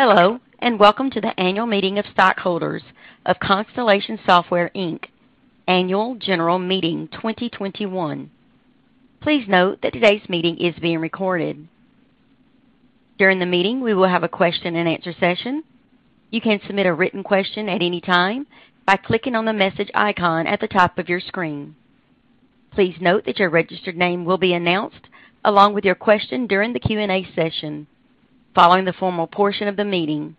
Hello, welcome to the annual meeting of stockholders of Constellation Software Inc. Annual General Meeting 2021. Please note that today's meeting is being recorded. During the meeting, we will have a question and answer session. You can submit a written question at any time by clicking on the message icon at the top of your screen. Please note that your registered name will be announced along with your question during the Q&A session following the formal portion of the meeting.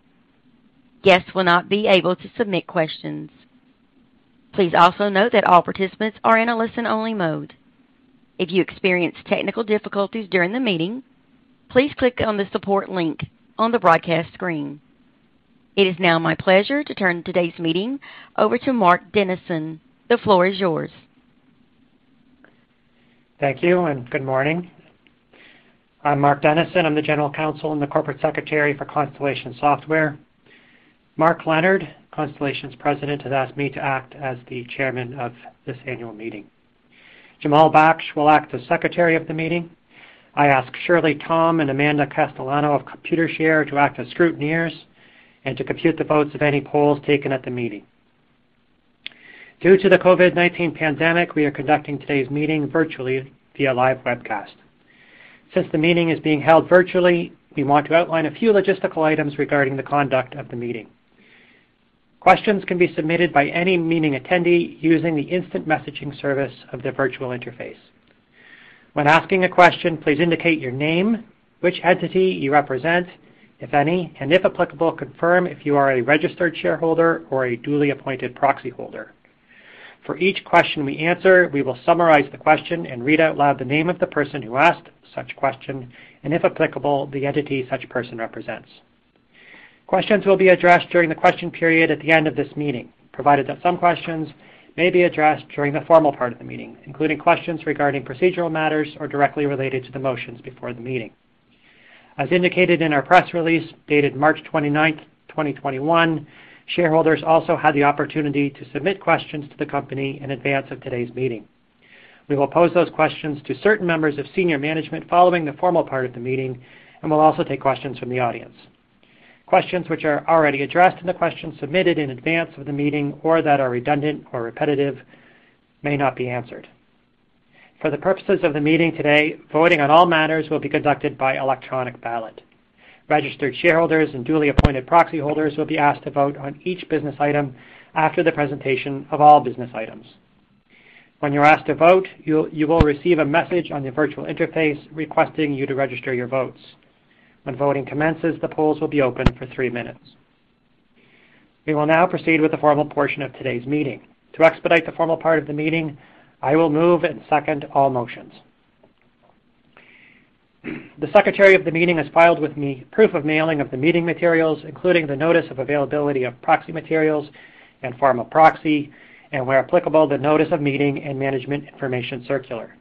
Guests will not be able to submit questions. Please also note that all participants are in a listen-only mode. If you experience technical difficulties during the meeting, please click on the support link on the broadcast screen. It is now my pleasure to turn today's meeting over to Mark Dennison. The floor is yours. Thank you and good morning. I'm Mark Dennison. I'm the General Counsel and the Corporate Secretary for Constellation Software. Mark Leonard, Constellation's President, has asked me to act as the Chairman of this annual meeting. Jamal Baksh will act as Secretary of the meeting. I ask Shirley Tom and Amanda Castellano of Computershare to act as scrutineers and to compute the votes of any polls taken at the meeting. Due to the COVID-19 pandemic, we are conducting today's meeting virtually via live webcast. Since the meeting is being held virtually, we want to outline a few logistical items regarding the conduct of the meeting. Questions can be submitted by any meeting attendee using the instant messaging service of the virtual interface. When asking a question, please indicate your name, which entity you represent, if any, and if applicable, confirm if you are a registered shareholder or a duly appointed proxy holder. For each question we answer, we will summarize the question and read out loud the name of the person who asked such question, and if applicable, the entity such person represents. Questions will be addressed during the question period at the end of this meeting, provided that some questions may be addressed during the formal part of the meeting, including questions regarding procedural matters or directly related to the motions before the meeting. As indicated in our press release dated March 29th, 2021, shareholders also had the opportunity to submit questions to the company in advance of today's meeting. We will pose those questions to certain members of senior management following the formal part of the meeting and will also take questions from the audience. Questions which are already addressed in the questions submitted in advance of the meeting or that are redundant or repetitive may not be answered. For the purposes of the meeting today, voting on all matters will be conducted by electronic ballot. Registered shareholders and duly appointed proxy holders will be asked to vote on each business item after the presentation of all business items. When you are asked to vote, you will receive a message on your virtual interface requesting you to register your votes. When voting commences, the polls will be open for three minutes. We will now proceed with the formal portion of today's meeting. To expedite the formal part of the meeting, I will move and second all motions. The secretary of the meeting has filed with me proof of mailing of the meeting materials, including the notice of availability of proxy materials and form of proxy, and where applicable, the notice of meeting and management information circular.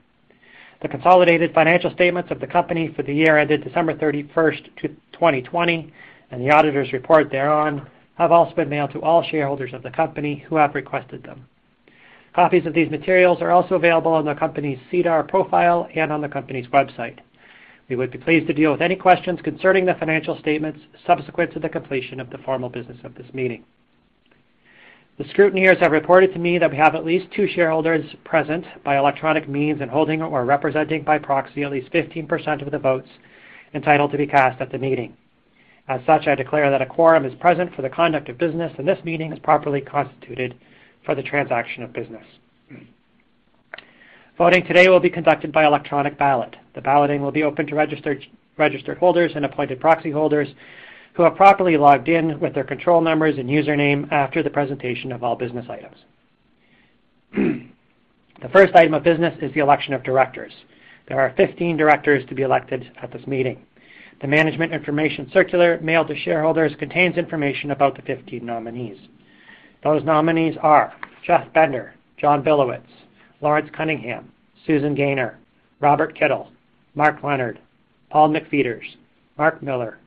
The consolidated financial statements of the company for the year ended December 31st, 2020, and the auditor's report thereon have all been mailed to all shareholders of the company who have requested them. Copies of these materials are also available on the company's SEDAR profile and on the company's website. We would be pleased to deal with any questions concerning the financial statements subsequent to the completion of the formal business of this meeting. The scrutineers have reported to me that we have at least two shareholders present by electronic means and holding or representing by proxy at least 15% of the votes entitled to be cast at the meeting. I declare that a quorum is present for the conduct of business, and this meeting is properly constituted for the transaction of business. Voting today will be conducted by electronic ballot. The balloting will be open to registered holders and appointed proxy holders who have properly logged in with their control numbers and username after the presentation of all business items. The first item of business is the election of directors. There are 15 directors to be elected at this meeting. The management information circular mailed to shareholders contains information about the 15 nominees. Those nominees are Jeff Bender, John Billowits, Lawrence Cunningham, Susan Gayner, Robert Kittel, Mark Leonard, Paul McFeeters, Mark Miller,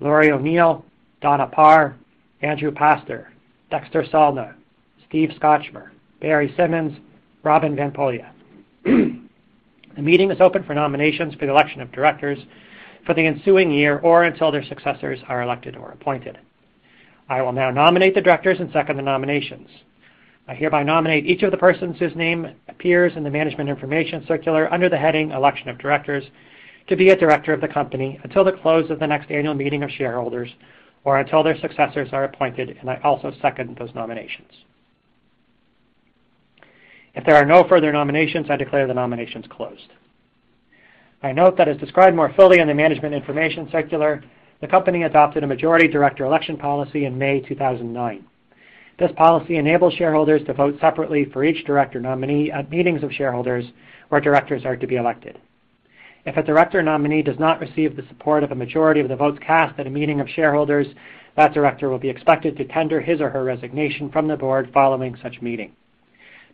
Lori O'Neill, Donna Parr, Andrew Pastor, Dexter Salna, Steve Scotchmer, Barry Symons, Robin van Poelje. The meeting is open for nominations for the election of directors for the ensuing year or until their successors are elected or appointed. I will now nominate the directors and second the nominations. I hereby nominate each of the persons whose name appears in the Management Information Circular under the heading Election of Directors to be a director of the company until the close of the next annual meeting of shareholders or until their successors are appointed. I also second those nominations. If there are no further nominations, I declare the nominations closed. I note that as described more fully in the Management Information Circular, the company adopted a majority director election policy in May 2009. This policy enables shareholders to vote separately for each director nominee at meetings of shareholders where directors are to be elected. If a director nominee does not receive the support of a majority of the votes cast at a meeting of shareholders, that director will be expected to tender his or her resignation from the board following such meeting.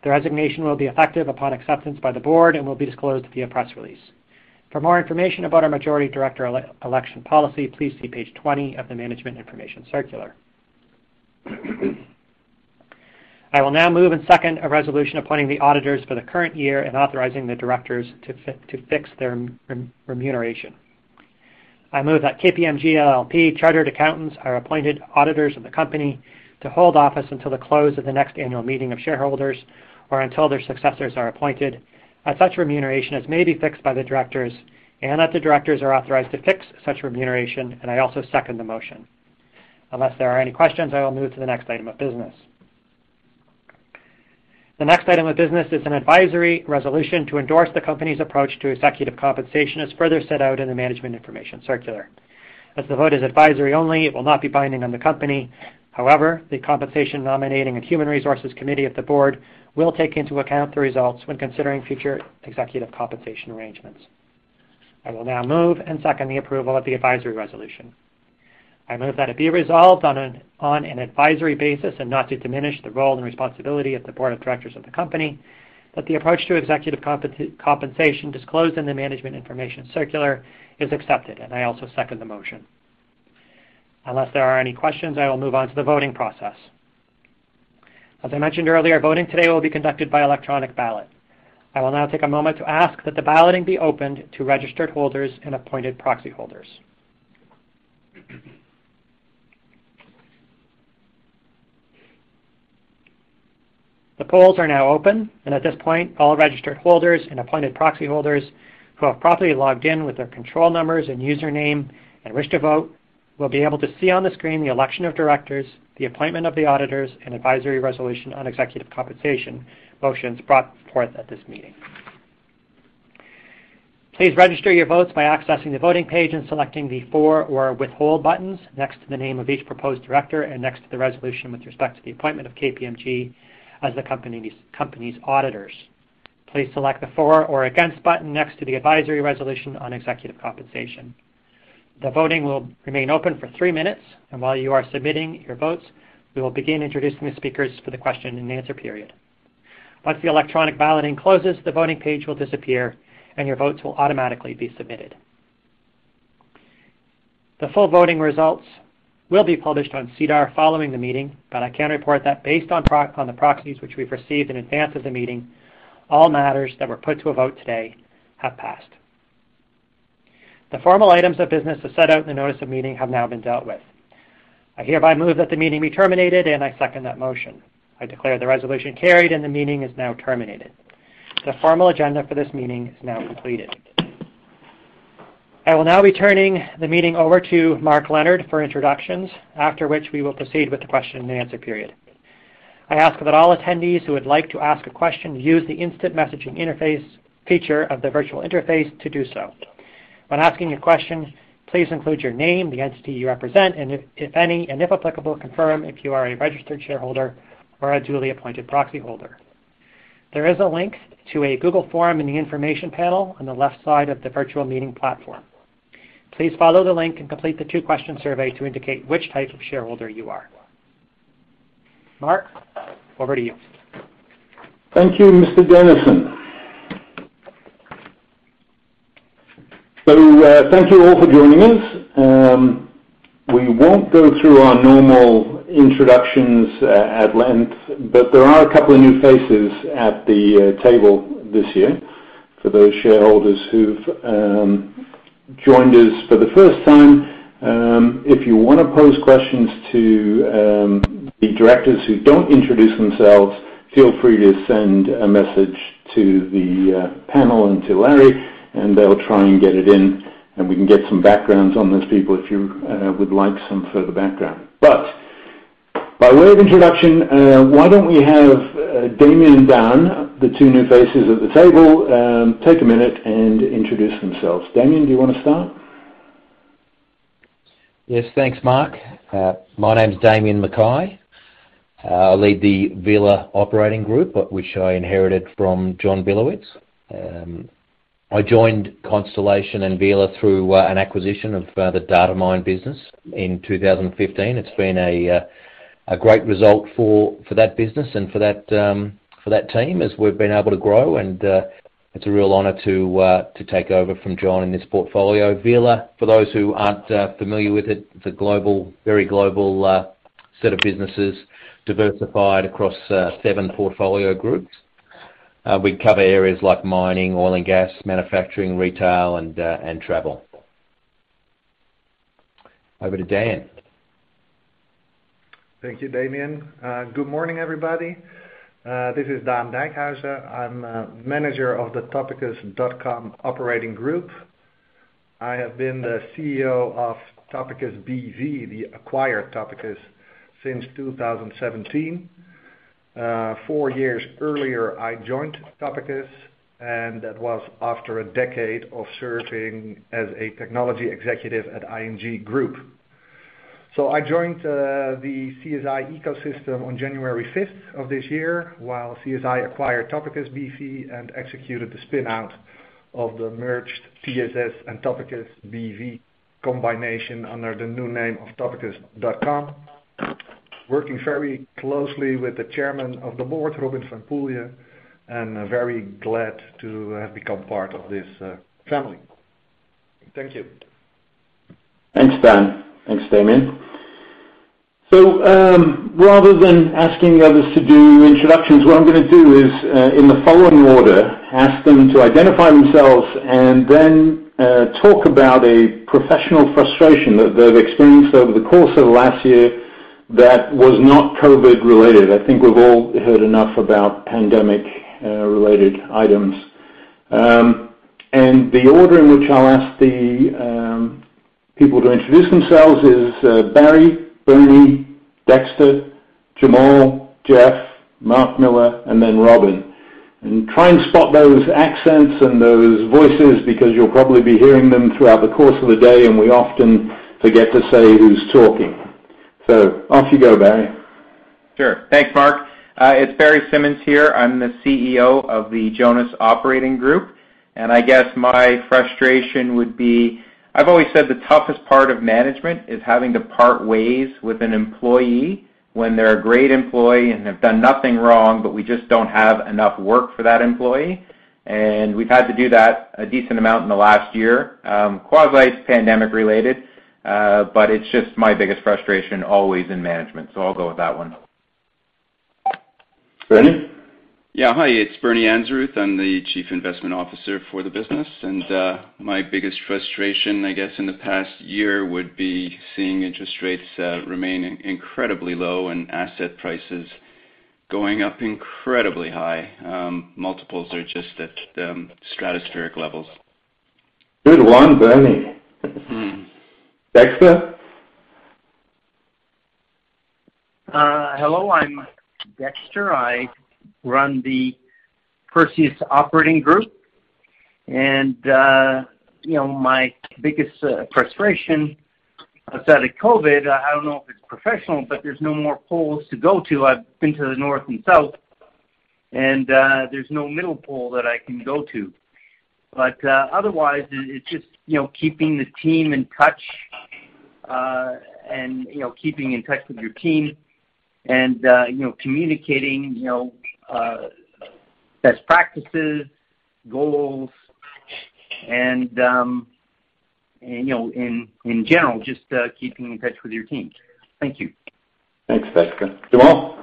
The resignation will be effective upon acceptance by the board and will be disclosed via press release. For more information about our majority director election policy, please see page 20 of the Management Information Circular. I will now move and second a resolution appointing the auditors for the current year and authorizing the directors to fix their remuneration. I move that KPMG LLP chartered accountants are appointed auditors of the company to hold office until the close of the next annual meeting of shareholders, or until their successors are appointed, at such remuneration as may be fixed by the directors, and that the directors are authorized to fix such remuneration. I also second the motion. Unless there are any questions, I will move to the next item of business. The next item of business is an advisory resolution to endorse the company's approach to executive compensation, as further set out in the management information circular. As the vote is advisory only, it will not be binding on the company. However, the Compensation Nominating and Human Resources Committee of the board will take into account the results when considering future executive compensation arrangements. I will now move and second the approval of the advisory resolution. I move that it be resolved on an advisory basis and not to diminish the role and responsibility of the board of directors of the company, that the approach to executive compensation disclosed in the management information circular is accepted. I also second the motion. Unless there are any questions, I will move on to the voting process. As I mentioned earlier, voting today will be conducted by electronic ballot. I will now take a moment to ask that the balloting be opened to registered holders and appointed proxyholders. At this point, all registered holders and appointed proxyholders who have properly logged in with their control numbers and username and wish to vote will be able to see on the screen the election of directors, the appointment of the auditors, advisory resolution on executive compensation motions brought forth at this meeting. Please register your votes by accessing the voting page and selecting the for or withhold buttons next to the name of each proposed director and next to the resolution with respect to the appointment of KPMG as the company's auditors. Please select the for or against button next to the advisory resolution on executive compensation. The voting will remain open for three minutes. While you are submitting your votes, we will begin introducing the speakers for the question and answer period. Once the electronic balloting closes, the voting page will disappear, and your votes will automatically be submitted. The full voting results will be published on SEDAR following the meeting. I can report that based on the proxies which we've received in advance of the meeting, all matters that were put to a vote today have passed. The formal items of business as set out in the notice of meeting have now been dealt with. I hereby move that the meeting be terminated. I second that motion. I declare the resolution carried. The meeting is now terminated. The formal agenda for this meeting is now completed. I will now be turning the meeting over to Mark Leonard for introductions, after which we will proceed with the question and answer period. I ask that all attendees who would like to ask a question use the instant messaging interface feature of the virtual interface to do so. When asking a question, please include your name, the entity you represent, and if any, and if applicable, confirm if you are a registered shareholder or a duly appointed proxyholder. There is a link to a Google Forms in the information panel on the left side of the virtual meeting platform. Please follow the link and complete the two-question survey to indicate which type of shareholder you are. Mark, over to you. Thank you, Mr. Dennison. Thank you all for joining us. We won't go through our normal introductions at length, there are a couple of new faces at the table this year. For those shareholders who've joined us for the first time, if you want to pose questions to the directors who don't introduce themselves, feel free to send a message to the panel and to Larry, and they'll try and get it in, and we can get some backgrounds on those people if you would like some further background. By way of introduction, why don't we have Damian and Daan, the two new faces at the table, take one minute and introduce themselves. Damian, do you want to start? Yes, thanks, Mark. My name's Damian McKay. I lead the Vela Operating Group, which I inherited from John Billowits. I joined Constellation and Vela through an acquisition of the Datamine business in 2015. It's been a great result for that business and for that team as we've been able to grow, and it's a real honor to take over from John in this portfolio. Vela, for those who aren't familiar with it's a global, very global set of businesses diversified across seven portfolio groups. We cover areas like mining, oil & gas, manufacturing, retail, and travel. Over to Daan. Thank you, Damian. Good morning, everybody. This is Daan Dijkhuizen. I'm manager of the Topicus.com Operating Group. I have been the Chief Executive Officer of Topicus BV, the acquired Topicus, since 2017. Four years earlier, I joined Topicus. That was after a decade of serving as a technology executive at ING Group. I joined the CSI ecosystem on January 5th of this year while CSI acquired Topicus BV and executed the spin-out of the merged TSS and Topicus BV combination under the new name of Topicus.com. Working very closely with the Chairman of the Board, Robin van Poelje. Very glad to have become part of this family. Thank you. Thanks, Daan. Thanks, Damian. Rather than asking others to do introductions, what I'm gonna do is in the following order, ask them to identify themselves and then talk about a professional frustration that they've experienced over the course of last year that was not COVID-19 related. I think we've all heard enough about pandemic related items. The order in which I'll ask the people to introduce themselves is Barry, Bernie, Dexter, Jamal, Jeff, Mark Miller, and then Robin. Try and spot those accents and those voices because you'll probably be hearing them throughout the course of the day, and we often forget to say who's talking. Off you go, Barry. Sure. Thanks, Mark. It's Barry Symons here. I'm the Chief Executive Officer of the Jonas Operating Group, and I guess my frustration would be I've always said the toughest part of management is having to part ways with an employee when they're a great employee and have done nothing wrong, but we just don't have enough work for that employee, and we've had to do that a decent amount in the last year, quasi pandemic related. It's just my biggest frustration always in management. I'll go with that one. Bernie. Yeah. Hi, it's Bernard Anzarouth. I'm the Chief Investment Officer for the business. My biggest frustration, I guess, in the past year would be seeing interest rates remaining incredibly low and asset prices going up incredibly high. Multiples are just at stratospheric levels. Good one, Bernie. Dexter? Hello, I'm Dexter. I run the Perseus Operating Group. You know, my biggest frustration outside of COVID, I don't know if it's professional, there's no more poles to go to. I've been to the north and south, there's no middle pole that I can go to. Otherwise, it's just, you know, keeping the team in touch, you know, keeping in touch with your team, you know, communicating, you know, best practices, goals, you know, in general, just keeping in touch with your team. Thank you. Thanks, Dexter. Jamal?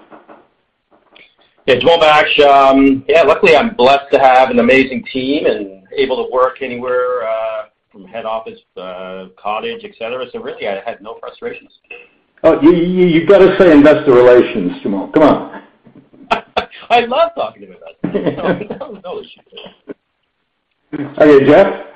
Jamal Baksh. Luckily, I'm blessed to have an amazing team and able to work anywhere, from head office to cottage, et cetera. Really, I have no frustrations. Oh, you gotta say investor relations, Jamal. Come on. I love talking about it. No issue. Okay. Jeff?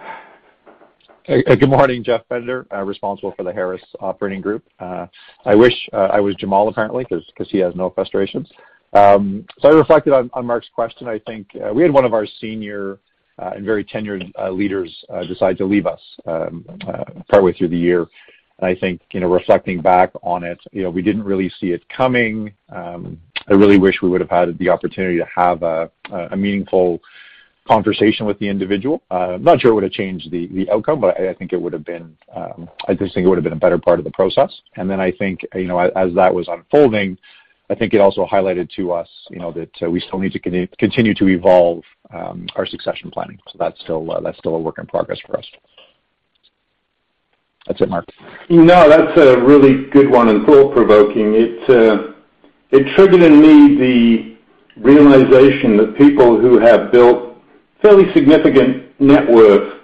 Good morning. Jeff Bender, responsible for the Harris Operating Group. I wish I was Jamal, apparently, 'cause he has no frustrations. I reflected on Mark's question. I think we had one of our senior and very tenured leaders decide to leave us partway through the year. I think, you know, reflecting back on it, you know, we didn't really see it coming. I really wish we would've had the opportunity to have a meaningful conversation with the individual. I'm not sure it would've changed the outcome, but I think it would've been, I just think it would've been a better part of the process. I think, you know, as that was unfolding, I think it also highlighted to us, you know, that we still need to continue to evolve our succession planning. That's still a work in progress for us. That's it, Mark. No, that's a really good one and thought-provoking. It triggered in me the realization that people who have built fairly significant net worth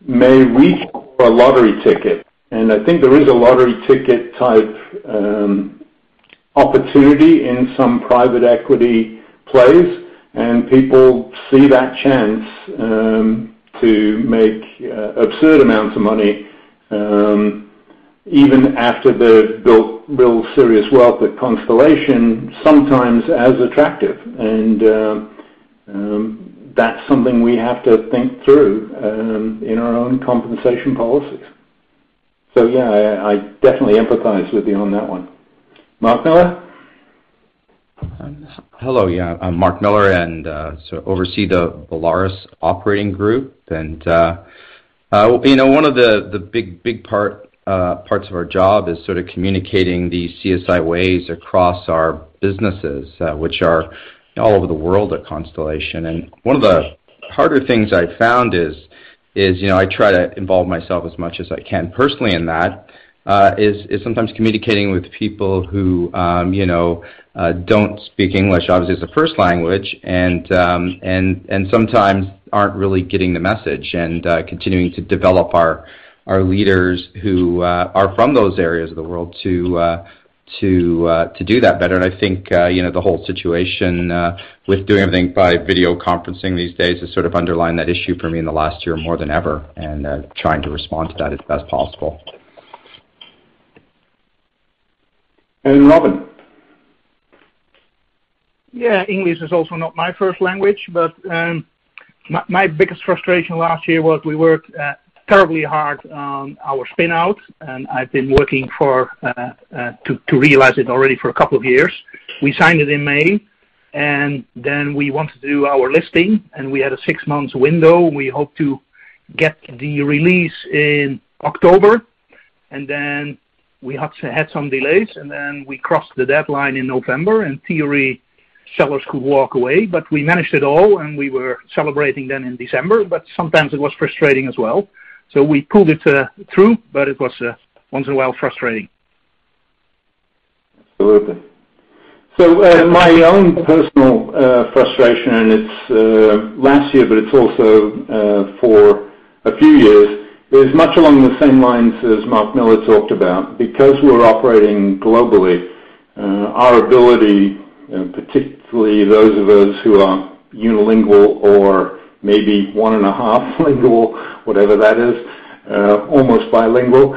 may reach for a lottery ticket, and I think there is a lottery ticket type opportunity in some private equity plays, and people see that chance to make absurd amounts of money, even after they've built real serious wealth at Constellation, sometimes as attractive. That's something we have to think through in our own compensation policies. Yeah, I definitely empathize with you on that one. Mark Miller? Hello. Yeah, I'm Mark Miller and oversee the Volaris Operating Group. You know, one of the big parts of our job is sort of communicating the CSI ways across our businesses, which are all over the world at Constellation. One of the harder things I've found is, you know, I try to involve myself as much as I can personally in that, is sometimes communicating with people who, you know, don't speak English obviously as a first language and sometimes aren't really getting the message and continuing to develop our leaders who are from those areas of the world to do that better. I think, you know, the whole situation with doing everything by video conferencing these days has sort of underlined that issue for me in the last year more than ever and, trying to respond to that as best possible. Robin. English is also not my first language. My biggest frustration last year was we worked terribly hard on our spin out, and I've been working to realize it already for two years. We signed it in May. We want to do our listing, and we had a six months window. We hope to get the release in October. We had to had some delays, and we crossed the deadline in November. In theory, sellers could walk away. We managed it all, and we were celebrating then in December. Sometimes it was frustrating as well. We pulled it through, but it was once in a while frustrating. Absolutely. My own personal frustration, and it's last year, but it's also for a few years, is much along the same lines as Mark Miller talked about. Because we're operating globally, our ability, particularly those of us who are unilingual or maybe one and a half lingual, whatever that is, almost bilingual,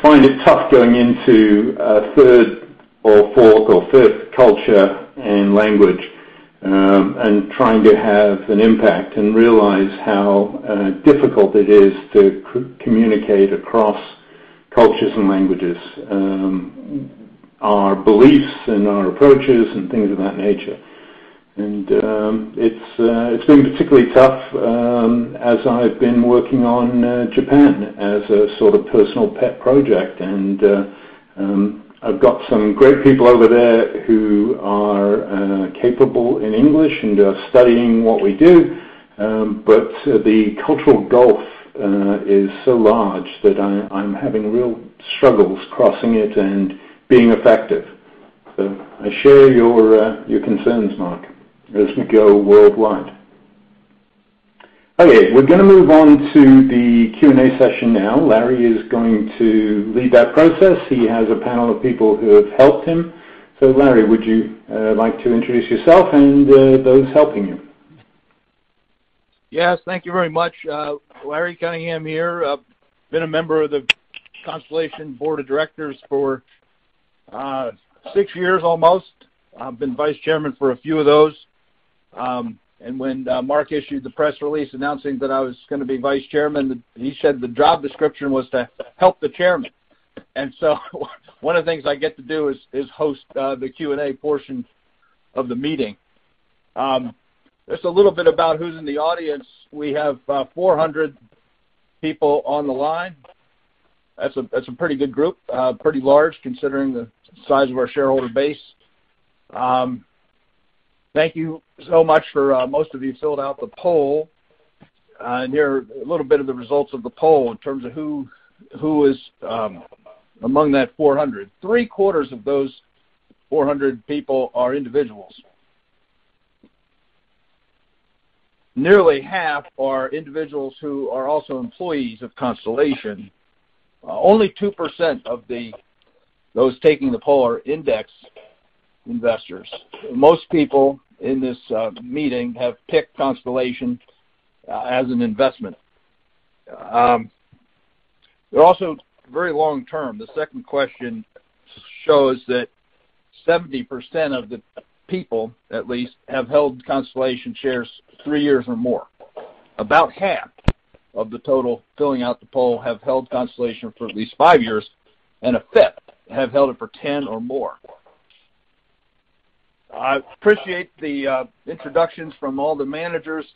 find it tough going into a third or fourth or fifth culture and language, and trying to have an impact and realize how difficult it is to communicate across cultures and languages, our beliefs and our approaches and things of that nature. It's been particularly tough as I've been working on Japan as a sort of personal pet project. I've got some great people over there who are capable in English and are studying what we do. But the cultural gulf is so large that I'm having real struggles crossing it and being effective. I share your concerns, Mark, as we go worldwide. We're gonna move on to the Q&A session now. Lawrence Cunningham is going to lead that process. He has a panel of people who have helped him. Lawrence Cunningham, would you like to introduce yourself and those helping you? Yes. Thank you very much. Lawrence Cunningham here. I've been a member of the Constellation Software board of directors for six years almost. I've been vice chairman for a few of those. When Mark Leonard issued the press release announcing that I was gonna be vice chairman, he said the job description was to help the chairman. One of the things I get to do is host the Q&A portion of the meeting. Just a little bit about who's in the audience. We have 400 people on the line. That's a pretty good group, pretty large considering the size of our shareholder base. Thank you so much for most of you filled out the poll. Here are a little bit of the results of the poll in terms of who is among that 400. Three-quarters of those 400 people are individuals. Nearly half are individuals who are also employees of Constellation. Only 2% of those taking the poll are index investors. Most people in this meeting have picked Constellation as an investment. They're also very long-term. The second question shows that 70% of the people, at least, have held Constellation shares three years or more. About half of the total filling out the poll have held Constellation for at least five years, and a fifth have held it for 10 or more. I appreciate the introductions from all the managers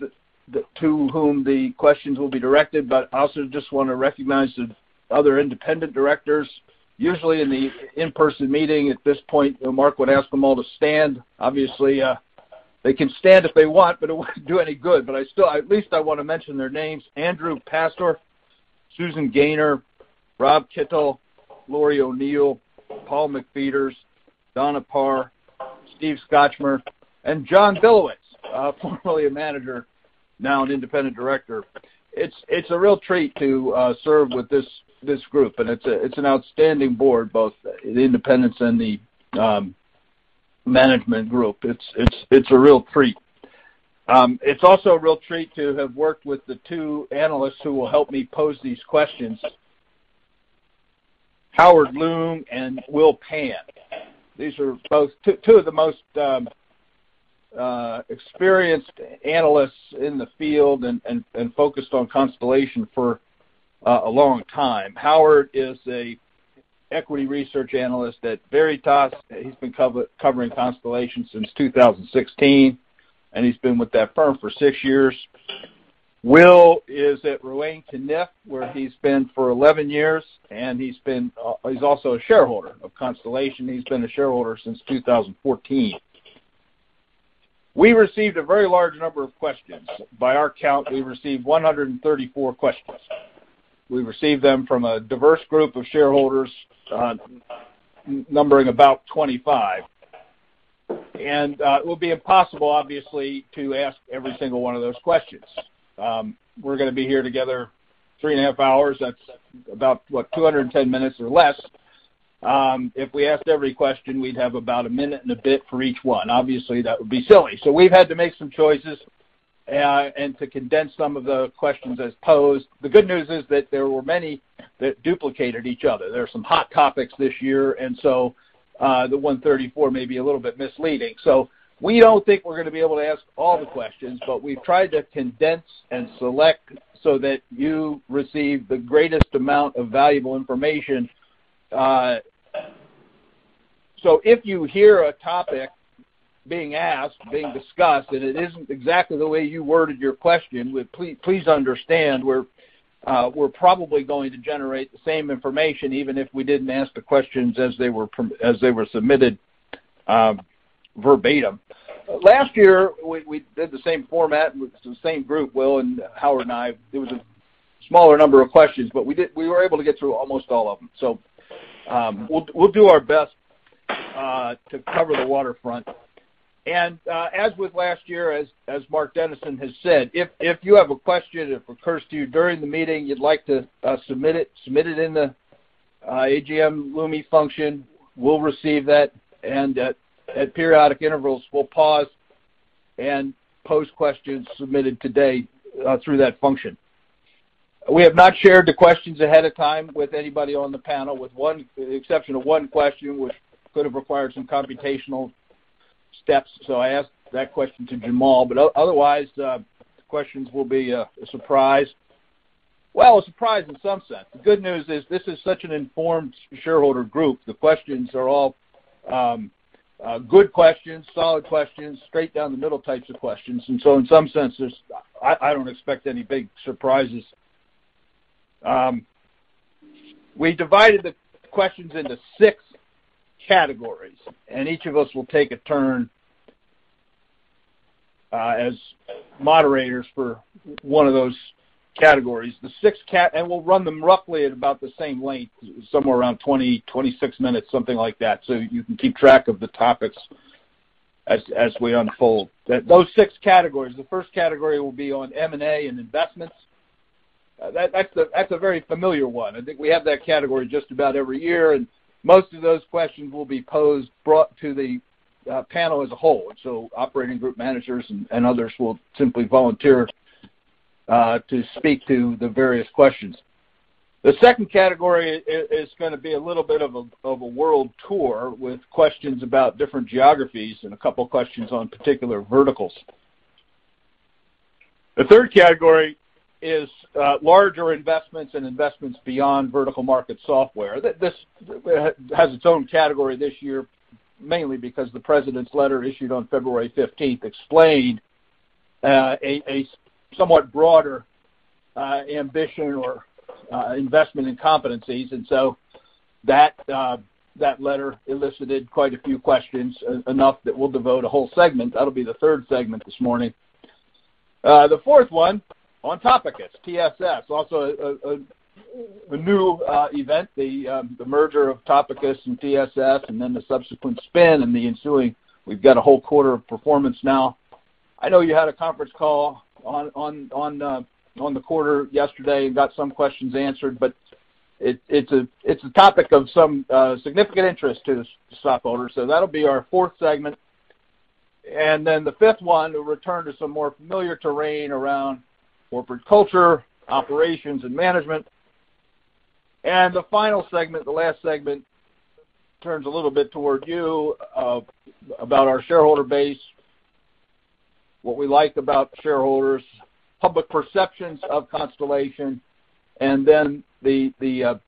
to whom the questions will be directed, but I also just want to recognize the other independent directors. Usually, in the in-person meeting at this point, Mark would ask them all to stand. Obviously, they can stand if they want, but it wouldn't do any good. At least I wanna mention their names. Andrew Pastor, Susan Gayner, Rob Kittel, Lori O'Neill, Paul McFeeters, Donna Parr, Steve Scotchmer, and John Billowits, formerly a manager, now an independent director. It's a real treat to serve with this group, and it's an outstanding board, both the independents and the management group. It's a real treat. It's also a real treat to have worked with the two analysts who will help me pose these questions, Howard Leung and Will Pan. These are both two of the most experienced analysts in the field and focused on Constellation for a long time. Howard is a equity research analyst at Veritas. He's been covering Constellation since 2016, and he's been with that firm for six years. Will is at Ruane, Cunniff & Goldfarb, where he's been for 11 years, and he's also a shareholder of Constellation. He's been a shareholder since 2014. We received a very large number of questions. By our count, we received 134 questions. We received them from a diverse group of shareholders, numbering about 25. It will be impossible, obviously, to ask every single one of those questions. We're gonna be here together 3.5 hours. That's about, what? 210 minutes or less. If we asked every question, we'd have about one minute and a bit for each one. Obviously, that would be silly. We've had to make some choices and to condense some of the questions as posed. The good news is that there were many that duplicated each other. There are some hot topics this year, the 134 may be a little bit misleading. We don't think we're gonna be able to ask all the questions, but we've tried to condense and select so that you receive the greatest amount of valuable information. If you hear a topic being asked, being discussed, and it isn't exactly the way you worded your question. Please understand we're probably going to generate the same information, even if we didn't ask the questions as they were submitted verbatim. Last year, we did the same format with the same group, Will and Howard and I. It was a smaller number of questions, but we were able to get through almost all of them. We'll do our best to cover the waterfront. As with last year, as Mark Dennison has said, if you have a question that occurs to you during the meeting you'd like to submit it, submit it in the AGM Lumi function. We'll receive that, and at periodic intervals, we'll pause and pose questions submitted today through that function. We have not shared the questions ahead of time with anybody on the panel, with one exception of one question which could have required some computational steps, so I asked that question to Jamal. Otherwise, the questions will be a surprise. Well, a surprise in some sense. The good news is this is such an informed shareholder group. The questions are all good questions, solid questions, straight down the middle types of questions. In some senses, I don't expect any big surprises. We divided the questions into six categories, and each of us will take a turn as moderators for one of those categories. The six categories, and we'll run them roughly at about the same length, somewhere around 20-26 minutes, something like that, so you can keep track of the topics as we unfold. Those six categories. The first category will be on M&A and investments. That's a very familiar one. I think we have that category just about every year, and most of those questions will be posed, brought to the panel as a whole. Operating group managers and others will simply volunteer to speak to the various questions. The second category is going to be a little bit of a world tour with questions about different geographies and a couple of questions on particular verticals. The third category is larger investments and investments beyond vertical market software. This has its own category this year, mainly because the President's letter issued on February 15th explained a somewhat broader ambition or investment in competencies. That letter elicited quite a few questions, enough that we'll devote a whole segment. That'll be the third segment this morning. The fourth one on Topicus, TSS, also a new event, the merger of Topicus and TSS and then the subsequent spin and the ensuing We've got a one whole quarter of performance now. I know you had a conference call on the quarter yesterday and got some questions answered. It's a topic of some significant interest to the stock owners. That'll be our fourth segment. Then the fifth one, we'll return to some more familiar terrain around corporate culture, operations, and management. The final segment, the last segment turns a little bit toward you, about our shareholder base, what we like about shareholders, public perceptions of Constellation, then the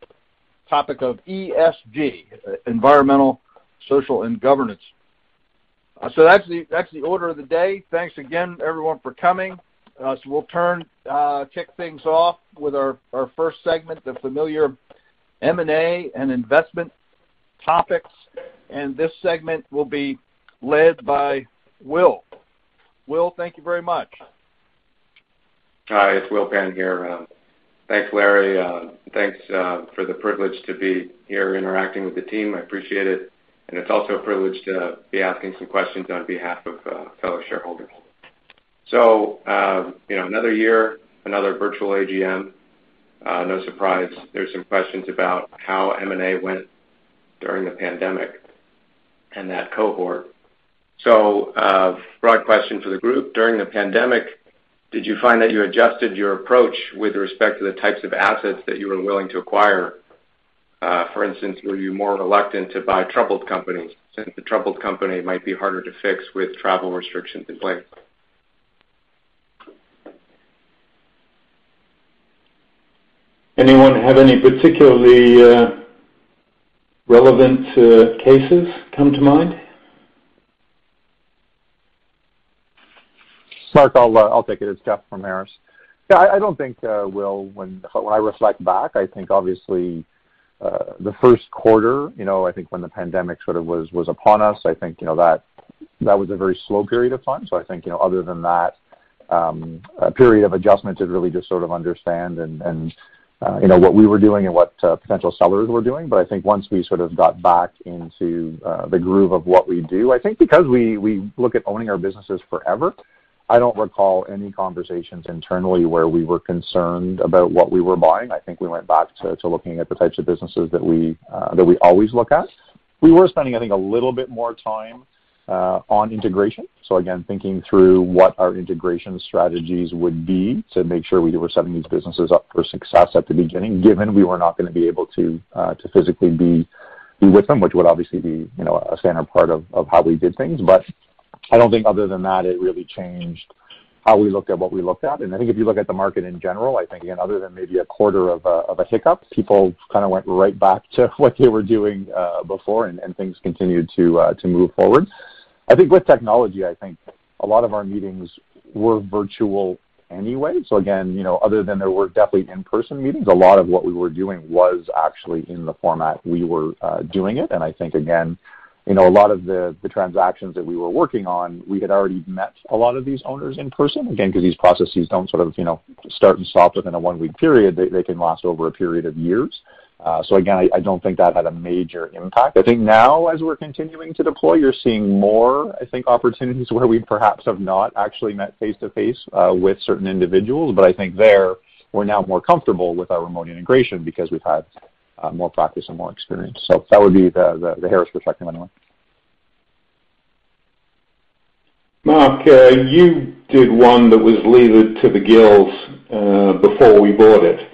topic of ESG, environmental, social, and governance. That's the order of the day. Thanks again, everyone, for coming. We'll kick things off with our first segment, the familiar M&A and investment topics. This segment will be led by Will. Will, thank you very much. Hi, it's Will Pan here. Thanks, Larry. Thanks for the privilege to be here interacting with the team. I appreciate it. It's also a privilege to be asking some questions on behalf of fellow shareholders. You know, another year, another virtual AGM. No surprise there's some questions about how M&A went during the pandemic and that cohort. Broad question for the group. During the pandemic, did you find that you adjusted your approach with respect to the types of assets that you were willing to acquire? Were you more reluctant to buy troubled companies since the troubled company might be harder to fix with travel restrictions in place? Anyone have any particularly relevant cases come to mind? Mark, I'll take it. It's Jeff from Harris. Yeah, I don't think, Will, when I reflect back, I think obviously, the first quarter, you know, I think when the pandemic sort of was upon us, I think, you know, that was a very slow period of time. I think, you know, other than that, a period of adjustment to really just sort of understand and, you know, what we were doing and what potential sellers were doing. I think once we sort of got back into the groove of what we do, I think because we look at owning our businesses forever, I don't recall any conversations internally where we were concerned about what we were buying. I think we went back to looking at the types of businesses that we always look at. We were spending, I think, a little bit more time on integration. Again, thinking through what our integration strategies would be to make sure we were setting these businesses up for success at the beginning, given we were not gonna be able to physically be with them, which would obviously be, you know, a standard part of how we did things. I don't think other than that it really changed how we looked at what we looked at. I think if you look at the market in general, I think, again, other than maybe a quarter of a hiccup, people kind of went right back to what they were doing before and things continued to move forward. I think with technology, I think a lot of our meetings were virtual anyway. Again, you know, other than there were definitely in-person meetings, a lot of what we were doing was actually in the format we were doing it. I think, again, you know, a lot of the transactions that we were working on, we had already met a lot of these owners in person, again, because these processes don't sort of, you know, start and stop within a one-week period. They can last over a period of years. Again, I don't think that had a major impact. I think now as we're continuing to deploy, you're seeing more, I think, opportunities where we perhaps have not actually met face-to-face with certain individuals. I think there, we're now more comfortable with our remote integration because we've had more practice and more experience. That would be the Harris perspective anyway. Mark, you did one that was levered to the gills, before we bought it.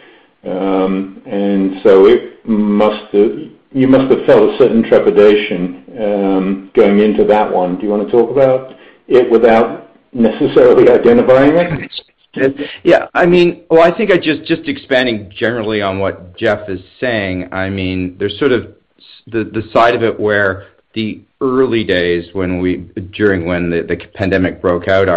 You must have felt a certain trepidation, going into that one. Do you wanna talk about it without necessarily identifying it? Well, I mean, I think I just expanding generally on what Jeff Bender is saying, I mean, there's sort of the side of it where the early days when the pandemic broke out,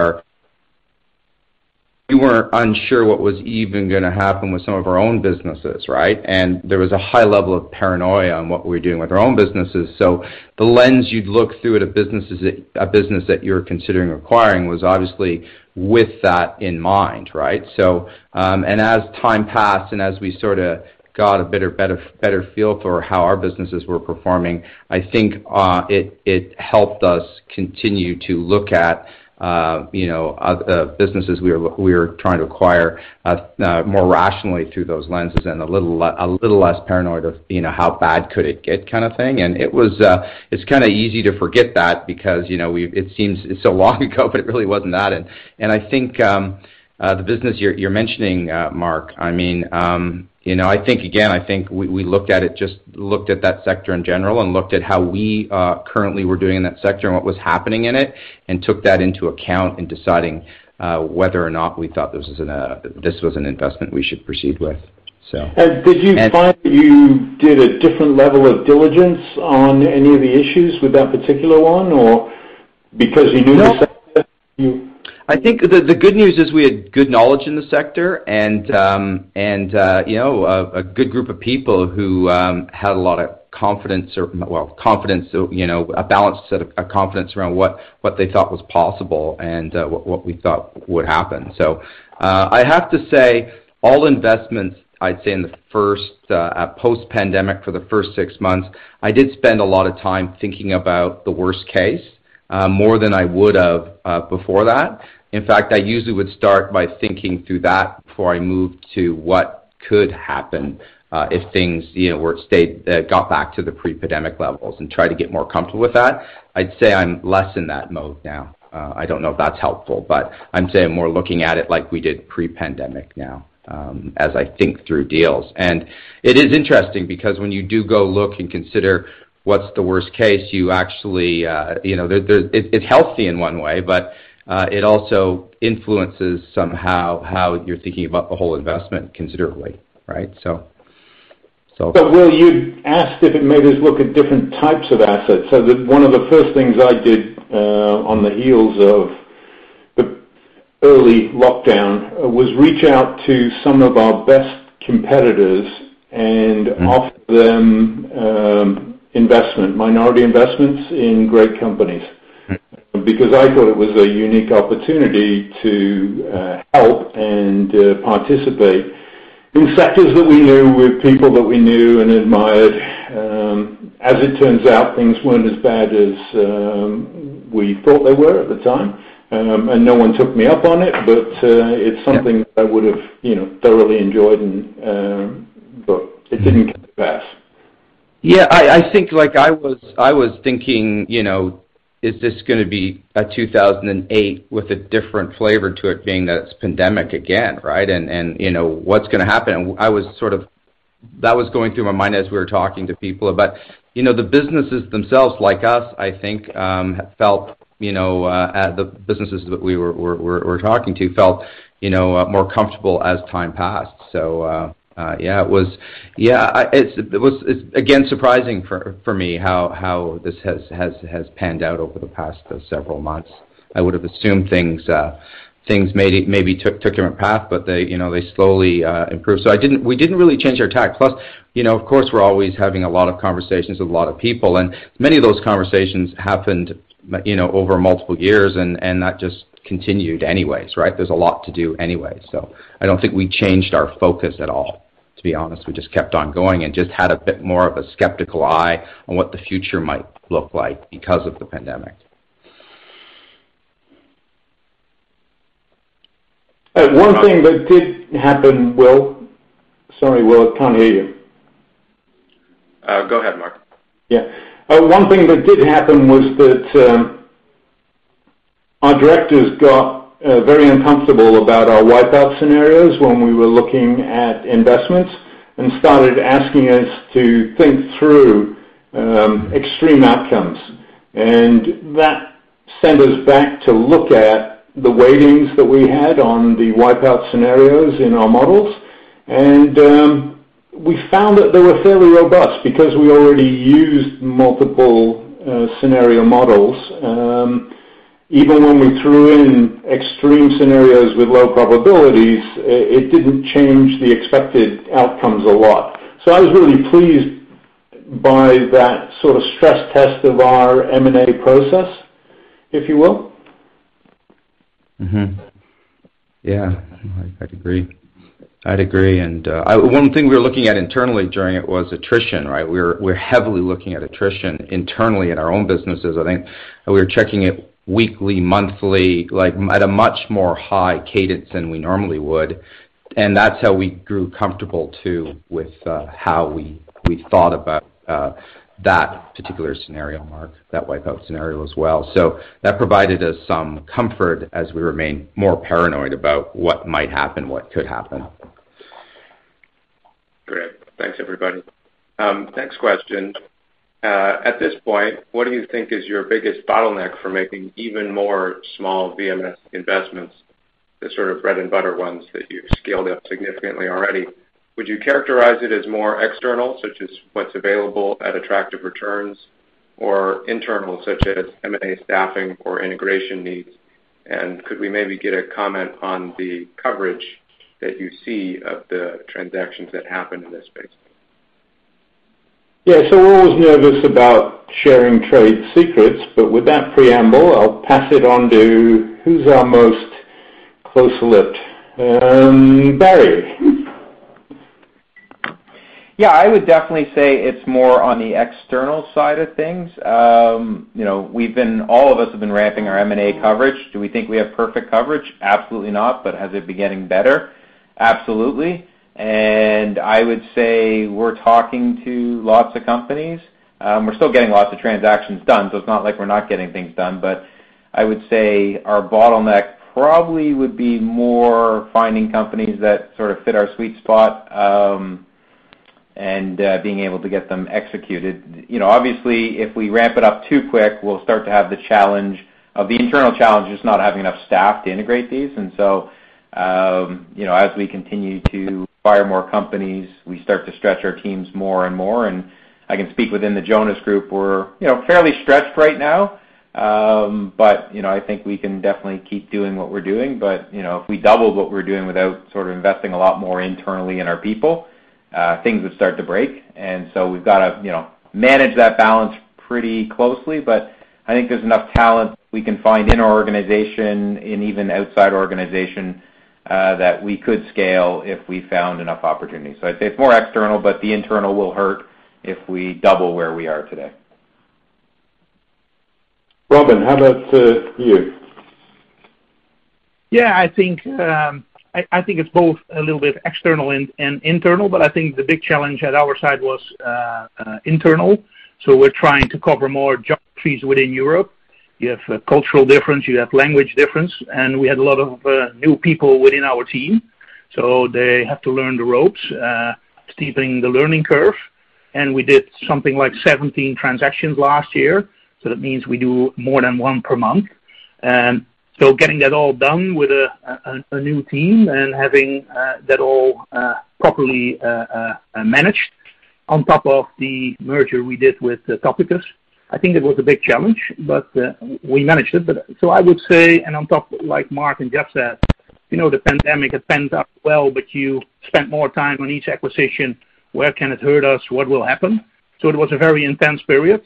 we were unsure what was even going to happen with some of our own businesses, right? There was a high level of paranoia on what we were doing with our own businesses. The lens you'd look through at a business that you're considering acquiring was obviously with that in mind, right? As time passed and as we sorta got a better feel for how our businesses were performing, I think, it helped us continue to look at, you know, businesses we were trying to acquire more rationally through those lenses and a little less paranoid of, you know, how bad could it get kinda thing. It was, it's kinda easy to forget that because, you know, it seems it's so long ago, but it really wasn't that. I think, the business you're mentioning, Mark, I mean, you know, I think, again, I think we looked at it, just looked at that sector in general and looked at how we currently were doing in that sector and what was happening in it and took that into account in deciding whether or not we thought this was an investment we should proceed with. Did you find that you did a different level of diligence on any of the issues with that particular one or because you knew the sector? No. I think the good news is we had good knowledge in the sector and, you know, a good group of people who had a lot of confidence or, well, confidence, you know, a balanced set of confidence around what they thought was possible and what we thought would happen. I have to say all investments, I'd say in the first post-pandemic for the first six months, I did spend a lot of time thinking about the worst case, more than I would have before that. In fact, I usually would start by thinking through that before I moved to what could happen, if things, you know, were stayed, got back to the pre-pandemic levels and try to get more comfortable with that. I'd say I'm less in that mode now. I don't know if that's helpful, but I'm saying more looking at it like we did pre-pandemic now, as I think through deals. It is interesting because when you do go look and consider what's the worst case, you actually, you know, there It helps you in one way, but it also influences somehow how you're thinking about the whole investment considerably, right? Will, you asked if it made us look at different types of assets. One of the first things I did on the heels of the early lockdown was reach out to some of our best competitors and offer them investment, minority investments in great companies. Right. I thought it was a unique opportunity to help and participate in sectors that we knew with people that we knew and admired. As it turns out, things weren't as bad as we thought they were at the time. No one took me up on it. Yeah It's something that I would have, you know, thoroughly enjoyed and, but it didn't come to pass. I think like I was thinking, you know, is this going to be a 2008 with a different flavor to it being that it's pandemic again? You know, what's going to happen? That was going through my mind as we were talking to people. You know, the businesses themselves, like us, I think, felt, you know, more comfortable as time passed. It was, it's again, surprising for me how this has panned out over the past several months. I would have assumed things maybe took a different path, but they, you know, slowly improved. We didn't really change our tack. Plus, you know, of course, we're always having a lot of conversations with a lot of people, and many of those conversations happened, you know, over multiple years, and that just continued anyways, right? There's a lot to do anyway. I don't think we changed our focus at all, to be honest. We just kept on going and just had a bit more of a skeptical eye on what the future might look like because of the pandemic. One thing that did happen, Will Sorry, Will, I can't hear you. Go ahead, Mark. Yeah. One thing that did happen was that our directors got very uncomfortable about our wipe-out scenarios when we were looking at investments and started asking us to think through extreme outcomes. That sent us back to look at the weightings that we had on the wipe-out scenarios in our models. We found that they were fairly robust because we already used multiple scenario models. Even when we threw in extreme scenarios with low probabilities, it didn't change the expected outcomes a lot. I was really pleased by that sort of stress test of our M&A process, if you will. Yeah, I'd agree. I'd agree. One thing we were looking at internally during it was attrition, right? We're heavily looking at attrition internally in our own businesses, I think. We were checking it weekly, monthly, like at a much more high cadence than we normally would. That's how we grew comfortable too with how we thought about that particular scenario, Mark, that wipe out scenario as well. That provided us some comfort as we remain more paranoid about what might happen, what could happen. Great. Thanks, everybody. Next question. At this point, what do you think is your biggest bottleneck for making even more small VMS investments, the sort of bread and butter ones that you've scaled up significantly already? Would you characterize it as more external, such as what's available at attractive returns or internal, such as M&A staffing or integration needs? Could we maybe get a comment on the coverage that you see of the transactions that happen in this space? Yeah. We're always nervous about sharing trade secrets, but with that preamble, I'll pass it on to who's our most close-lipped, Barry. Yeah. I would definitely say it's more on the external side of things. You know, all of us have been ramping our M&A coverage. Do we think we have perfect coverage? Absolutely not. Has it been getting better? Absolutely. I would say we're talking to lots of companies. We're still getting lots of transactions done, so it's not like we're not getting things done. I would say our bottleneck probably would be more finding companies that sort of fit our sweet spot, and being able to get them executed. You know, obviously, if we ramp it up too quick, we'll start to have the internal challenge is not having enough staff to integrate these. You know, as we continue to acquire more companies, we start to stretch our teams more and more. I can speak within the Jonas group, we're, you know, fairly stretched right now. You know, I think we can definitely keep doing what we're doing. You know, if we double what we're doing without sort of investing a lot more internally in our people, things would start to break. We've got to, you know, manage that balance pretty closely. I think there's enough talent we can find in our organization and even outside organization, that we could scale if we found enough opportunities. I'd say it's more external, but the internal will hurt if we double where we are today. Robin, how about you? I think it's both a little bit external and internal, but I think the big challenge at our side was internal. We're trying to cover more geographies within Europe. You have a cultural difference, you have language difference, and we had a lot of new people within our team, so they have to learn the ropes, steeping the learning curve. We did something like 17 transactions last year. That means we do more than one per month. Getting that all done with a new team and having that all properly managed on top of the merger we did with Topicus, I think it was a big challenge. We managed it. I would say, and on top, like Mark and Jeff said, you know, the pandemic has panned out well, but you spent more time on each acquisition. Where can it hurt us? What will happen? It was a very intense period.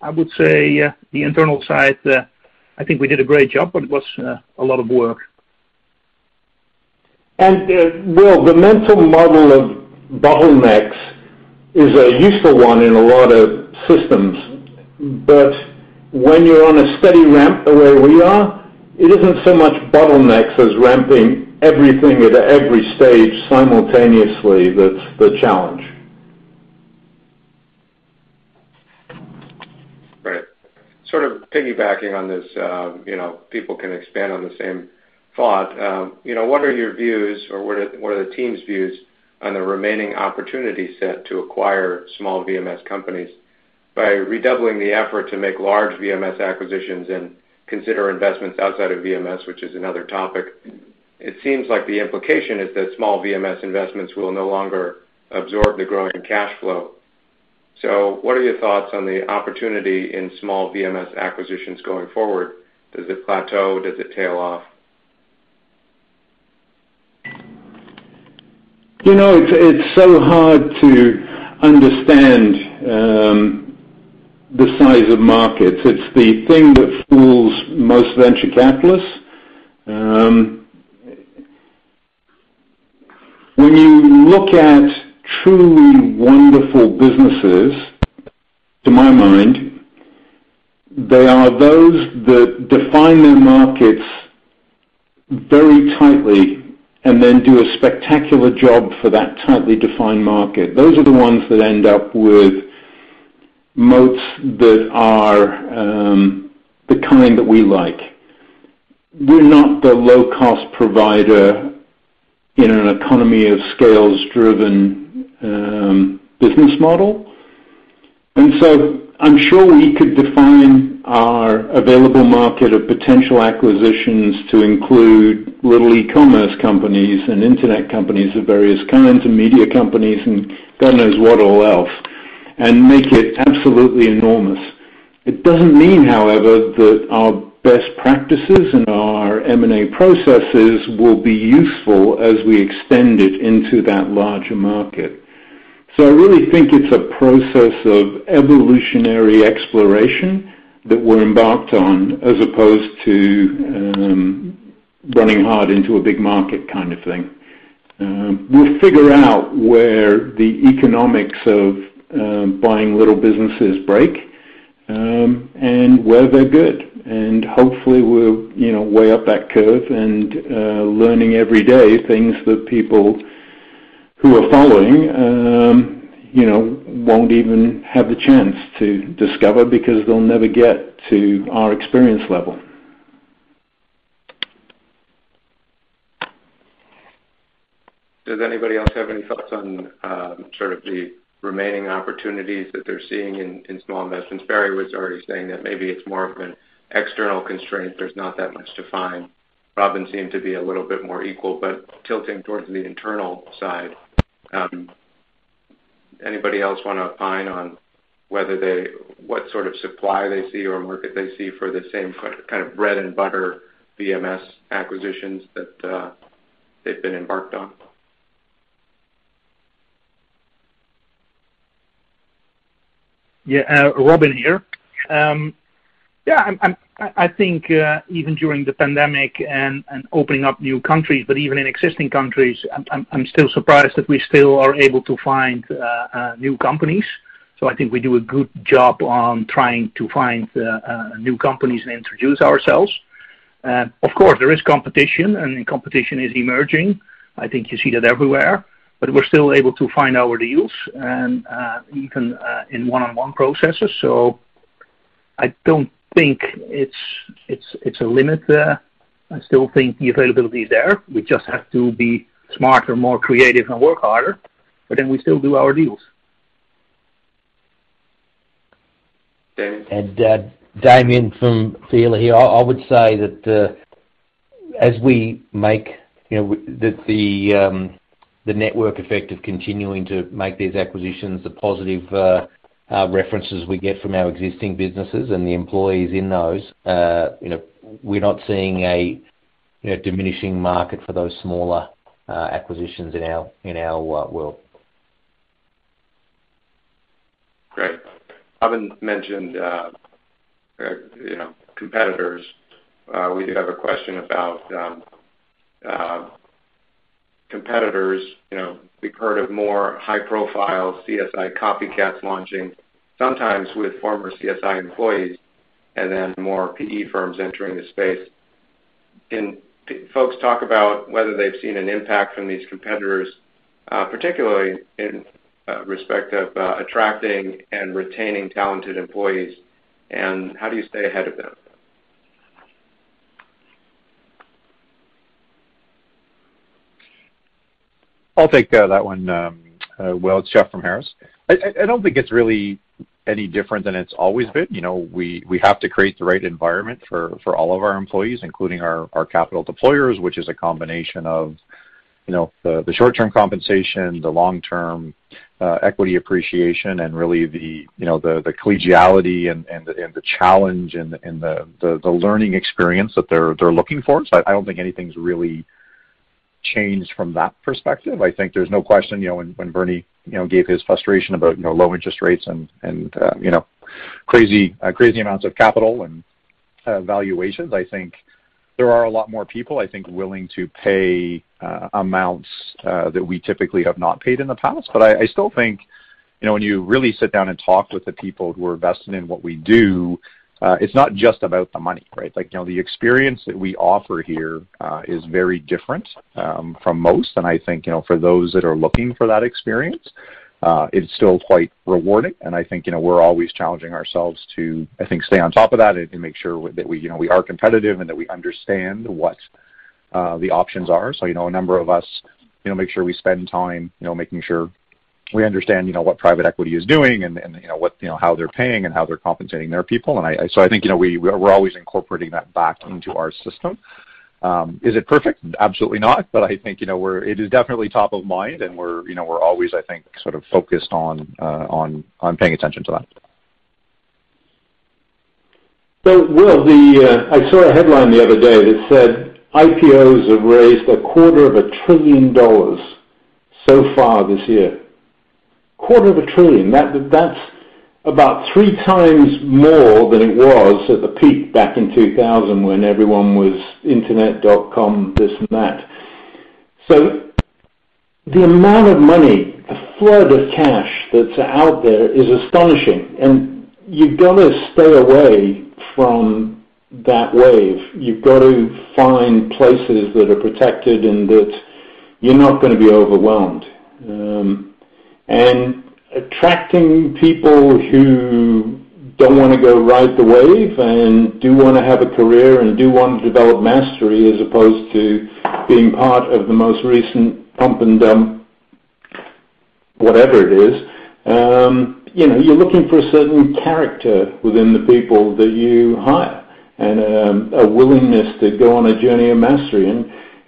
I would say, the internal side, I think we did a great job, but it was a lot of work. Well, the mental model of bottlenecks is a useful one in a lot of systems. When you're on a steady ramp the way we are, it isn't so much bottlenecks as ramping everything at every stage simultaneously that's the challenge. Right. Sort of piggybacking on this, you know, people can expand on the same thought. You know, what are your views or what are the team's views on the remaining opportunity set to acquire small VMS companies? By redoubling the effort to make large VMS acquisitions and consider investments outside of VMS, which is another topic, it seems like the implication is that small VMS investments will no longer absorb the growing cash flow. What are your thoughts on the opportunity in small VMS acquisitions going forward? Does it plateau? Does it tail off? You know, it's so hard to understand the size of markets. It's the thing that fools most venture capitalists. When you look at truly wonderful businesses, to my mind, they are those that define their markets very tightly and then do a spectacular job for that tightly defined market. Those are the ones that end up with moats that are the kind that we like. We're not the low-cost provider in an economy of scale-driven business model. I'm sure we could define our available market of potential acquisitions to include little e-commerce companies and internet companies of various kinds, and media companies, and God knows what all else, and make it absolutely enormous. It doesn't mean, however, that our best practices and our M&A processes will be useful as we extend it into that larger market. I really think it's a process of evolutionary exploration that we're embarked on as opposed to running hard into a big market kind of thing. We'll figure out where the economics of buying little businesses break and where they're good. Hopefully we're, you know, way up that curve and learning every day things that people who are following, you know, won't even have the chance to discover because they'll never get to our experience level. Does anybody else have any thoughts on sort of the remaining opportunities that they're seeing in small investments? Barry was already saying that maybe it's more of an external constraint. There's not that much to find. Robin seemed to be a little bit more equal, but tilting towards the internal side. Anybody else wanna opine on whether what sort of supply they see or market they see for the same kind of bread and butter VMS acquisitions that they've been embarked on? Yeah, Robin here. Yeah, I think even during the pandemic and opening up new countries, but even in existing countries, I'm still surprised that we still are able to find new companies. I think we do a good job on trying to find new companies and introduce ourselves. Of course, there is competition, and competition is emerging. I think you see that everywhere. We're still able to find our deals and even in one-on-one processes. I don't think it's a limit there. I still think the availability is there. We just have to be smarter, more creative, and work harder, but then we still do our deals. Damian? Damian from Vela here. I would say that, as we make, you know, the network effect of continuing to make these acquisitions, the positive references we get from our existing businesses and the employees in those, you know, we're not seeing a, you know, diminishing market for those smaller acquisitions in our world. Great. Robin mentioned, you know, competitors. We do have a question about, you know, competitors. You know, we've heard of more high-profile CSI copycats launching, sometimes with former CSI employees and then more PE firms entering the space. Can folks talk about whether they've seen an impact from these competitors, particularly in respect of attracting and retaining talented employees, and how do you stay ahead of them? I'll take that one, Will Pan. It's Jeff Bender from Harris. I don't think it's really any different than it's always been. You know, we have to create the right environment for all of our employees, including our capital deployers, which is a combination of, you know, the short-term compensation, the long-term equity appreciation, and really the collegiality and the challenge and the learning experience that they're looking for. I don't think anything's really changed from that perspective. I think there's no question, you know, when Bernie Anzarouth, you know, gave his frustration about, you know, low interest rates and crazy amounts of capital and valuations. I think there are a lot more people, I think, willing to pay amounts that we typically have not paid in the past. I still think, you know, when you really sit down and talk with the people who are invested in what we do, it's not just about the money, right? Like, you know, the experience that we offer here is very different from most. I think, you know, for those that are looking for that experience, it's still quite rewarding, and I think, you know, we're always challenging ourselves to, I think, stay on top of that and make sure that we, you know, we are competitive and that we understand what the options are. You know, a number of us, you know, make sure we spend time, you know, making sure we understand, you know, what private equity is doing and, you know, what, you know, how they're paying and how they're compensating their people. I think, you know, we're always incorporating that back into our system. Is it perfect? Absolutely not. I think, you know, we're It is definitely top of mind, and we're, you know, we're always, I think, sort of focused on paying attention to that. Will, I saw a headline the other day that said IPOs have raised $250 billion so far this year. $250 billion. That's about three times more than it was at the peak back in 2000 when everyone was internet dot com this and that. The amount of money, the flood of cash that's out there is astonishing, and you've gotta stay away from that wave. You've got to find places that are protected and that you're not gonna be overwhelmed. Attracting people who don't wanna go ride the wave and do wanna have a career and do want to develop mastery as opposed to being part of the most recent pump and dump, whatever it is. You know, you're looking for a certain character within the people that you hire and a willingness to go on a journey of mastery.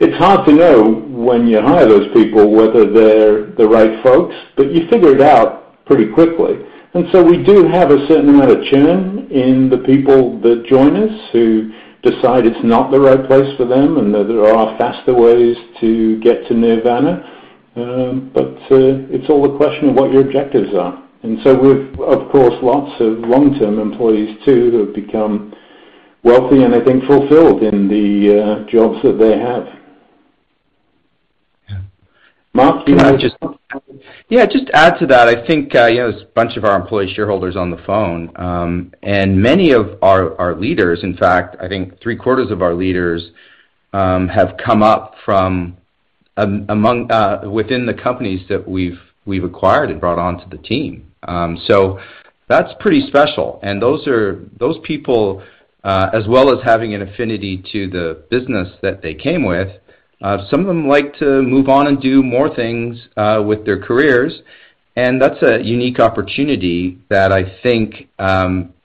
It's hard to know when you hire those people, whether they're the right folks, but you figure it out pretty quickly. We do have a certain amount of churn in the people that join us who decide it's not the right place for them, and that there are faster ways to get to nirvana. It's all a question of what your objectives are. We've of course, lots of long-term employees too, who have become wealthy and I think fulfilled in the jobs that they have. Yeah. Mark, do you wanna. Just to add to that. I think, there's a bunch of our employee shareholders on the phone, and many of our leaders, in fact, I think three-quarters of our leaders, have come up from among within the companies that we've acquired and brought onto the team. That's pretty special. Those people, as well as having an affinity to the business that they came with, some of them like to move on and do more things with their careers, and that's a unique opportunity that I think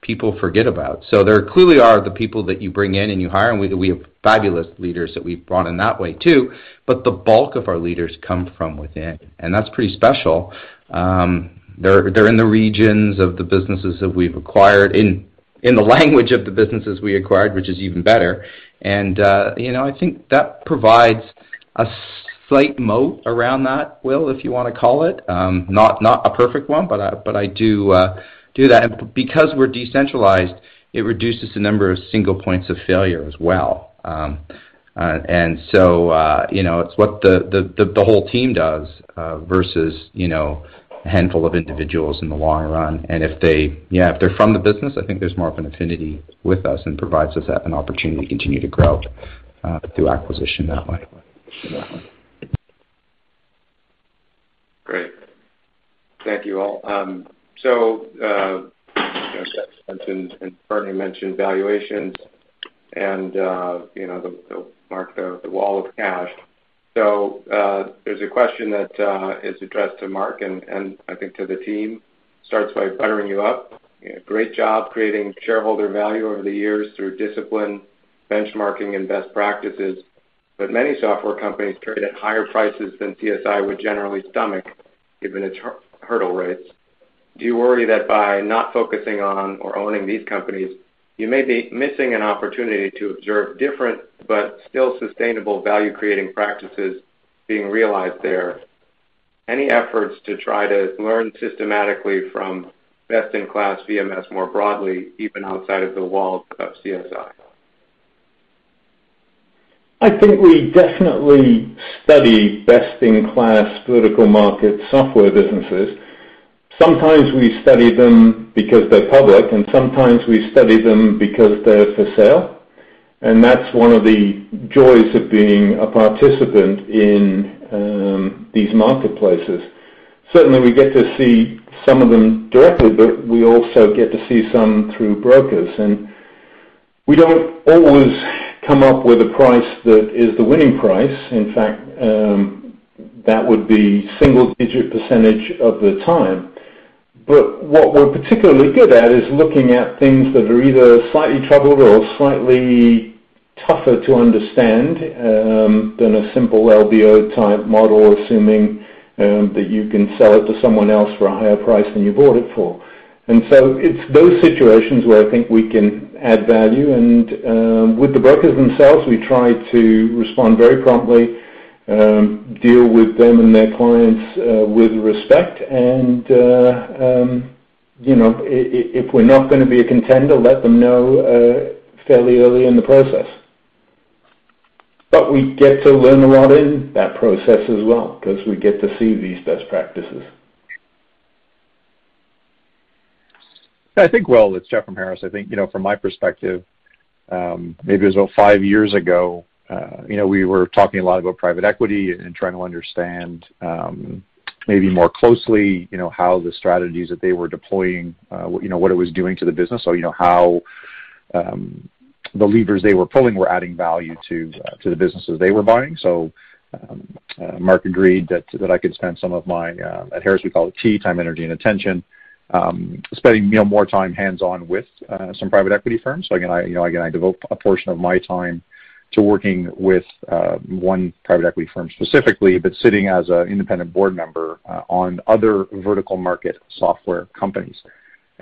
people forget about. There clearly are the people that you bring in and you hire, and we have fabulous leaders that we've brought in that way too, but the bulk of our leaders come from within, and that's pretty special. They're in the regions of the businesses that we've acquired in the language of the businesses we acquired, which is even better. You know, I think that provides a slight moat around that, Will, if you wanna call it. Not a perfect one, but I do that. Because we're decentralized, it reduces the number of single points of failure as well. You know, it's what the whole team does versus, you know, a handful of individuals in the long run. If they're from the business, I think there's more of an affinity with us and provides us an opportunity to continue to grow through acquisition that way. Great. Thank you all. You know, as Jeff mentioned and Bernie mentioned valuations and, you know, Mark, the wall of cash. There's a question that is addressed to Mark and I think to the team. Starts by buttering you up. Great job creating shareholder value over the years through discipline, benchmarking, and best practices. Many software companies carry at higher prices than CSI would generally stomach given its hurdle rates. Do you worry that by not focusing on or owning these companies, you may be missing an opportunity to observe different but still sustainable value-creating practices being realized there? Any efforts to try to learn systematically from best-in-class VMS more broadly, even outside of the walls of CSI? I think we definitely study best-in-class vertical market software businesses. Sometimes we study them because they're public, and sometimes we study them because they're for sale. That's one of the joys of being a participant in these marketplaces. Certainly, we get to see some of them directly, but we also get to see some through brokers. We don't always come up with a price that is the winning price. In fact, that would be single-digit percentage of the time. What we're particularly good at is looking at things that are either slightly troubled or slightly tougher to understand than a simple LBO-type model, assuming that you can sell it to someone else for a higher price than you bought it for. It's those situations where I think we can add value. With the brokers themselves, we try to respond very promptly, deal with them and their clients with respect. You know, if we're not gonna be a contender, let them know fairly early in the process. We get to learn a lot in that process as well because we get to see these best practices. I think, Will, it's Jeff from Harris. I think, you know, from my perspective, maybe it was about five years ago, you know, we were talking a lot about private equity and trying to understand, maybe more closely, you know, how the strategies that they were deploying, you know, what it was doing to the business or, you know, how the levers they were pulling were adding value to the businesses they were buying. Mark agreed that I could spend some of my, at Harris, we call it TEA, time, energy, and attention, spending, you know, more time hands-on with some private equity firms. Again, I, you know, again, I devote a portion of my time to working with one private equity firm specifically, but sitting as an independent board member on other vertical market software companies.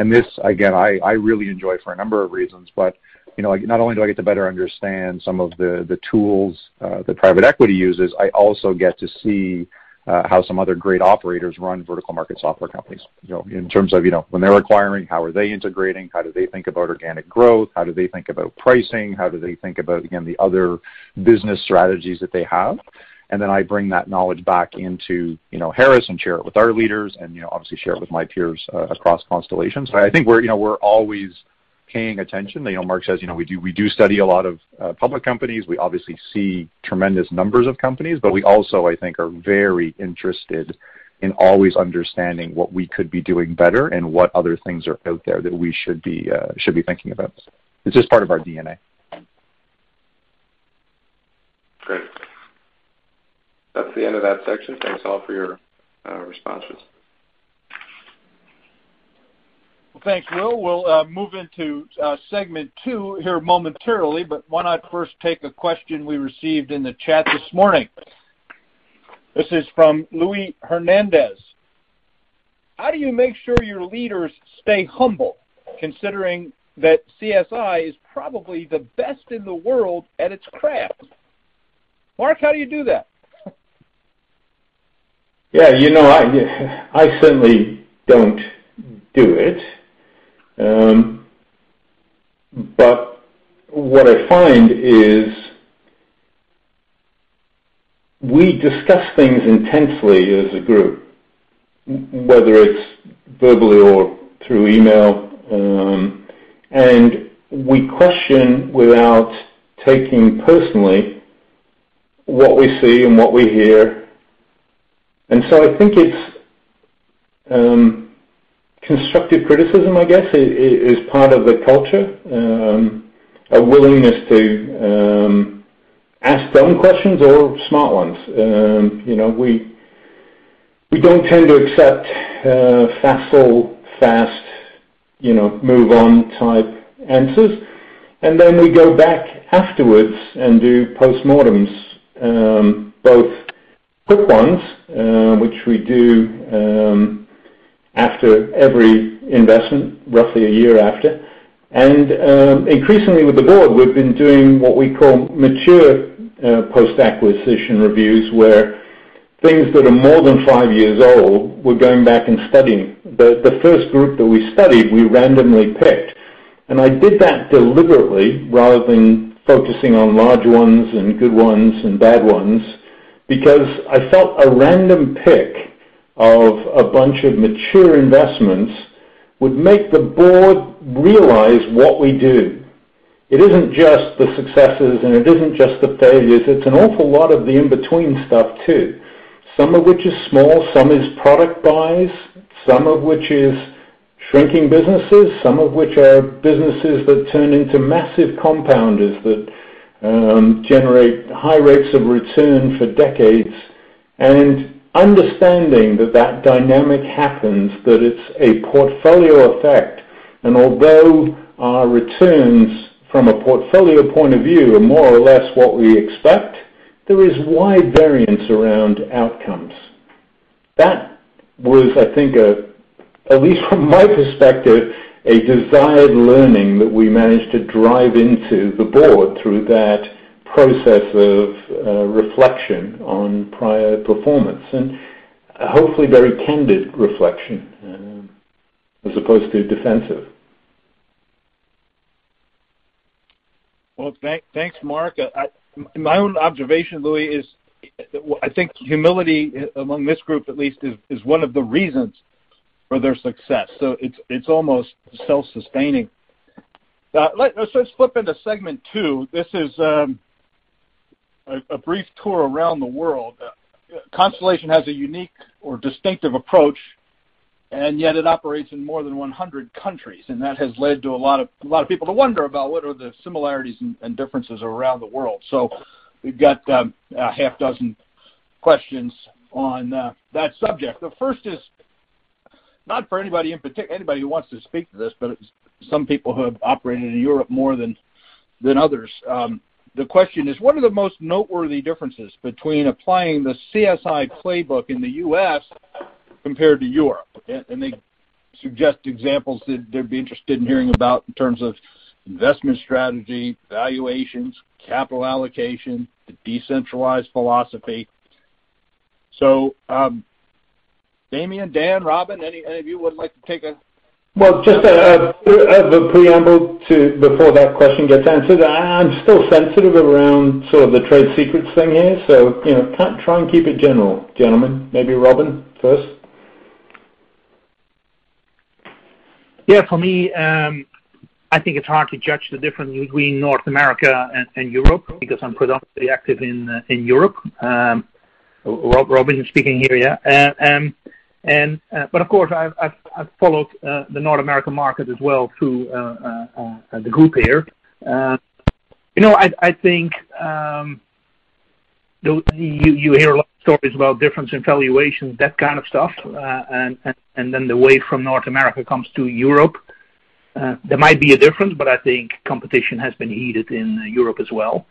This, again, I really enjoy for a number of reasons, but, you know, not only do I get to better understand some of the tools that private equity uses, I also get to see how some other great operators run vertical market software companies. You know, in terms of, you know, when they're acquiring, how are they integrating, how do they think about organic growth, how do they think about pricing, how do they think about, again, the other business strategies that they have. Then I bring that knowledge back into, you know, Harris and share it with our leaders and, you know, obviously share it with my peers across Constellation. I think we're, you know, we're always paying attention. You know, Mark says, you know, we do study a lot of public companies. We obviously see tremendous numbers of companies. We also, I think, are very interested in always understanding what we could be doing better and what other things are out there that we should be thinking about. It's just part of our DNA. Great. That's the end of that section. Thanks all for your responses. Well, thanks, Will. We'll move into segment two here momentarily, but why not first take a question we received in the chat this morning. This is from Louis Hernandez. How do you make sure your leaders stay humble, considering that CSI is probably the best in the world at its craft? Mark, how do you do that? Yeah, you know, I certainly don't do it. What I find is we discuss things intensely as a group, whether it's verbally or through email. We question, without taking personally, what we see and what we hear. I think it's constructive criticism, I guess, is part of the culture. A willingness to ask dumb questions or smart ones. You know, we don't tend to accept facile, fast, you know, move on type answers. Then we go back afterwards and do postmortems, both quick ones, which we do after every investment, roughly one year after. Increasingly with the board, we've been doing what we call mature post-acquisition reviews, where things that are more than five years old, we're going back and studying. The first group that we studied, we randomly picked. I did that deliberately rather than focusing on large ones and good ones and bad ones because I felt a random pick of a bunch of mature investments would make the board realize what we do. It isn't just the successes, and it isn't just the failures. It's an awful lot of the in-between stuff too. Some of which is small, some is product buys, some of which is shrinking businesses, some of which are businesses that turn into massive compounders that generate high rates of return for decades. Understanding that that dynamic happens, that it's a portfolio effect. Although our returns from a portfolio point of view are more or less what we expect, there is wide variance around outcomes. That was, I think, a, at least from my perspective, a desired learning that we managed to drive into the board through that process of reflection on prior performance. Hopefully very candid reflection, as opposed to defensive. Well, thanks, Mark. My own observation, Louis, is I think humility among this group at least, is one of the reasons for their success. It's almost self-sustaining. Let's flip into segment two. This is a brief tour around the world. Constellation has a unique or distinctive approach, and yet it operates in more than 100 countries, and that has led to a lot of people to wonder about what are the similarities and differences around the world. We've got a half dozen questions on that subject. The first is not for anybody who wants to speak to this, but some people who have operated in Europe more than others. The question is, what are the most noteworthy differences between applying the CSI playbook in the U.S. compared to Europe? They suggest examples that they'd be interested in hearing about in terms of investment strategy, valuations, capital allocation, the decentralized philosophy. Damian, Daan, Robin, any of you would like to take? Well, just the preamble before that question gets answered, I'm still sensitive around sort of the trade secrets thing here, so, you know, try and keep it general, gentlemen. Maybe Robin first. Yeah, for me, I think it's hard to judge the difference between North America and Europe because I'm predominantly active in Europe. Robin speaking here. Yeah. But of course, I've followed the North American market as well through the group here. You know, I think you hear a lot of stories about difference in valuations, that kind of stuff, and then the way from North America comes to Europe. There might be a difference, but I think competition has been heated in Europe as well.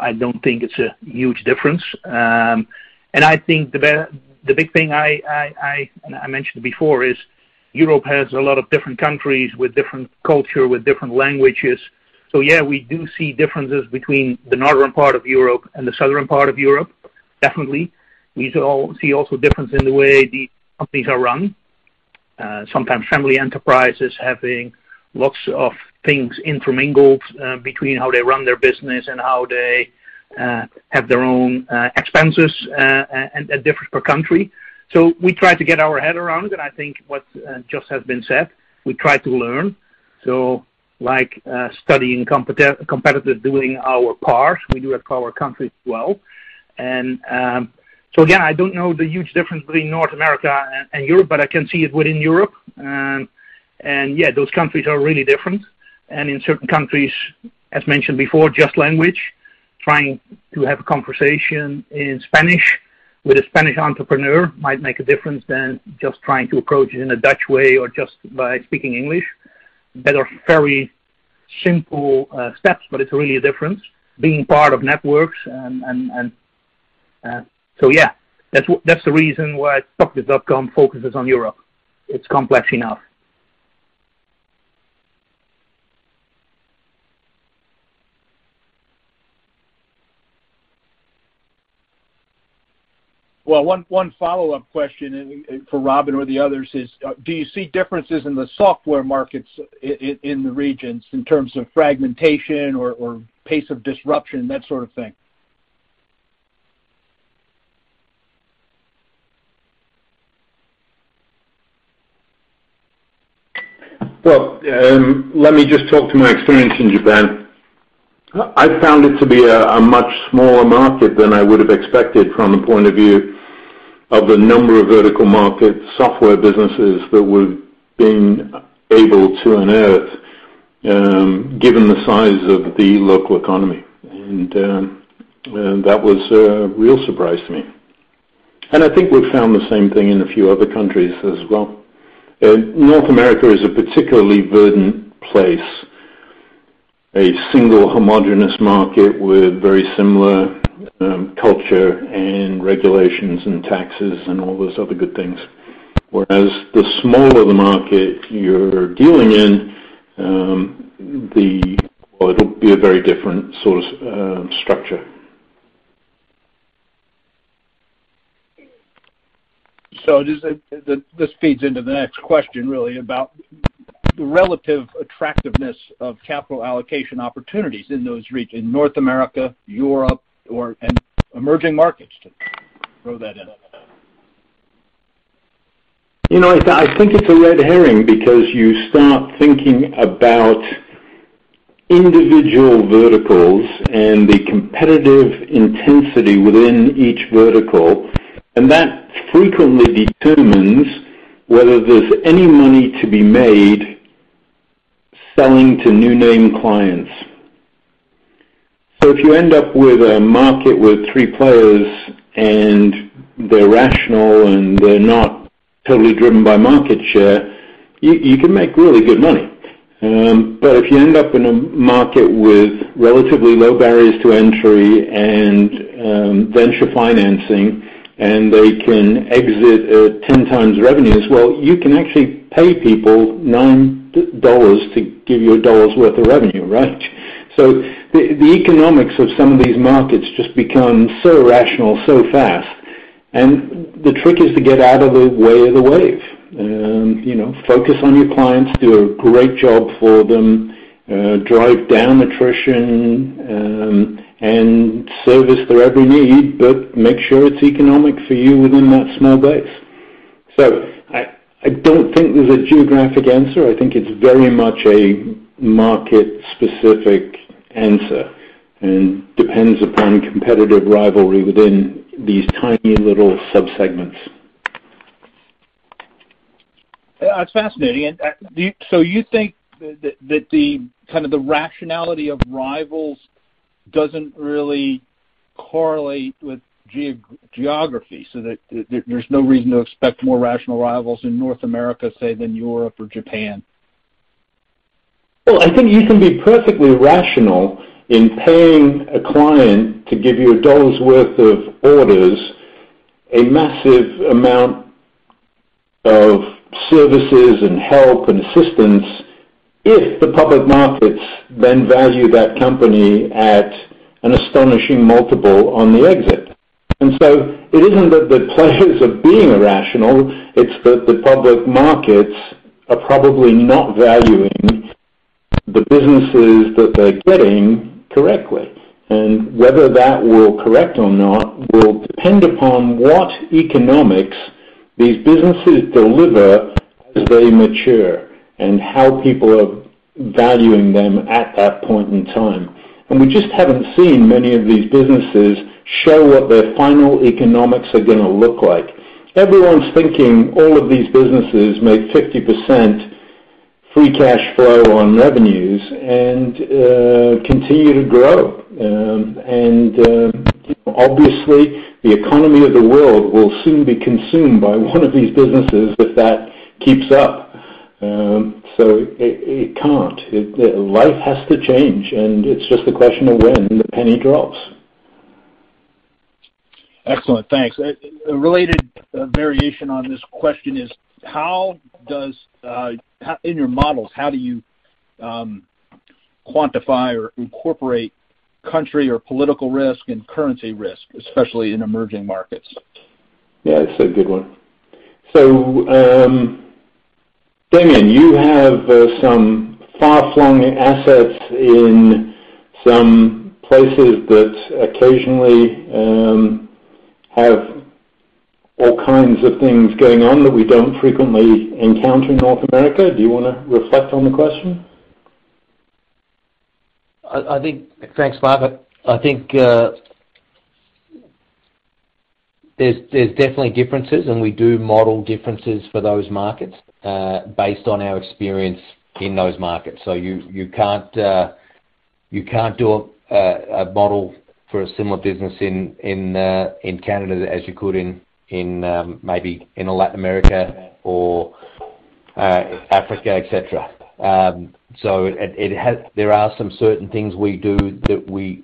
I don't think it's a huge difference. And I think the big thing I, and I mentioned before, is Europe has a lot of different countries with different culture, with different languages. Yeah, we do see differences between the northern part of Europe and the southern part of Europe, definitely. We see also difference in the way the companies are run. Sometimes family enterprises having lots of things intermingled, between how they run their business and how they have their own expenses, and they're different per country. We try to get our head around it, and I think what just has been said, we try to learn. Like, studying competitive, doing our part. We do it for our country as well. Again, I don't know the huge difference between North America and Europe, but I can see it within Europe. Yeah, those countries are really different. In certain countries, as mentioned before, just language. Trying to have a conversation in Spanish with a Spanish entrepreneur might make a difference than just trying to approach it in a Dutch way or just by speaking English. are very simple steps, but it's really a difference. Being part of networks and so yeah, that's the reason why Topicus.com focuses on Europe. It's complex enough. Well, one follow-up question for Robin or the others is, do you see differences in the software markets in the regions in terms of fragmentation or pace of disruption, that sort of thing? Let me just talk to my experience in Japan. I found it to be a much smaller market than I would've expected from a point of view of the number of vertical market software businesses that we've been able to unearth, given the size of the local economy. That was a real surprise to me. I think we've found the same thing in a few other countries as well. North America is a particularly verdant place. A single homogenous market with very similar culture and regulations and taxes and all those other good things. The smaller the market you're dealing in, the well, it'll be a very different sort of structure. This feeds into the next question really about the relative attractiveness of capital allocation opportunities in those in North America, Europe and emerging markets. Throw that in. You know, I think it's a red herring because you start thinking about individual verticals and the competitive intensity within each vertical, and that frequently determines whether there's any money to be made selling to new name clients. If you end up with a market with three players and they're rational and they're not totally driven by market share, you can make really good money. But if you end up in a market with relatively low barriers to entry and venture financing, and they can exit at 10x revenues, well, you can actually pay people 9 dollars to give you a dollar's worth of revenue, right? The economics of some of these markets just become so rational so fast, and the trick is to get out of the way of the wave. You know, focus on your clients, do a great job for them, drive down attrition, and service their every need, but make sure it's economic for you within that small base. I don't think there's a geographic answer. I think it's very much a market-specific answer and depends upon competitive rivalry within these tiny little subsegments. Yeah. That's fascinating. So you think that the kind of the rationality of rivals doesn't really correlate with geography, so that there's no reason to expect more rational rivals in North America, say than Europe or Japan? I think you can be perfectly rational in paying a client to give you a dollar's worth of orders, a massive amount of services and help and assistance if the public markets then value that company at an astonishing multiple on the exit. It is not that the players are being irrational, it is that the public markets are probably not valuing the businesses that they are getting correctly. Whether that will correct or not will depend upon what economics these businesses deliver as they mature and how people are valuing them at that point in time. We just have not seen many of these businesses show what their final economics are gonna look like. Everyone's thinking all of these businesses make 50% free cash flow on revenues and continue to grow. You know, obviously, the economy of the world will soon be consumed by one of these businesses if that keeps up. It can't. Life has to change, and it's just a question of when the penny drops. Excellent. Thanks. A related variation on this question is how does in your models, how do you quantify or incorporate country or political risk and currency risk, especially in emerging markets? Yeah, it's a good one. Damian, you have some far-flung assets in some places that occasionally have all kinds of things going on that we don't frequently encounter in North America. Do you wanna reflect on the question? I think Thanks, Mark. I think there's definitely differences. We do model differences for those markets based on our experience in those markets. You can't do a model for a similar business in Canada as you could in maybe in Latin America or Africa, et cetera. There are some certain things we do that we've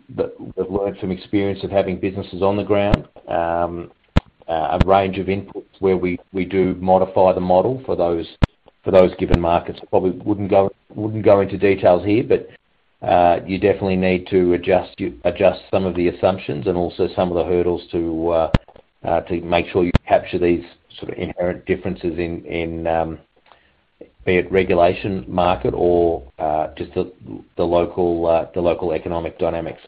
learned from experience of having businesses on the ground, a range of inputs where we do modify the model for those given markets. Probably wouldn't go into details here, but you definitely need to adjust some of the assumptions and also some of the hurdles to make sure you capture these sort of inherent differences in, be it regulation market or, just the local, the local economic dynamics.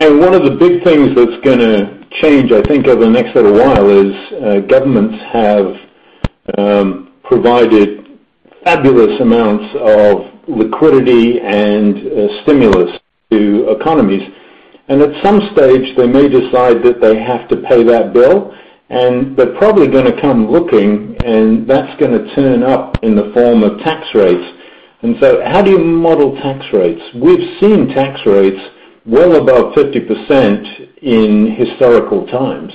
One of the big things that's gonna change, I think, over the next little while is, governments have provided fabulous amounts of liquidity and stimulus to economies. At some stage, they may decide that they have to pay that bill, and they're probably gonna come looking, and that's gonna turn up in the form of tax rates. How do you model tax rates? We've seen tax rates well above 50% in historical times.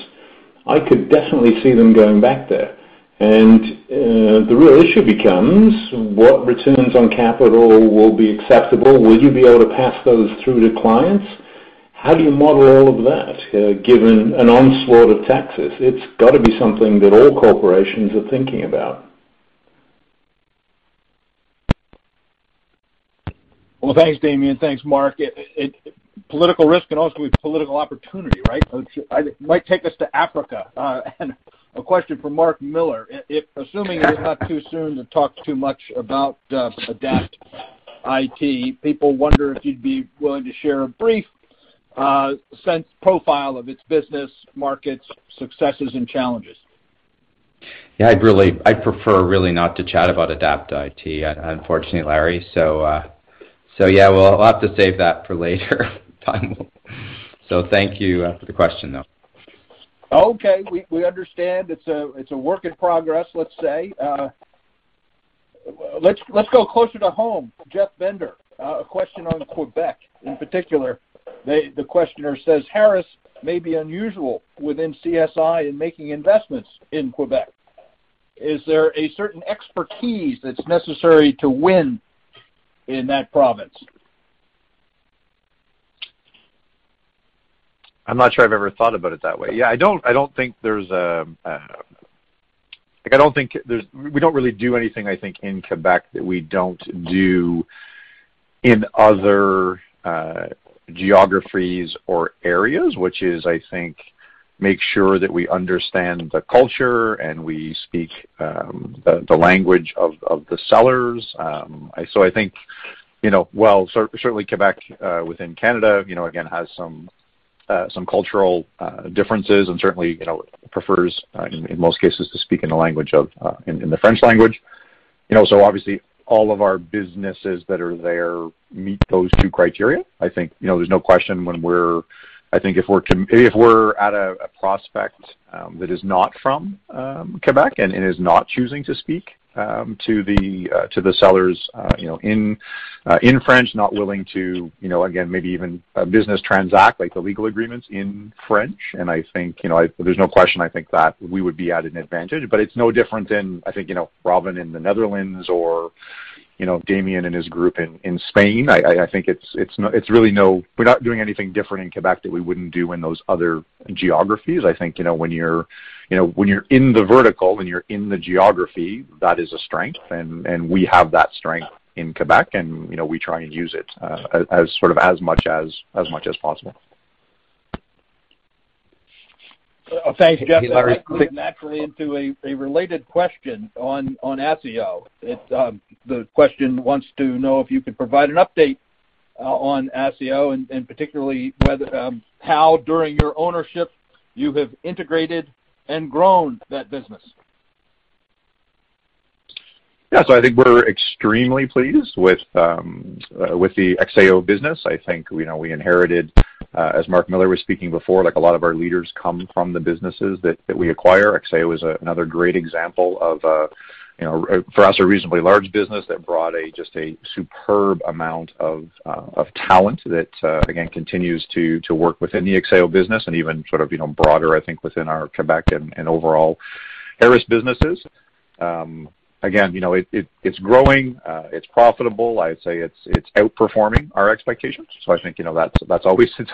I could definitely see them going back there. The real issue becomes what returns on capital will be acceptable. Will you be able to pass those through to clients? How do you model all of that, given an onslaught of taxes? It's gotta be something that all corporations are thinking about. Well, thanks, Damian. Thanks, Mark. It Political risk can also be political opportunity, right? It might take us to Africa. A question for Mark Miller. If assuming it is not too soon to talk too much about Adapt IT, people wonder if you'd be willing to share a brief sense profile of its business, markets, successes and challenges. Yeah, I'd really prefer really not to chat about Adapt IT, unfortunately, Larry. Yeah, we'll have to save that for later time. Thank you, for the question, though. Okay. We understand. It's a work in progress, let's say. Let's go closer to home. Jeff Bender, a question on Quebec in particular. The questioner says, "Harris may be unusual within CSI in making investments in Quebec. Is there a certain expertise that's necessary to win in that province? I'm not sure I've ever thought about it that way. I don't, I don't think there's a Like, I don't think there's We don't really do anything, I think, in Quebec that we don't do in other geographies or areas, which is, I think, make sure that we understand the culture and we speak the language of the sellers. I think, you know, while certainly Quebec within Canada, you know, again, has some cultural differences and certainly, you know, prefers in most cases to speak in the language of in the French language. You know, obviously all of our businesses that are there meet those two criteria. I think, you know, there's no question when we're if we're at a prospect that is not from Quebec and is not choosing to speak to the sellers, you know, in French, not willing to, you know, again, maybe even a business transact like the legal agreements in French. I think, you know, there's no question, I think, that we would be at an advantage. It's no different than, I think, you know, Robin in the Netherlands or, you know, Damian and his group in Spain. I think it's really no We're not doing anything different in Quebec that we wouldn't do in those other geographies. I think, you know, when you're in the vertical, when you're in the geography, that is a strength, and we have that strength in Quebec, and, you know, we try and use it as sort of as much as possible. Thanks, Jeff. Hey, Larry. That leads naturally into a related question on Acceo. The question wants to know if you could provide an update on Acceo and particularly whether how during your ownership you have integrated and grown that business. I think we're extremely pleased with the Acceo business. I think, you know, we inherited, as Mark Miller was speaking before, like a lot of our leaders come from the businesses that we acquire. Acceo is another great example of, you know, for us, a reasonably large business that brought a just a superb amount of talent that again, continues to work within the Acceo business and even sort of, you know, broader, I think, within our Quebec and overall Harris businesses. Again, you know, it's growing. It's profitable. I'd say it's outperforming our expectations. I think, you know, that's it's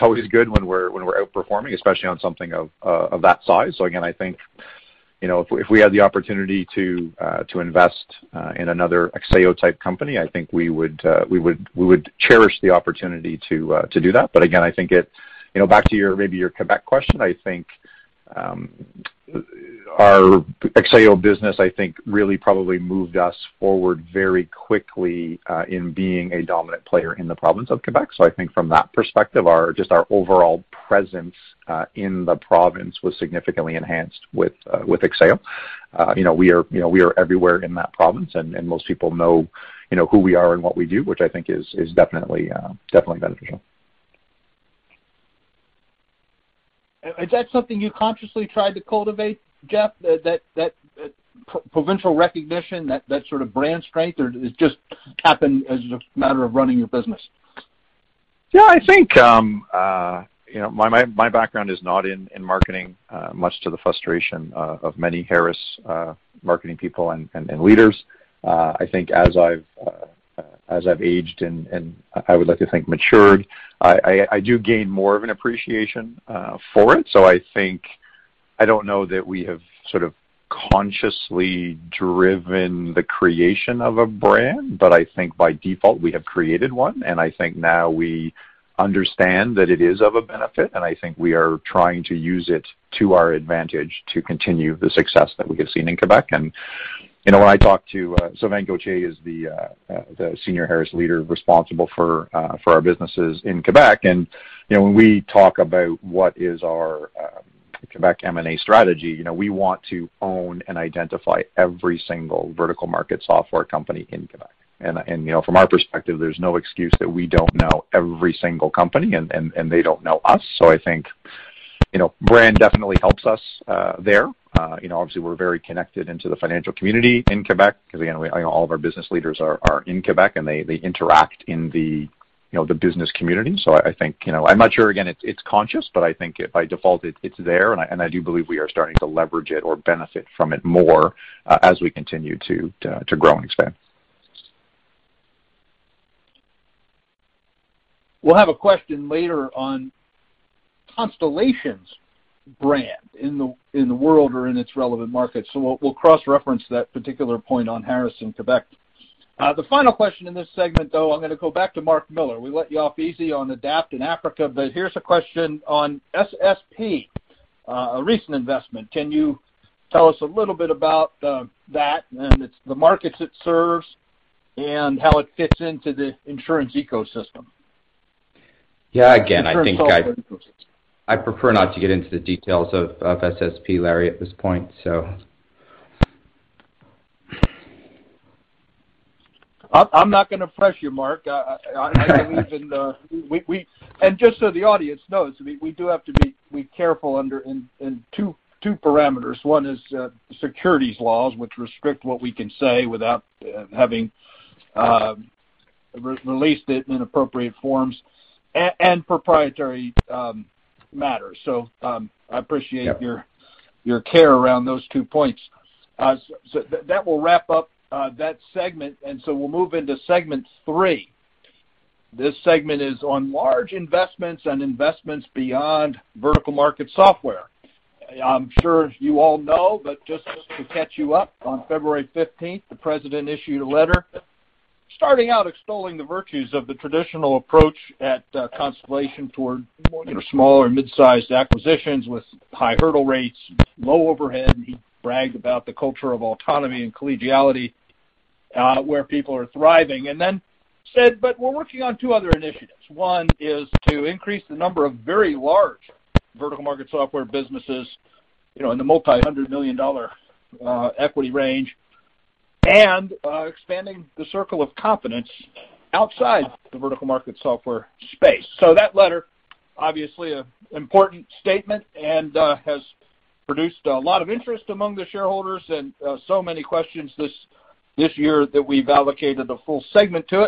always good when we're outperforming, especially on something of that size. Again, I think, you know, if we had the opportunity to invest in another Acceo type company, I think we would cherish the opportunity to do that. Again, I think it You know, back to your, maybe your Quebec question, I think our Acceo business, I think, really probably moved us forward very quickly in being a dominant player in the province of Quebec. I think from that perspective, our just our overall presence in the province was significantly enhanced with Acceo. You know, we are, you know, we are everywhere in that province and most people know, you know, who we are and what we do, which I think is definitely definitely beneficial. Is that something you consciously tried to cultivate, Jeff, that provincial recognition, that sort of brand strength or did it just happen as a matter of running your business? Yeah, I think my, my background is not in marketing, much to the frustration of many Harris marketing people and leaders. I think as I've aged and I would like to think matured, I do gain more of an appreciation for it. I think I don't know that we have sort of consciously driven the creation of a brand, but I think by default, we have created one, and I think now we understand that it is of a benefit, and I think we are trying to use it to our advantage to continue the success that we have seen in Quebec. When I talk to Sylvain Gauthier is the senior Harris leader responsible for our businesses in Quebec. You know, when we talk about what is our Quebec M&A strategy, you know, we want to own and identify every single vertical market software company in Quebec. You know, from our perspective, there's no excuse that we don't know every single company and they don't know us. I think, you know, brand definitely helps us there. You know, obviously, we're very connected into the financial community in Quebec 'cause, you know, all of our business leaders are in Quebec, and they interact in the, you know, the business community. I think, you know I'm not sure, again, it's conscious, but I think it, by default, it's there, and I do believe we are starting to leverage it or benefit from it more as we continue to grow and expand. We'll have a question later on Constellation's brand in the, in the world or in its relevant market. We'll cross-reference that particular point on Harris in Quebec. The final question in this segment, though, I'm gonna go back to Mark Miller. We let you off easy on Adapt in Africa, here's a question on SSP, a recent investment. Can you tell us a little bit about that and the markets it serves and how it fits into the insurance ecosystem? Yeah. Again, I think. Insurance software ecosystem I prefer not to get into the details of SSP, Larry, at this point. I'm not gonna press you, Mark. Just so the audience knows, we do have to be careful under in two parameters. One is securities laws, which restrict what we can say without having re-released it in appropriate forms, and proprietary matters. I appreciate- Yeah ...your care around those two points. So that will wrap up that segment, and so we'll move into segment three. This segment is on large investments and investments beyond Vertical Market Software. I'm sure you all know, but just to catch you up, on February 15th, the President issued a letter starting out extolling the virtues of the traditional approach at Constellation toward, you know, smaller mid-sized acquisitions with high hurdle rates, low overhead, and he bragged about the culture of autonomy and collegiality where people are thriving. Then said, "But we're working on two other initiatives. One is to increase the number of very large vertical market software businesses, you know, in the multi-hundred million dollar equity range, and expanding the circle of confidence outside the vertical market software space. That letter, obviously an important statement and has produced a lot of interest among the shareholders and so many questions this year that we've allocated a full segment to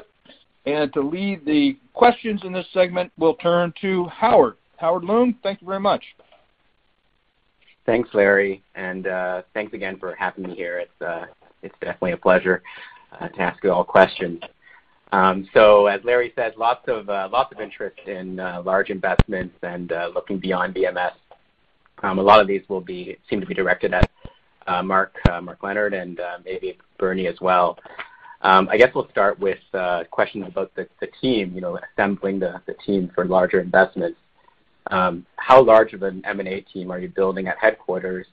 it. To lead the questions in this segment, we'll turn to Howard. Howard Leung, thank you very much. Thanks, Larry, and thanks again for having me here. It's definitely a pleasure to ask you all questions. As Larry said, lots of interest in large investments and looking beyond VMS. A lot of these seem to be directed at Mark Leonard and maybe Bernie as well. I guess we'll start with a question about the team, you know, assembling the team for larger investments. How large of an M&A team are you building at headquarters?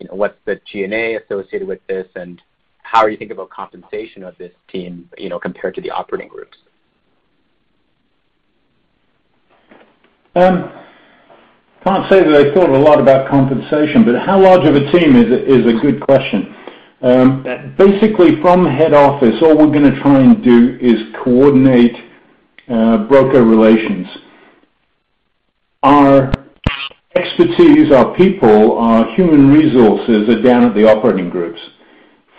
You know, what's the G&A associated with this, and how are you thinking about compensation of this team, you know, compared to the operating groups? Can't say that I thought a lot about compensation. How large of a team is a good question. Basically from head office, all we're gonna try and do is coordinate broker relations. Our expertise, our people, our human resources are down at the operating groups.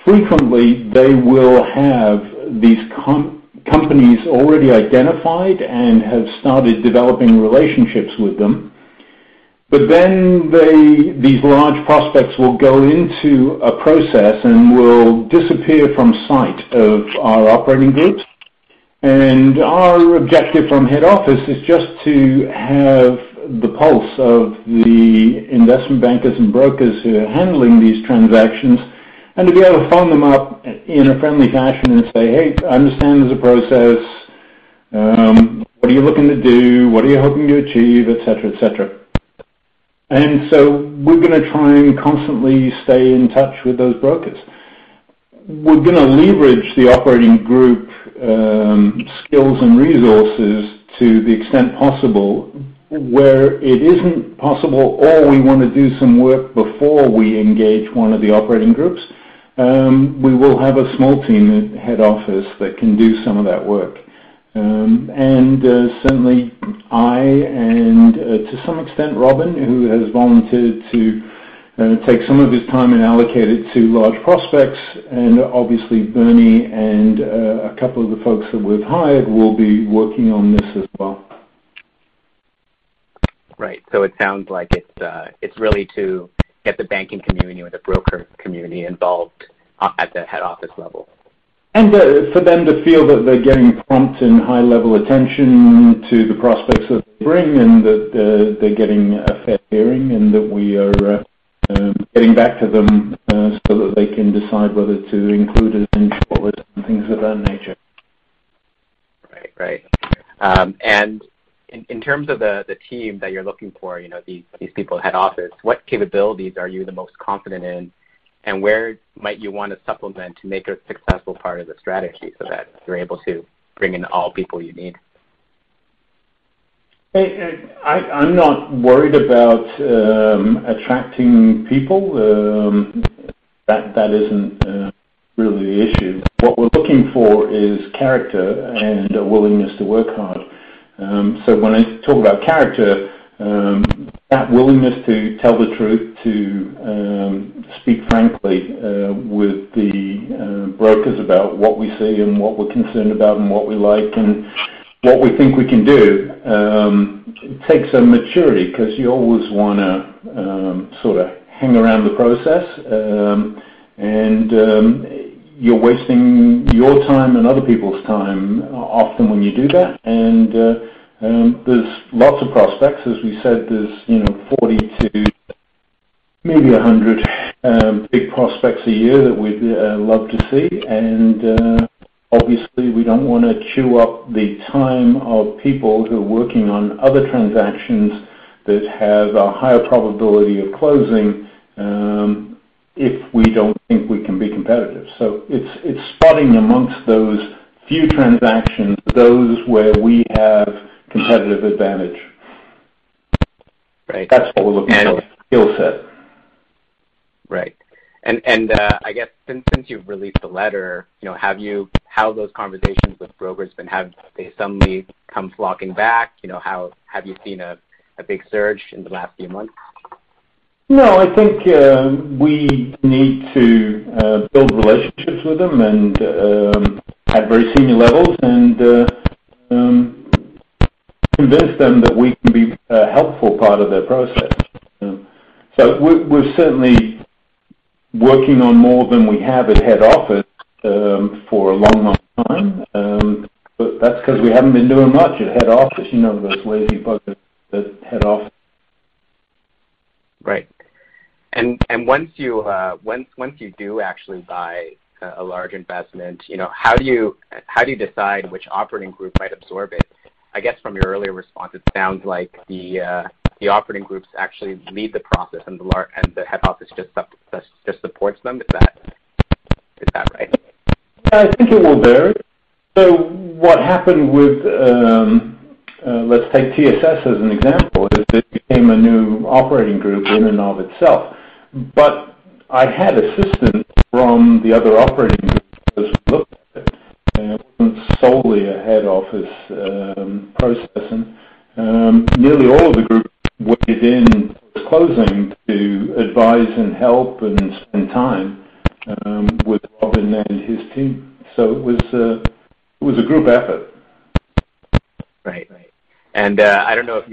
Frequently, they will have these companies already identified and have started developing relationships with them. These large prospects will go into a process and will disappear from sight of our operating groups. Our objective from head office is just to have the pulse of the investment bankers and brokers who are handling these transactions and to be able to phone them up in a friendly fashion and say, "Hey, I understand there's a process. What are you looking to do? What are you hoping to achieve? Et cetera, et cetera. We're gonna try and constantly stay in touch with those brokers. We're gonna leverage the operating group skills and resources to the extent possible. Where it isn't possible or we wanna do some work before we engage one of the operating groups, we will have a small team at head office that can do some of that work. And certainly I and to some extent, Robin, who has volunteered to take some of his time and allocate it to large prospects, and obviously Bernie and a couple of the folks that we've hired will be working on this as well. Right. It sounds like it's really to get the banking community or the broker community involved at the head office level. For them to feel that they're getting prompt and high-level attention to the prospects that they bring and that, they're getting a fair hearing and that we are getting back to them so that they can decide whether to include us in and things of that nature. Right. Right. In terms of the team that you're looking for, you know, these people at head office, what capabilities are you the most confident in, and where might you wanna supplement to make a successful part of the strategy so that you're able to bring in all people you need? Hey, I'm not worried about attracting people. That isn't really the issue. What we're looking for is character and a willingness to work hard. So when I talk about character, that willingness to tell the truth, to speak frankly with the brokers about what we see and what we're concerned about and what we like and what we think we can do, takes some maturity 'cause you always wanna sorta hang around the process. You're wasting your time and other people's time often when you do that. There's lots of prospects. As we said, there's, you know, 40 to maybe 100 big prospects a year that we'd love to see. Obviously we don't wanna chew up the time of people who are working on other transactions that have a higher probability of closing, if we don't think we can be competitive. It's, it's spotting amongst those few transactions, those where we have competitive advantage. Right. That's what we're looking for, skillset. Right. I guess since you've released the letter, you know, how have those conversations with brokers been? Have they suddenly come flocking back? You know, have you seen a big surge in the last few months? No, I think we need to build relationships with them and at very senior levels and convince them that we can be a helpful part of their process. We're certainly working on more than we have at head office for a long, long time. That's 'cause we haven't been doing much at head office. You know, those lazy buggers at head office. Right. Once you do actually buy a large investment, you know, how do you decide which operating group might absorb it? I guess from your earlier response, it sounds like the operating groups actually lead the process and the head office just supports them. Is that right? I think it will vary. What happened with, let's take TSS as an example, is it became a new operating group in and of itself. I had assistance from the other operating groups as we looked at it. It wasn't solely a head office, processing. Nearly all of the group weighed in post-closing to advise and help and spend time with Robin and his team. It was a group effort. Right. Right. I don't know if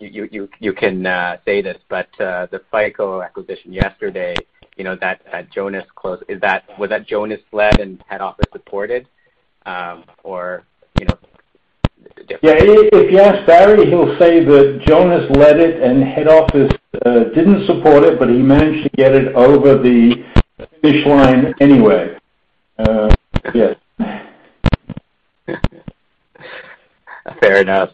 you can say this, but the FICO acquisition yesterday, you know, that Jonas closed. Was that Jonas-led and head office supported, you know, the difference? Yeah. If you ask Barry, he'll say that Jonas led it and head office didn't support it, but he managed to get it over the finish line anyway. Fair enough.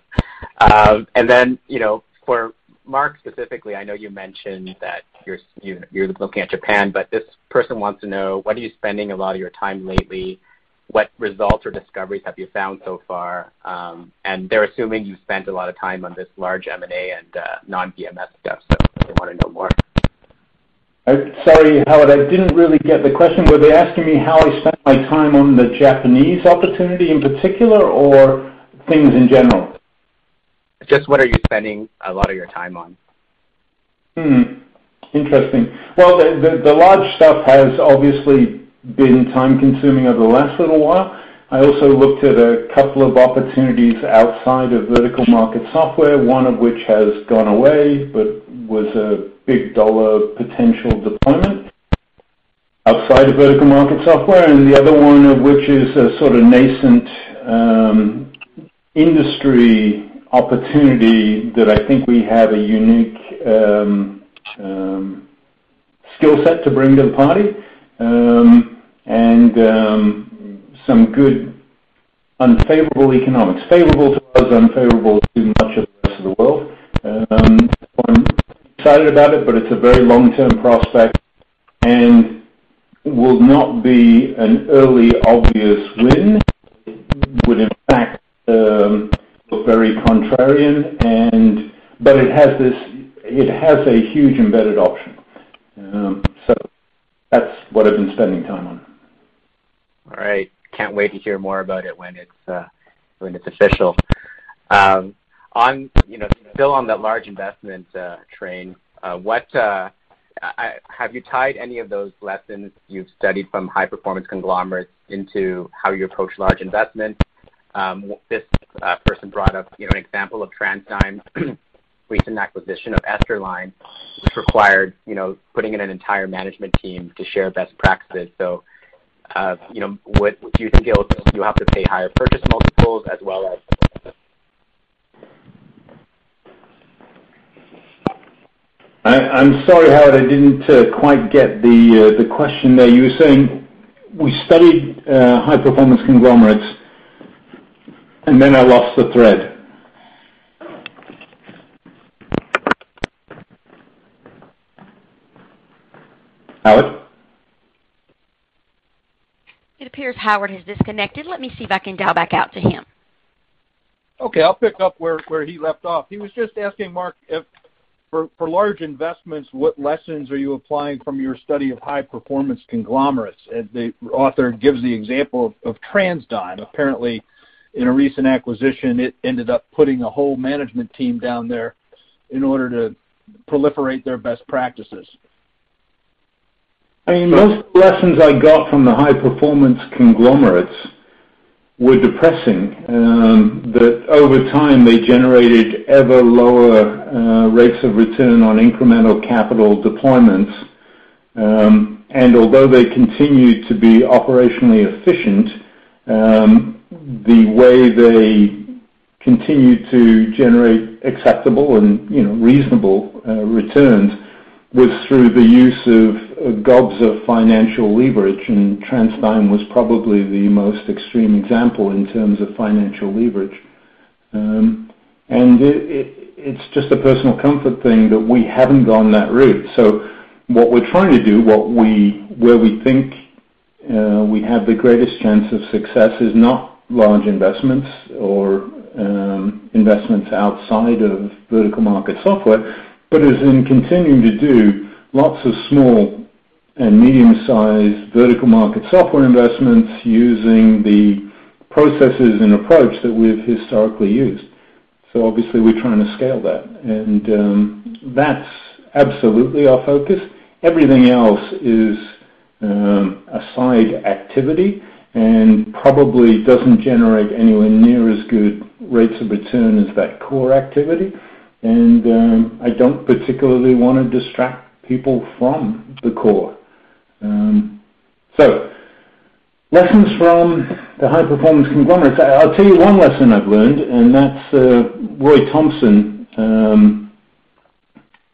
You know, for Mark specifically, I know you mentioned that you're looking at Japan, but this person wants to know, what are you spending a lot of your time lately? What results or discoveries have you found so far? They're assuming you've spent a lot of time on this large M&A and non-VMS stuff, so they want to know more. Sorry, Howard, I didn't really get the question. Were they asking me how I spent my time on the Japanese opportunity in particular or things in general? Just what are you spending a lot of your time on? Hmm. Interesting. Well, the large stuff has obviously been time-consuming over the last little while. I also looked at a couple of opportunities outside of vertical market software. One of which has gone away, but was a big dollar potential deployment outside of vertical market software, and the other one of which is a sort of nascent industry opportunity that I think we have a unique skill set to bring to the party, and some good unfavorable economics. Favorable to us, unfavorable to much of the rest of the world. I'm excited about it, but it's a very long-term prospect and will not be an early obvious win. It would, in fact, look very contrarian and it has a huge embedded option. That's what I've been spending time on. All right. Can't wait to hear more about it when it's, when it's official. On, you know, still on the large investment, train, what Have you tied any of those lessons you've studied from high-performance conglomerates into how you approach large investments? This, person brought up, you know, an example of TransDigm's recent acquisition of Esterline, which required, you know, putting in an entire management team to share best practices. You know, what do you think it'll take? Do you have to pay higher purchase multiples? I'm sorry, Howard, I didn't quite get the question there. You were saying we studied high-performance conglomerates, and then I lost the thread. Howard? It appears Howard has disconnected. Let me see if I can dial back out to him. I'll pick up where he left off. He was just asking Mark if, for large investments, what lessons are you applying from your study of high-performance conglomerates? The author gives the example of TransDigm. Apparently, in a recent acquisition, it ended up putting a whole management team down there in order to proliferate their best practices. I mean, most of the lessons I got from the high-performance conglomerates were depressing. That over time, they generated ever lower rates of return on incremental capital deployments. Although they continued to be operationally efficient, the way they continued to generate acceptable and, you know, reasonable returns was through the use of gobs of financial leverage. TransDigm was probably the most extreme example in terms of financial leverage. It's just a personal comfort thing that we haven't gone that route. What we're trying to do, where we think, we have the greatest chance of success is not large investments or investments outside of vertical market software, but is in continuing to do lots of small and medium-sized vertical market software investments using the processes and approach that we've historically used. Obviously, we're trying to scale that. That's absolutely our focus. Everything else is a side activity and probably doesn't generate anywhere near as good rates of return as that core activity. I don't particularly wanna distract people from the core. Lessons from the high-performance conglomerates. I'll tell you one lesson I've learned, and that's Roy Thomson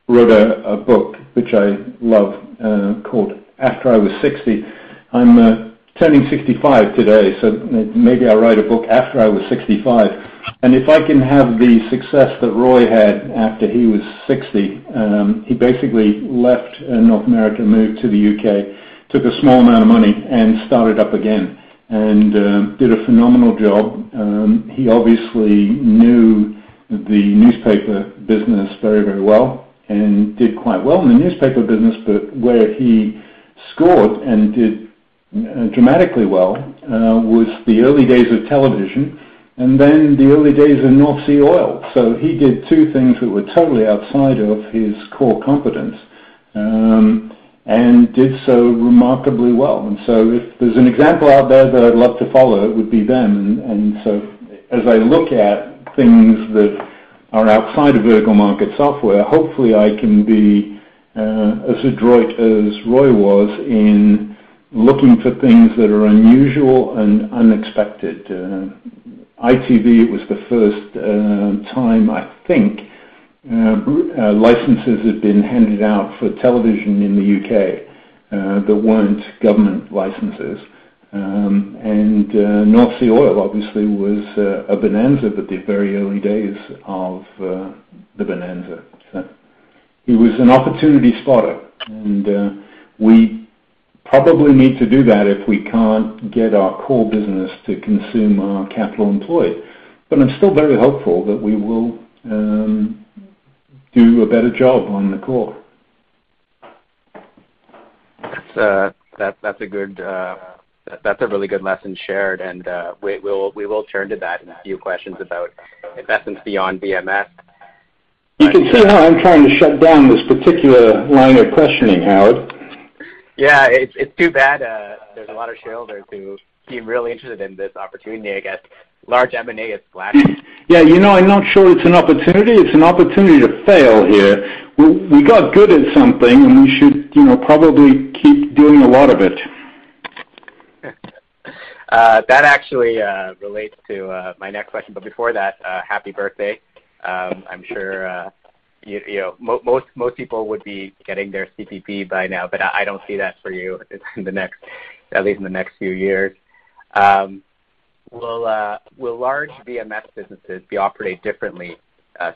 wrote a book which I love called After I Was Sixty. I'm turning 65 today, so maybe I'll write a book After I Was 65. If I can have the success that Roy had after he was 60, he basically left North America, moved to the U.K., took a small amount of money and started up again and did a phenomenal job. He obviously knew the newspaper business very, very well and did quite well in the newspaper business. Where he scored and did dramatically well, was the early days of television and then the early days of North Sea oil. He did two things that were totally outside of his core competence and did so remarkably well. If there's an example out there that I'd love to follow, it would be them. As I look at things that are outside of vertical market software, hopefully, I can be as adroit as Roy was in looking for things that are unusual and unexpected. ITV was the first time I think licenses had been handed out for television in the U.K. that weren't government licenses. North Sea Oil obviously was a bonanza, but the very early days of the bonanza. He was an opportunity spotter, and we probably need to do that if we can't get our core business to consume our capital employed. I'm still very hopeful that we will do a better job on the core. That's a good, that's a really good lesson shared. We will turn to that in a few questions about investments beyond VMS. You can see how I'm trying to shut down this particular line of questioning, Howard. Yeah. It's too bad, there's a lot of shareholders who seem really interested in this opportunity, I guess. Large M&A is flashy. Yeah. You know, I'm not sure it's an opportunity. It's an opportunity to fail here. We got good at something, we should, you know, probably keep doing a lot of it. That actually relates to my next question. Before that, happy birthday. I'm sure, you know, most people would be getting their CPP by now, but I don't see that for you in the next, at least in the next few years. Will large VMS businesses be operated differently,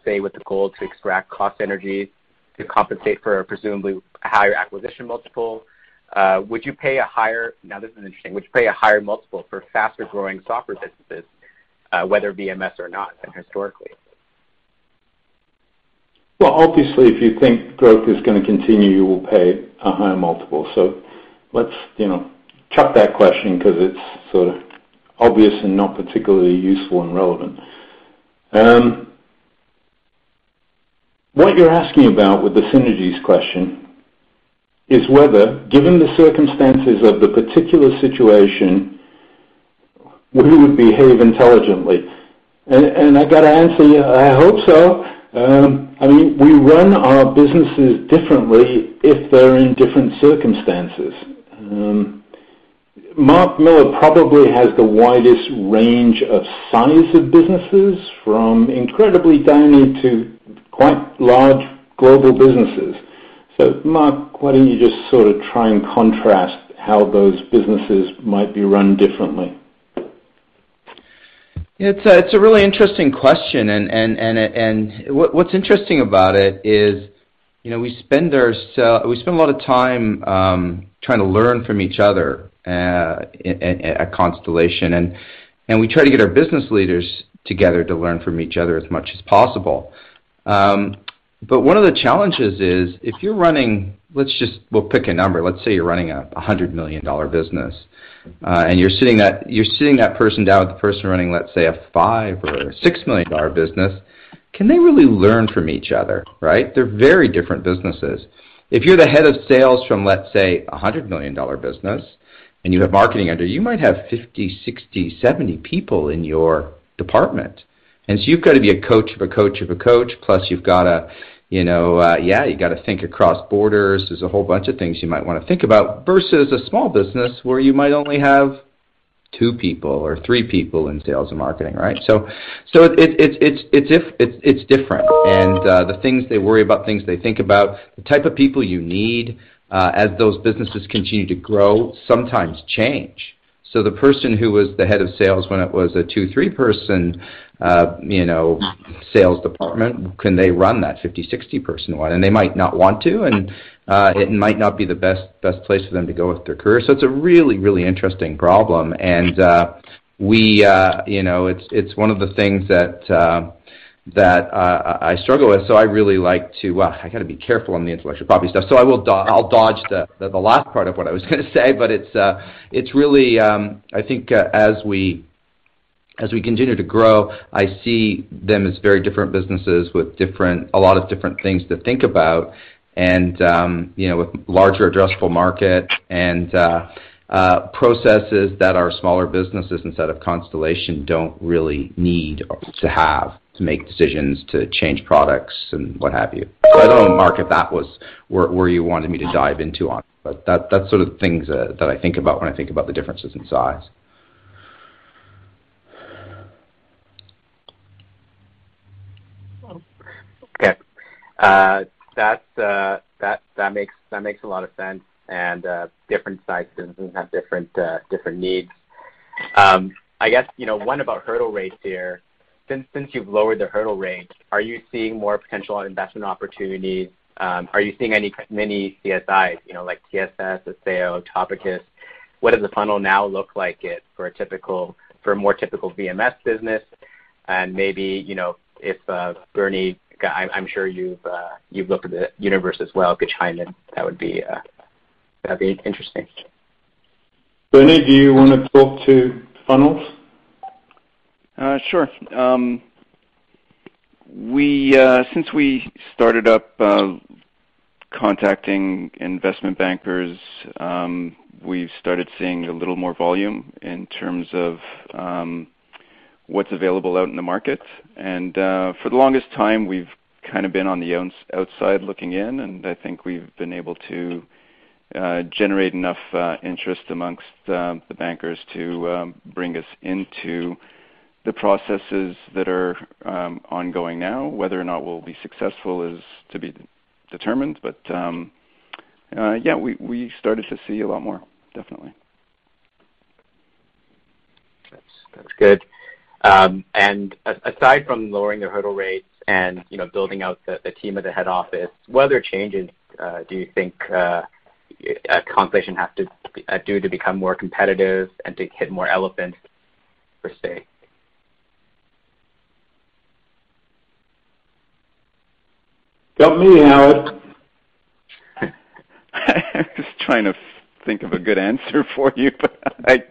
say with the goal to extract cost synergies to compensate for a presumably higher acquisition multiple? Now, this is interesting. Would you pay a higher multiple for faster growing software businesses, whether VMS or not than historically? Well, obviously, if you think growth is gonna continue, you will pay a higher multiple. Let's, you know, chuck that question because it's sort of obvious and not particularly useful and relevant. What you're asking about with the synergies question is whether, given the circumstances of the particular situation, we would behave intelligently. I gotta answer you, I hope so. I mean, we run our businesses differently if they're in different circumstances. Mark Miller probably has the widest range of size of businesses from incredibly tiny to quite large global businesses. Mark, why don't you just sort of try and contrast how those businesses might be run differently? It's a really interesting question. What's interesting about it is, you know, we spend a lot of time trying to learn from each other at Constellation. We try to get our business leaders together to learn from each other as much as possible. One of the challenges is if you're running, we'll pick a number. Let's say you're running a 100 million dollar business, and you're sitting that person down with the person running, let's say, a 5 million or a 6 million dollar business. Can they really learn from each other, right? They're very different businesses. If you're the head of sales from, let's say, a 100 million dollar business, and you have marketing under you might have 50, 60, 70 people in your department. You've got to be a coach of a coach of a coach. You've gotta, you know, you gotta think across borders. There's a whole bunch of things you might wanna think about versus a small business where you might only have two people or three people in sales and marketing, right? It's different. The things they worry about, things they think about, the type of people you need, as those businesses continue to grow sometimes change. The person who was the head of sales when it was a two, three-person, you know, sales department, can they run that 50, 60 person one? They might not want to, and it might not be the best place for them to go with their career. It's a really, really interesting problem. You know, it's one of the things that I struggle with. I gotta be careful on the intellectual property stuff, so I'll dodge the last part of what I was gonna say. It's really, I think, as we continue to grow, I see them as very different businesses with a lot of different things to think about and, you know, with larger addressable market and processes that our smaller businesses instead of Constellation don't really need to have to make decisions to change products and what have you. I don't know, Mark, if that was where you wanted me to dive into on. That's sort of the things that I think about when I think about the differences in size. Okay. That's, that makes a lot of sense. Different sizes and have different needs. I guess, you know, one about hurdle rates here. Since you've lowered the hurdle rates, are you seeing more potential on investment opportunities? Are you seeing any many CSIs, you know, like TSS, Acceo, Topicus? What does the funnel now look like it for a more typical VMS business? Maybe, you know, if Bernie, I'm sure you've looked at the universe as well, could chime in. That would be, that'd be interesting. Bernard Anzarouth, do you wanna talk to funnels? Sure. We, since we started up contacting investment bankers, we've started seeing a little more volume in terms of what's available out in the market. For the longest time, we've kind of been outside looking in, and I think we've been able to generate enough interest amongst the bankers to bring us into the processes that are ongoing now. Whether or not we'll be successful is to be determined, but, yeah, we started to see a lot more, definitely. That's good. Aside from lowering the hurdle rates and, you know, building out the team at the head office, what other changes do you think Constellation have to do to become more competitive and to hit more elephants, per se? Help me, Howard. I'm just trying to think of a good answer for you, but I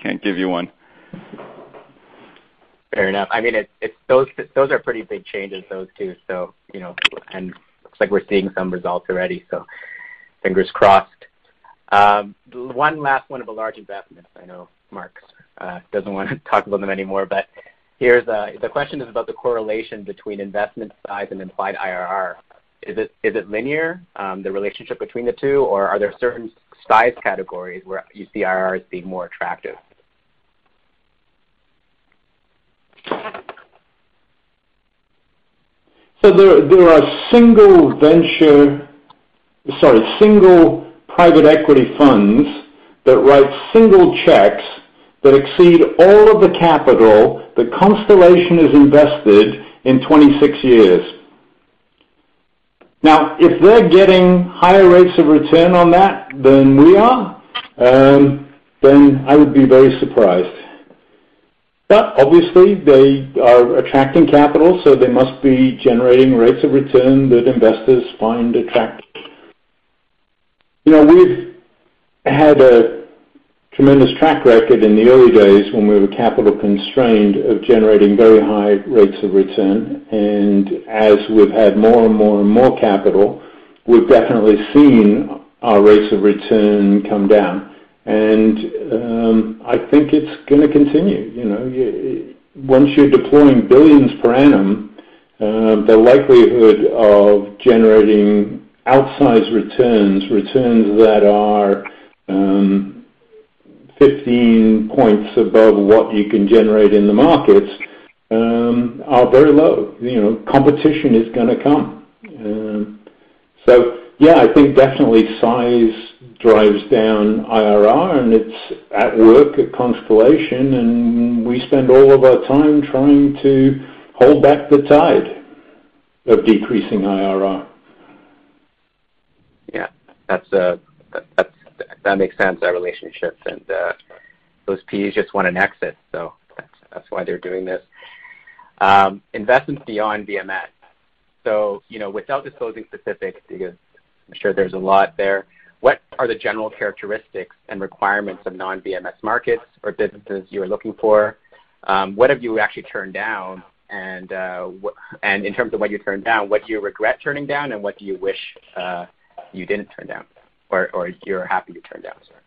can't give you one. Fair enough. I mean, those are pretty big changes, those two. You know, looks like we're seeing some results already. Fingers crossed. One last one of a large investment. I know Mark Leonard doesn't want to talk about them anymore. The question is about the correlation between investment size and implied IRR. Is it linear, the relationship between the two? Are there certain size categories where you see IRRs being more attractive? There are single venture single private equity funds that write single checks that exceed all of the capital that Constellation has invested in 26 years. If they're getting higher rates of return on that than we are, then I would be very surprised. Obviously, they are attracting capital, so they must be generating rates of return that investors find attractive. You know, we've had a tremendous track record in the early days when we were capital constrained of generating very high rates of return. As we've had more and more and more capital, we've definitely seen our rates of return come down. I think it's gonna continue. You know, once you're deploying billions per annum, the likelihood of generating outsized returns that are 15 points above what you can generate in the markets, are very low. You know, competition is gonna come. Yeah, I think definitely size drives down IRR, and it's at work at Constellation, and we spend all of our time trying to hold back the tide of decreasing IRR. That makes sense, that relationship, those PEs just want an exit, that's why they're doing this. Investments beyond VMS. You know, without disclosing specifics, because I'm sure there's a lot there, what are the general characteristics and requirements of non-VMS markets or businesses you're looking for? What have you actually turned down? In terms of what you turned down, what do you regret turning down, and what do you wish you didn't turn down? Or you're happy you turned down, sorry.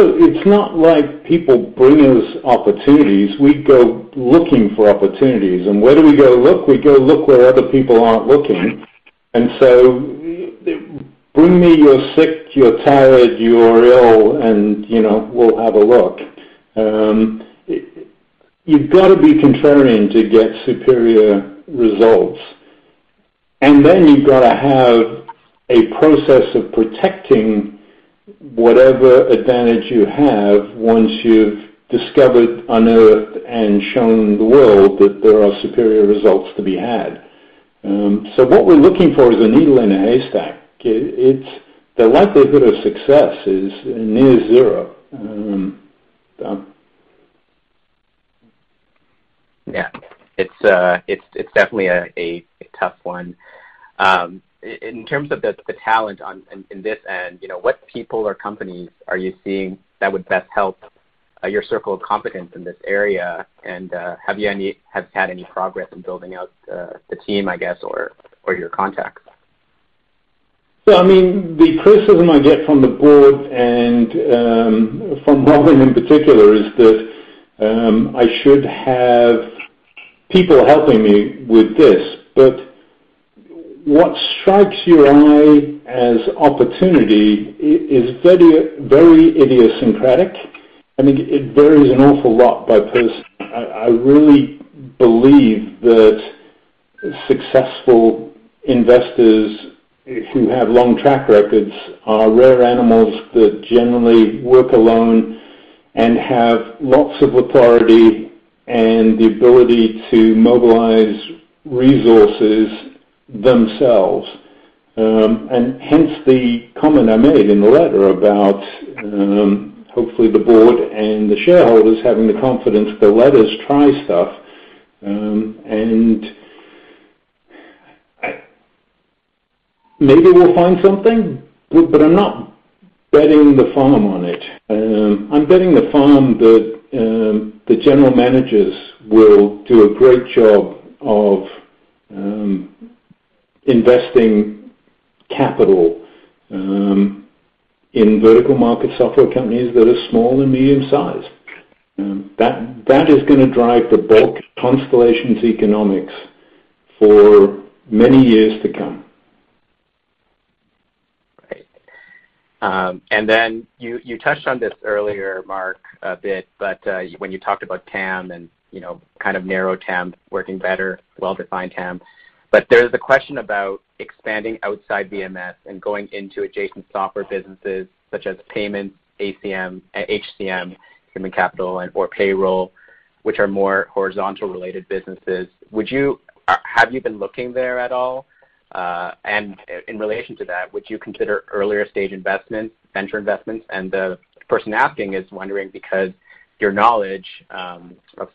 It's not like people bring us opportunities. We go looking for opportunities. Where do we go look? We go look where other people aren't looking. Bring me your sick, your tired, your ill, and, you know, we'll have a look. You've got to be contrarian to get superior results. You've got to have a process of protecting whatever advantage you have once you've discovered, unearthed, and shown the world that there are superior results to be had. What we're looking for is a needle in a haystack. The likelihood of success is near zero. Done. Yeah. It's definitely a tough one. In terms of the talent in this end, you know, what people or companies are you seeing that would best help your circle of competence in this area? Have you had any progress in building out the team, I guess, or your contacts? I mean, the criticism I get from the board and from Robin in particular is that I should have people helping me with this. What strikes your eye as opportunity is very, very idiosyncratic. I mean, it varies an awful lot by person. I really believe that successful investors, if you have long track records, are rare animals that generally work alone and have lots of authority and the ability to mobilize resources themselves. Hence, the comment I made in the letter about hopefully the board and the shareholders having the confidence to let us try stuff. I Maybe we'll find something, but I'm not betting the farm on it. I'm betting the farm that the general managers will do a great job of investing capital in vertical market software companies that are small and medium-sized. That is gonna drive the bulk of Constellation's economics for many years to come. Right. Then you touched on this earlier, Mark, a bit, but when you talked about TAM and, you know, kind of narrow TAM working better, well-defined TAM. There's a question about expanding outside VMS and going into adjacent software businesses such as payments, ACM, HCM, human capital and/or payroll, which are more horizontal-related businesses. Have you been looking there at all? In relation to that, would you consider earlier-stage investments, venture investments? The person asking is wondering because your knowledge of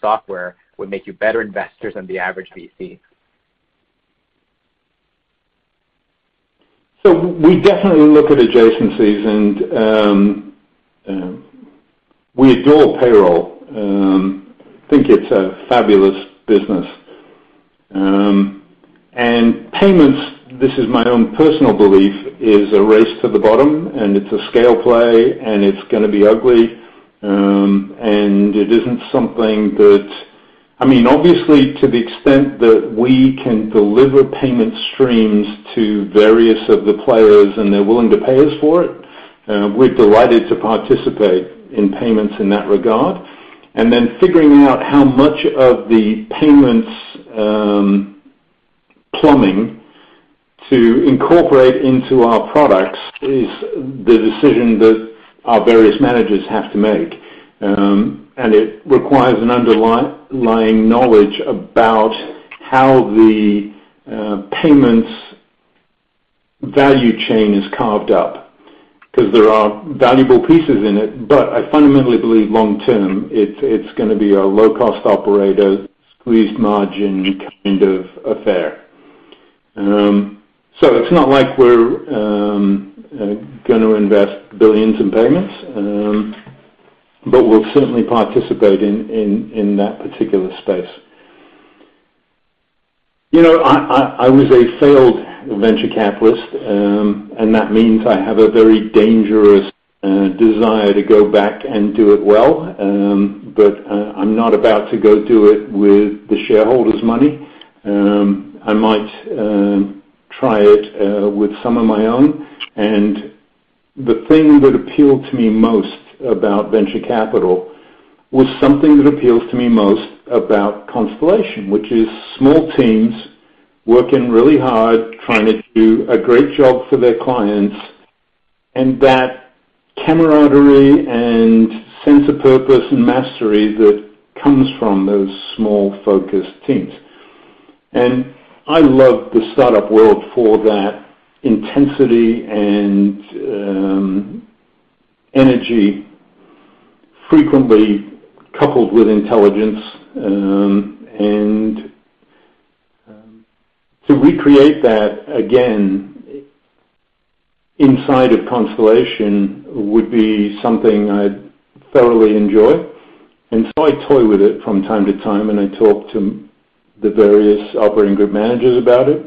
software would make you better investors than the average VC. We definitely look at adjacencies, and we adore payroll. Think it's a fabulous business. Payments, this is my own personal belief, is a race to the bottom, and it's a scale play, and it's gonna be ugly. It isn't something that I mean, obviously, to the extent that we can deliver payment streams to various of the players and they're willing to pay us for it, we're delighted to participate in payments in that regard. Then figuring out how much of the payments plumbing to incorporate into our products is the decision that our various managers have to make. It requires an underlying knowledge about how the payments value chain is carved up. 'Cause there are valuable pieces in it, but I fundamentally believe long-term, it's gonna be a low-cost operator, squeezed margin kind of affair. It's not like we're gonna invest billions in payments, but we'll certainly participate in that particular space. You know, I was a failed venture capitalist, that means I have a very dangerous desire to go back and do it well. I'm not about to go do it with the shareholders' money. I might try it with some of my own. The thing that appealed to me most about venture capital was something that appeals to me most about Constellation, which is small teams working really hard, trying to do a great job for their clients, and that camaraderie and sense of purpose and mastery that comes from those small focused teams. I love the startup world for that intensity and energy frequently coupled with intelligence. To recreate that again inside of Constellation would be something I'd thoroughly enjoy. I toy with it from time to time, and I talk to the various operating group managers about it.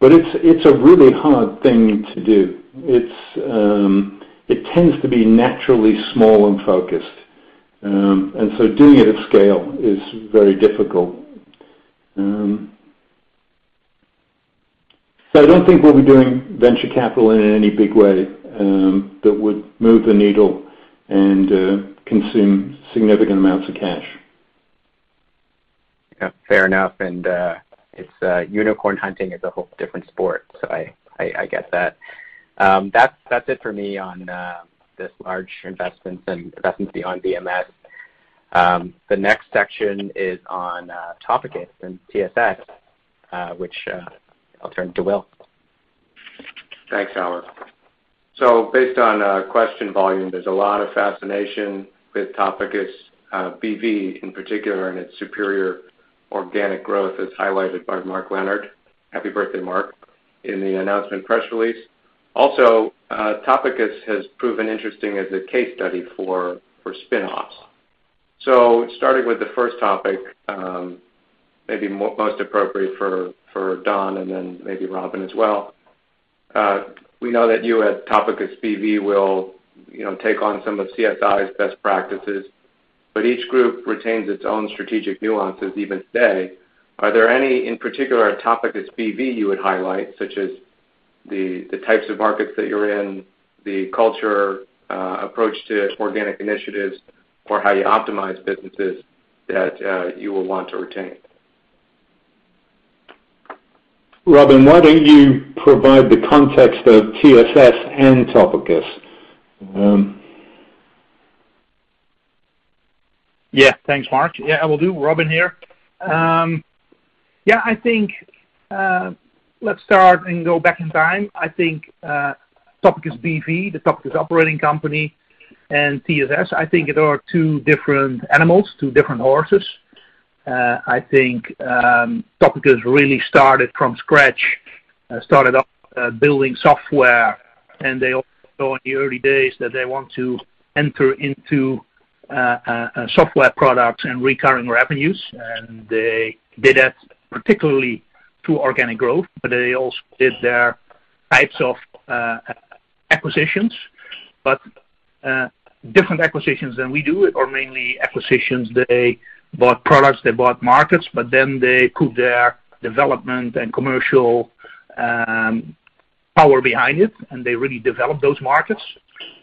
It's, it's a really hard thing to do. It tends to be naturally small and focused. Doing it at scale is very difficult. I don't think we'll be doing venture capital in any big way that would move the needle and consume significant amounts of cash. Yeah, fair enough. It's unicorn hunting is a whole different sport, so I get that. That's it for me on this large investments and investments beyond VMS. The next section is on Topicus and TSS, which I'll turn to Will. Thanks, Howard. Based on question volume, there's a lot of fascination with Topicus.com BV in particular, and its superior organic growth as highlighted by Mark Leonard. Happy birthday, Mark. In the announcement press release. Topicus.com has proven interesting as a case study for spin-offs. Starting with the first topic, maybe most appropriate for Daan and then maybe Robin as well. We know that you at Topicus.com BV will, you know, take on some of CSI's best practices, but each group retains its own strategic nuances even today. Are there any, in particular at Topicus.com BV, you would highlight, such as the types of markets that you're in, the culture, approach to organic initiatives or how you optimize businesses that you will want to retain? Robin, why don't you provide the context of TSS and Topicus? Thanks, Mark. I will do. Robin here. I think, let's start and go back in time. I think Topicus B.V., the Topicus operating company and TSS, I think they are two different animals, two different horses. I think Topicus really started from scratch, started up, building software, and they also in the early days that they want to enter into software products and recurring revenues. They did that particularly through organic growth, but they also did their types of acquisitions. Different acquisitions than we do or mainly acquisitions. They bought products, they bought markets, then they put their development and commercial power behind it, and they really developed those markets.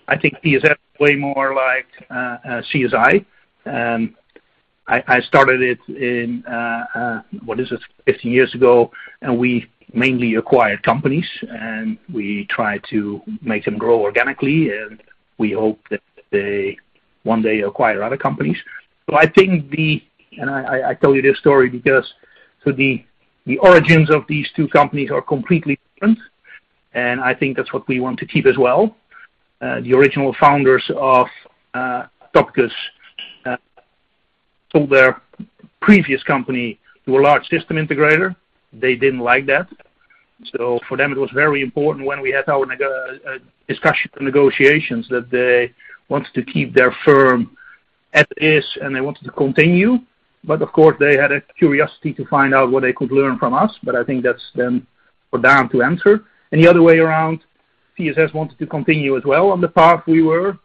I think TSS is way more like CSI. I started it in, what is it, 15 years ago. We mainly acquired companies. We try to make them grow organically. We hope that they one day acquire other companies. I tell you this story because the origins of these two companies are completely different. I think that's what we want to keep as well. The original founders of Topicus sold their previous company to a large system integrator. They didn't like that. For them, it was very important when we had our discussion negotiations that they wanted to keep their firm as is and they wanted to continue. Of course, they had a curiosity to find out what they could learn from us. I think that's then for Daan to answer. The other way around, TSS wanted to continue as well on the path we were,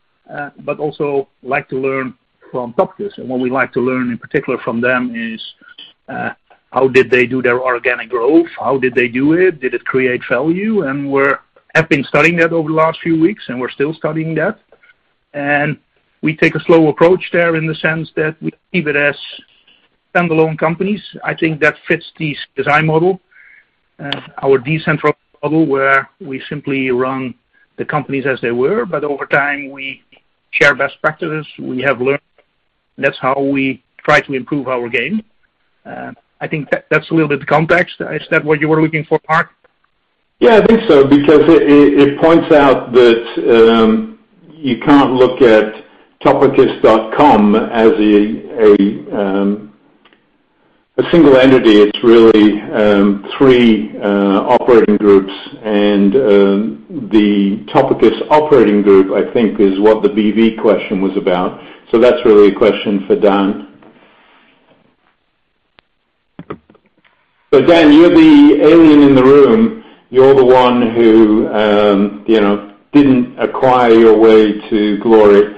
but also like to learn from Topicus. What we like to learn in particular from them is, how did they do their organic growth? How did they do it? Did it create value? We have been studying that over the last few weeks, and we are still studying that. We take a slow approach there in the sense that we keep it as standalone companies. I think that fits the CSI model, our decentralized model, where we simply run the companies as they were, but over time, we share best practices we have learned. That's how we try to improve our game. I think that's a little bit of context. Is that what you were looking for, Mark? I think so, because it points out that you can't look at Topicus.com as a single entity. It's really three operating groups and the Topicus operating group, I think, is what the BV question was about. That's really a question for Daan. Daan, you're the alien in the room. You're the one who, you know, didn't acquire your way to glory.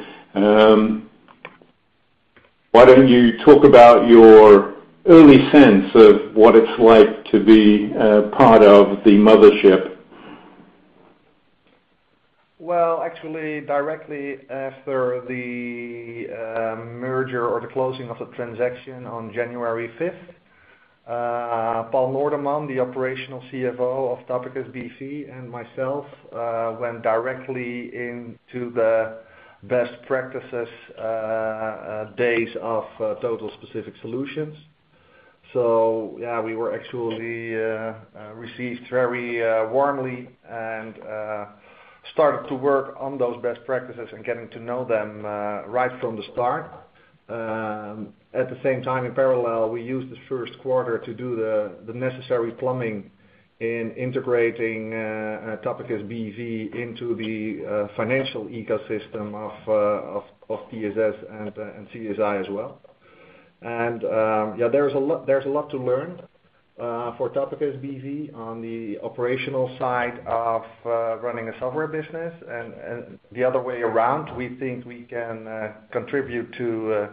Why don't you talk about your early sense of what it's like to be part of the mothership? Well, actually, directly after the merger or the closing of the transaction on January 5th, Paul Noordam, the operational Chief Financial Officer of Topicus.com B.V., and myself, went directly into the best practices days of Total Specific Solutions. Yeah, we were actually received very warmly and started to work on those best practices and getting to know them right from the start. At the same time, in parallel, we used the first quarter to do the necessary plumbing in integrating Topicus.com B.V. into the financial ecosystem of TSS and CSI as well. Yeah, there's a lot to learn for Topicus.com B.V. on the operational side of running a software business and the other way around, we think we can contribute to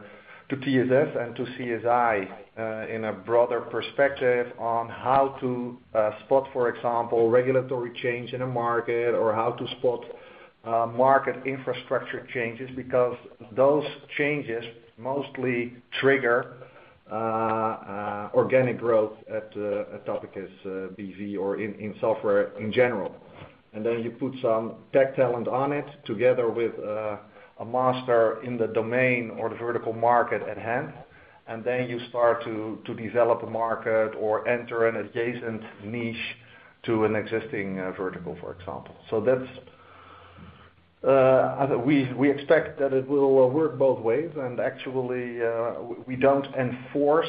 TSS and to CSI in a broader perspective on how to spot, for example, regulatory change in a market or how to spot market infrastructure changes, because those changes mostly trigger organic growth at Topicus.com B.V. or in software in general. You put some tech talent on it together with a master in the domain or the vertical market at hand, you start to develop a market or enter an adjacent niche to an existing vertical, for example. That's, we expect that it will work both ways. Actually, we don't enforce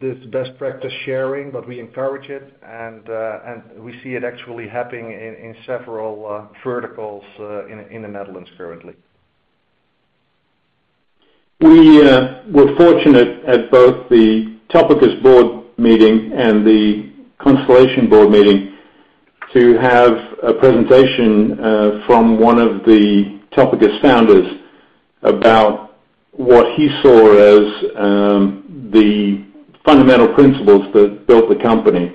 this best practice sharing, but we encourage it. We see it actually happening in several verticals in the Netherlands currently. We were fortunate at both the Topicus board meeting and the Constellation board meeting to have a presentation from one of the Topicus founders about what he saw as the fundamental principles that built the company.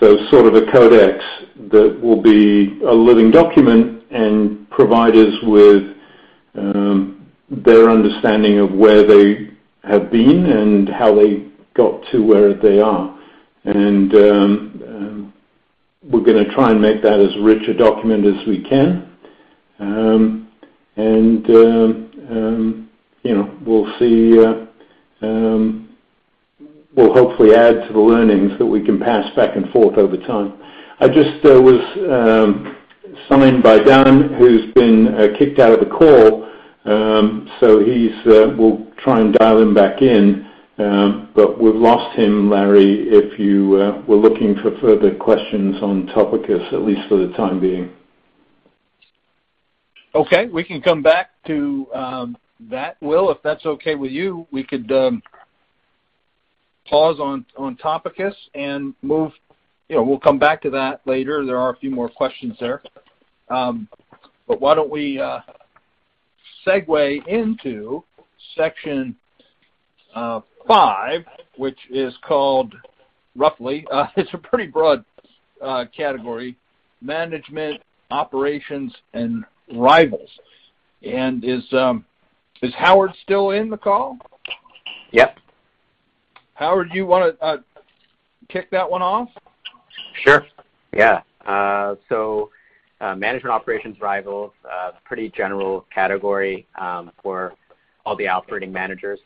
Sort of a codex that will be a living document and provide us with their understanding of where they have been and how they got to where they are. We're gonna try and make that as rich a document as we can. You know, we'll see. We'll hopefully add to the learnings that we can pass back and forth over time. I just was signed by Daan, who's been kicked out of the call. He's, we'll try and dial him back in. We've lost him, Larry, if you were looking for further questions on Topicus, at least for the time being. Okay. We can come back to that, Will, if that's okay with you. We could pause on Topicus. You know, we'll come back to that later. There are a few more questions there. Why don't we segue into section five, which is called roughly, it's a pretty broad category, management, operations and rivals. Is Howard still in the call? Yep. Howard, do you wanna, kick that one off? Sure, yeah. Management operations rivals, pretty general category, for all the operating managers.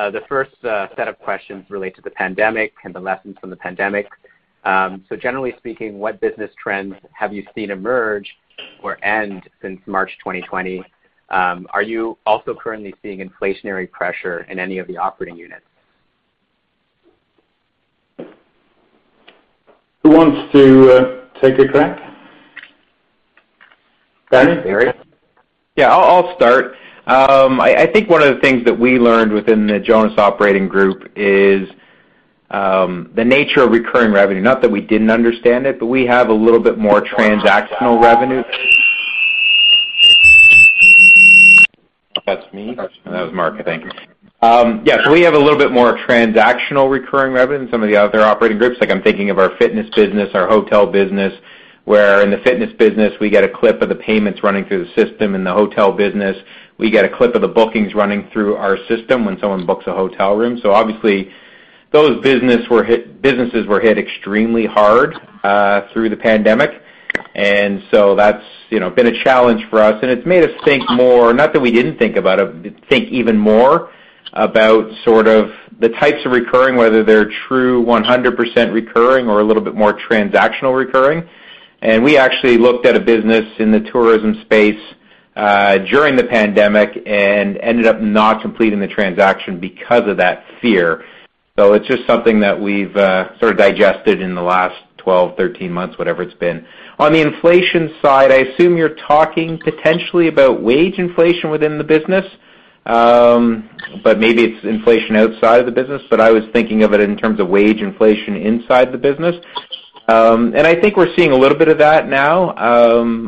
The first set of questions relate to the pandemic and the lessons from the pandemic. Generally speaking, what business trends have you seen emerge or end since March 2020? Are you also currently seeing inflationary pressure in any of the operating units? Who wants to, take a crack? Bernie? Barry? Yeah, I'll start. I think one of the things that we learned within the Jonas Operating Group is the nature of recurring revenue, not that we didn't understand it, but we have a little bit more transactional revenue. That's me. That's- That was Mark, I think. Yeah, we have a little bit more transactional recurring revenue than some of the other operating groups, like I'm thinking of our fitness business, our hotel business, where in the fitness business we get a clip of the payments running through the system. In the hotel business, we get a clip of the bookings running through our system when someone books a hotel room. Obviously, those businesses were hit extremely hard through the pandemic. That's, you know, been a challenge for us, and it's made us think more, not that we didn't think about it, but think even more about sort of the types of recurring, whether they're true 100% recurring or a little bit more transactional recurring. We actually looked at a business in the tourism space during the pandemic and ended up not completing the transaction because of that fear. It's just something that we've sort of digested in the last 12, 13 months, whatever it's been. On the inflation side, I assume you're talking potentially about wage inflation within the business. But maybe it's inflation outside of the business, but I was thinking of it in terms of wage inflation inside the business. I think we're seeing a little bit of that now.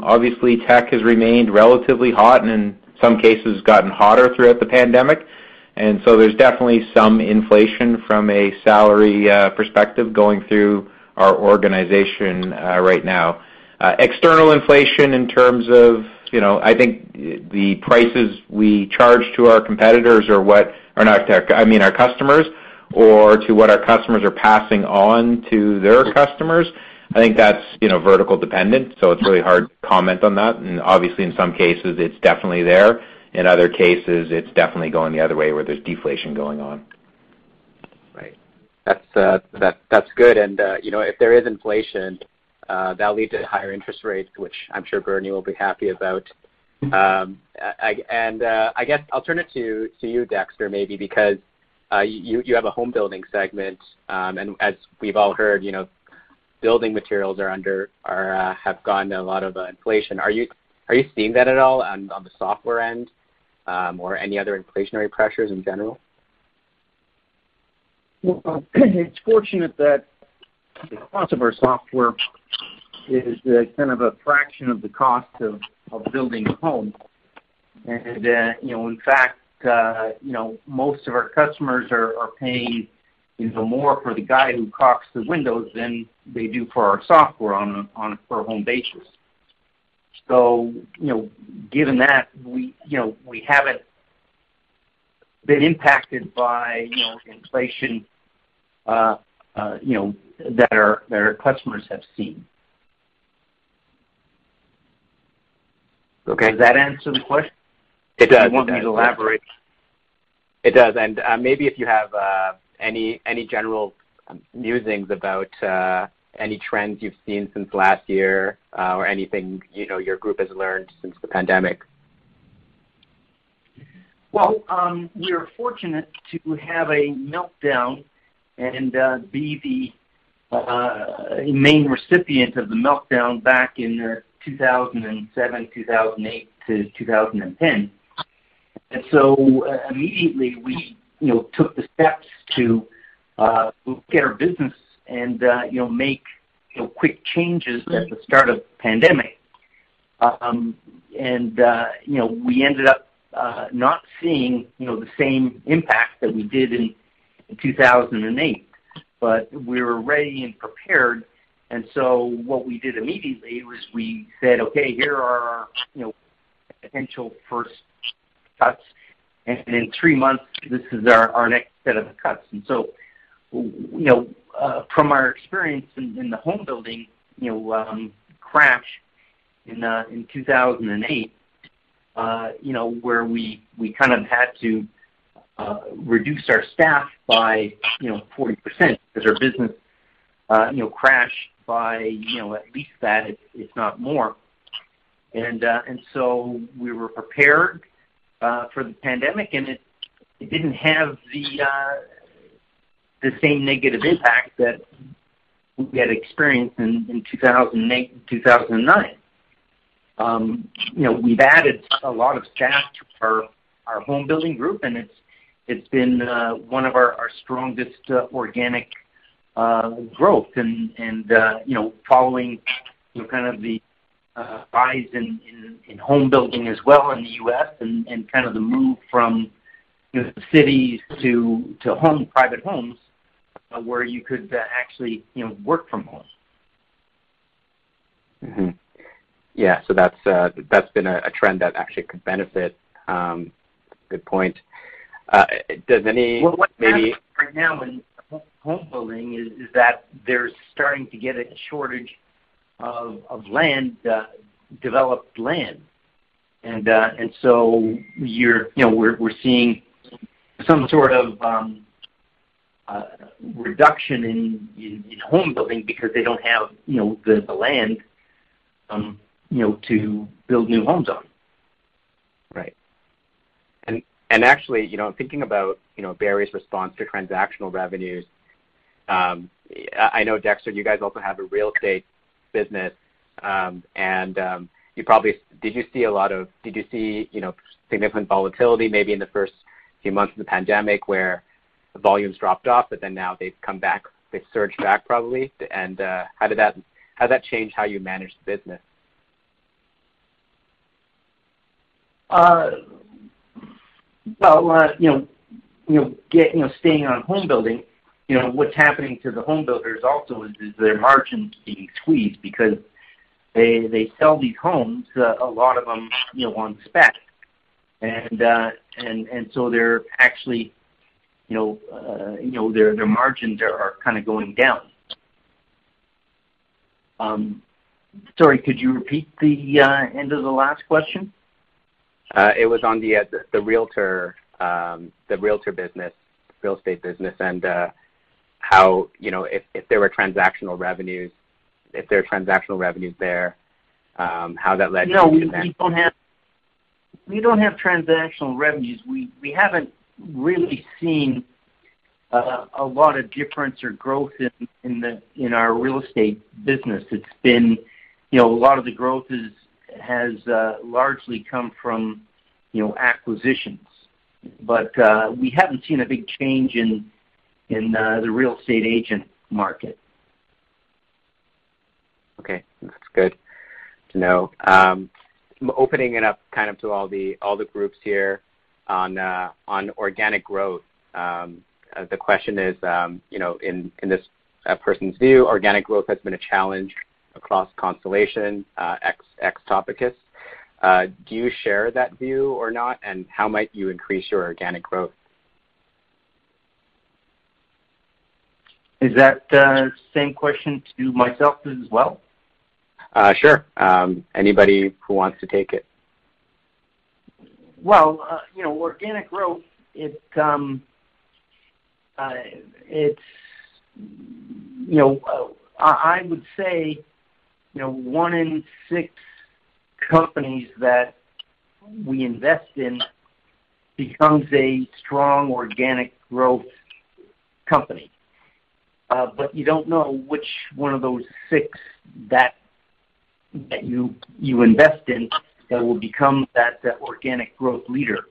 Obviously, tech has remained relatively hot and in some cases gotten hotter throughout the pandemic. There's definitely some inflation from a salary perspective going through our organization right now. External inflation in terms of, you know, I think the prices we charge to our competitors are what or not I mean our customers or to what our customers are passing on to their customers. I think that's, you know, vertical dependent, so it's really hard to comment on that. Obviously, in some cases, it's definitely there. In other cases, it's definitely going the other way, where there's deflation going on. Right. That's good. You know, if there is inflation, that leads to higher interest rates, which I'm sure Bernie Anzarouth will be happy about. I guess I'll turn it to you, Dexter Salna, maybe because you have a home building segment. As we've all heard, you know, building materials have gone a lot of inflation. Are you seeing that at all on the software end, or any other inflationary pressures in general? Well, it's fortunate that the cost of our software is kind of a fraction of the cost of building a home. You know, in fact, you know, most of our customers are paying even more for the guy who caulks the windows than they do for our software on a per home basis. You know, given that we, you know, we haven't been impacted by, you know, inflation, you know, that our customers have seen. Okay. Does that answer the question? It does. It does. If you want me to elaborate. It does. Maybe if you have any general musings about any trends you've seen since last year, or anything, you know, your group has learned since the pandemic? Well, we were fortunate to have a meltdown and be the main recipient of the meltdown back in 2007, 2008-2010. Immediately, we, you know, took the steps to get our business and, you know, make, you know, quick changes at the start of the pandemic. We ended up not seeing, you know, the same impact that we did in 2008. We were ready and prepared, and so what we did immediately was we said, "Okay, here are our, you know, potential first cuts, and in three months, this is our next set of cuts." You know, from our experience in the home building, you know, crash in 2008, you know, where we kind of had to reduce our staff by 40% 'cause our business, you know, crashed by, you know, at least that, if not more. We were prepared for the pandemic, and it didn't have the same negative impact that we had experienced in 2008 and 2009. You know, we've added a lot of staff to our home building group, and it's been one of our strongest organic growth and, you know, following, you know, kind of the rise in home building as well in the U.S. and kind of the move from, you know, the cities to home, private homes, where you could, actually, you know, work from home. Yeah. That's been a trend that actually could benefit. Good point. Does any Well, what's happening right now in home building is that they're starting to get a shortage of land, developed land. You know, we're seeing some sort of reduction in home building because they don't have, you know, the land, you know, to build new homes on. Right. Actually, you know, thinking about, you know, Barry's response to transactional revenues, I know Dexter, you guys also have a real estate business, and you probably did you see a lot of Did you see, you know, significant volatility maybe in the first few months of the pandemic where the volumes dropped off, but then now they've come back, they've surged back probably? How'd that change how you managed the business? Well, you know, you know, staying on home building, you know, what's happening to the home builders also is their margins being squeezed because they sell these homes, a lot of them, you know, on spec. So they're actually, you know, you know, their margins are kind of going down. Sorry, could you repeat the end of the last question? It was on the realtor business, real estate business, and how, you know, if there were transactional revenues, if there are transactional revenues there, how that led to. No, we don't have transactional revenues. We haven't really seen a lot of difference or growth in our real estate business. It's been, you know, a lot of the growth has largely come from, you know, acquisitions. We haven't seen a big change in the real estate agent market. Okay. That's good to know. I'm opening it up kind of to all the groups here on organic growth. The question is, you know, in this person's view, organic growth has been a challenge across Constellation, ex Topicus. Do you share that view or not, and how might you increase your organic growth? Is that same question to myself as well? Sure. Anybody who wants to take it. Well, you know, organic growth, it's, you know, I would say, you know, one in six companies that we invest in becomes a strong organic growth company. But you don't know which one of those six you invest in that will become that organic growth leader.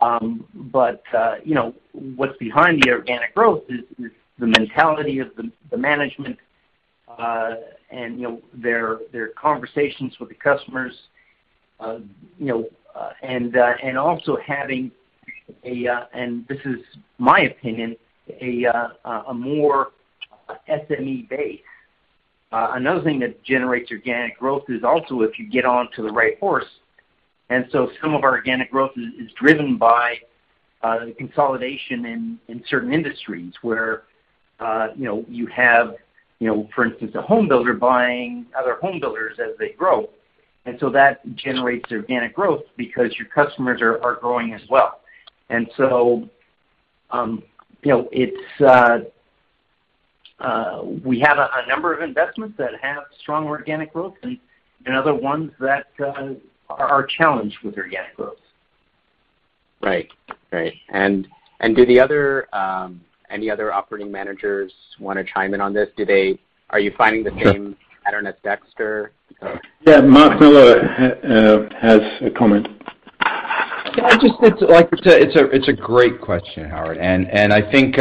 But, you know, what's behind the organic growth is the mentality of the management, and, you know, their conversations with the customers, you know, and also having a and this is my opinion, a more SME base. Another thing that generates organic growth is also if you get onto the right horse. Some of our organic growth is driven by consolidation in certain industries where you have, for instance, a home builder buying other home builders as they grow. That generates organic growth because your customers are growing as well. You know, it's, we have a number of investments that have strong organic growth and other ones that are challenged with organic growth. Right. Right. Do the other any other operating managers wanna chime in on this? Are you finding the same pattern as Dexter? Yeah, Mark Miller has a comment. Yeah, I just, it's like it's a great question, Howard. I think,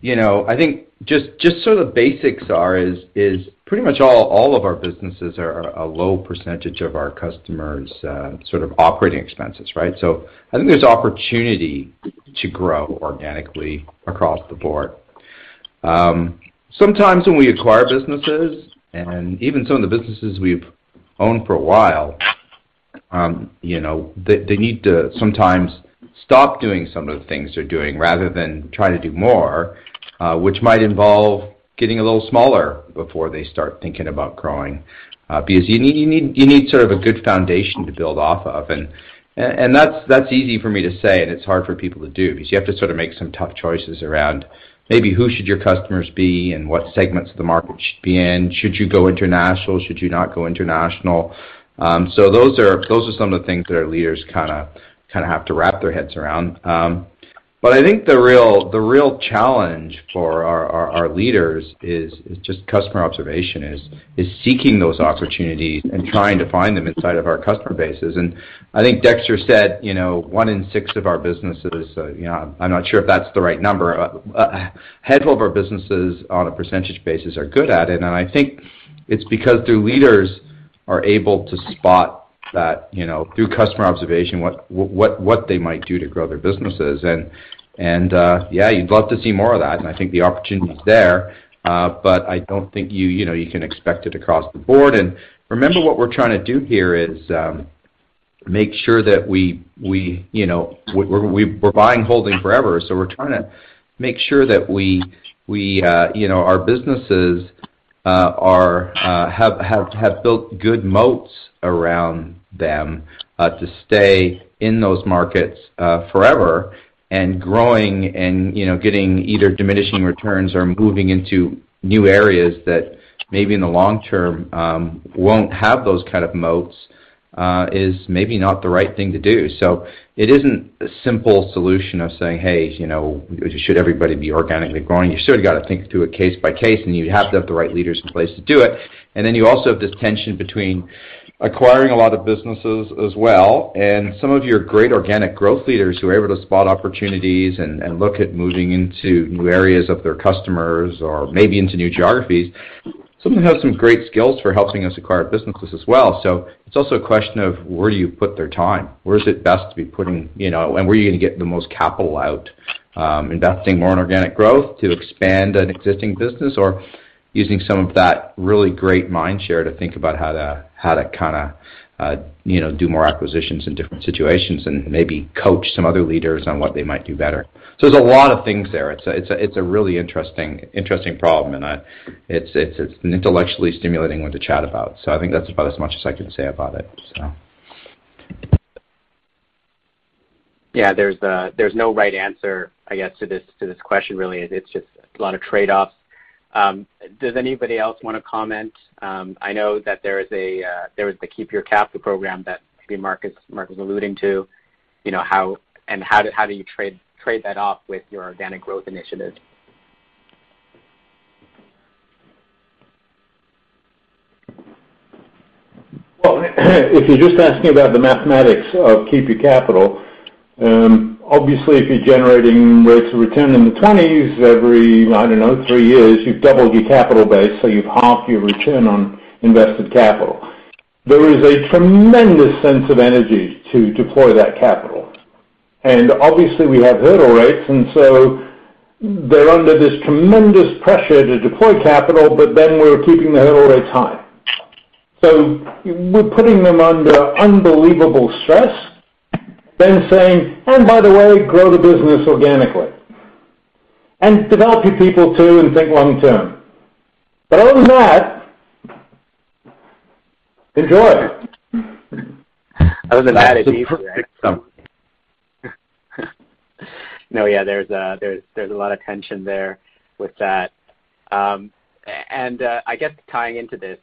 you know, I think just sort of the basics are is pretty much all of our businesses are a low percentage of our customers' sort of operating expenses, right? I think there's opportunity to grow organically across the board. Sometimes when we acquire businesses, and even some of the businesses we've owned for a while, you know, they need to sometimes stop doing some of the things they're doing rather than try to do more, which might involve getting a little smaller before they start thinking about growing. Because you need sort of a good foundation to build off of. That's easy for me to say and it's hard for people to do because you have to sort of make some tough choices around maybe who should your customers be and what segments of the market you should be in. Should you go international? Should you not go international? Those are some of the things that our leaders kinda have to wrap their heads around. I think the real challenge for our leaders is just customer observation, is seeking those opportunities and trying to find them inside of our customer bases. I think Dexter said, you know, one in six of our businesses, you know, I'm not sure if that's the right number. Handful of our businesses on a percentage basis are good at it, and I think it's because their leaders are able to spot that, you know, through customer observation, what they might do to grow their businesses. Yeah, you'd love to see more of that, and I think the opportunity's there. I don't think you know, you can expect it across the board. Remember what we're trying to do here is make sure that we, you know, we're buying and holding forever. We're trying to make sure that we, you know, our businesses are have built good moats around them, to stay in those markets, forever and growing and, you know, getting either diminishing returns or moving into new areas that maybe in the long term, won't have those kind of moats, is maybe not the right thing to do. It isn't a simple solution of saying, hey, you know, should everybody be organically growing? You sort of gotta think through it case by case, and you have to have the right leaders in place to do it. You also have this tension between acquiring a lot of businesses as well and some of your great organic growth leaders who are able to spot opportunities and look at moving into new areas of their customers or maybe into new geographies. Some of them have some great skills for helping us acquire businesses as well. It's also a question of where do you put their time? Where is it best to be putting, you know, and where are you gonna get the most capital out, investing more in organic growth to expand an existing business or using some of that really great mind share to think about how to kinda, you know, do more acquisitions in different situations and maybe coach some other leaders on what they might do better? There's a lot of things there. It's a really interesting problem. It's an intellectually stimulating one to chat about. I think that's about as much as I can say about it. There's no right answer, I guess, to this question really. It's just a lot of trade-offs. Does anybody else wanna comment? I know that there is a, there was the Keep Your Capital program that maybe Mark was alluding to, you know, how and how do you trade that off with your organic growth initiative? If you're just asking about the mathematics of Keep Your Capital, if you're generating rates of return in the 20s every, I don't know, three years, you've doubled your capital base, you've halved your return on invested capital. There is a tremendous sense of energy to deploy that capital. We have hurdle rates, they're under this tremendous pressure to deploy capital, we're keeping the hurdle rates high. We're putting them under unbelievable stress, saying, "Grow the business organically, develop your people too, think long term." Enjoy. Other than that, it's easy, right? That's a perfect summary. No, yeah. There's a lot of tension there with that. I guess tying into this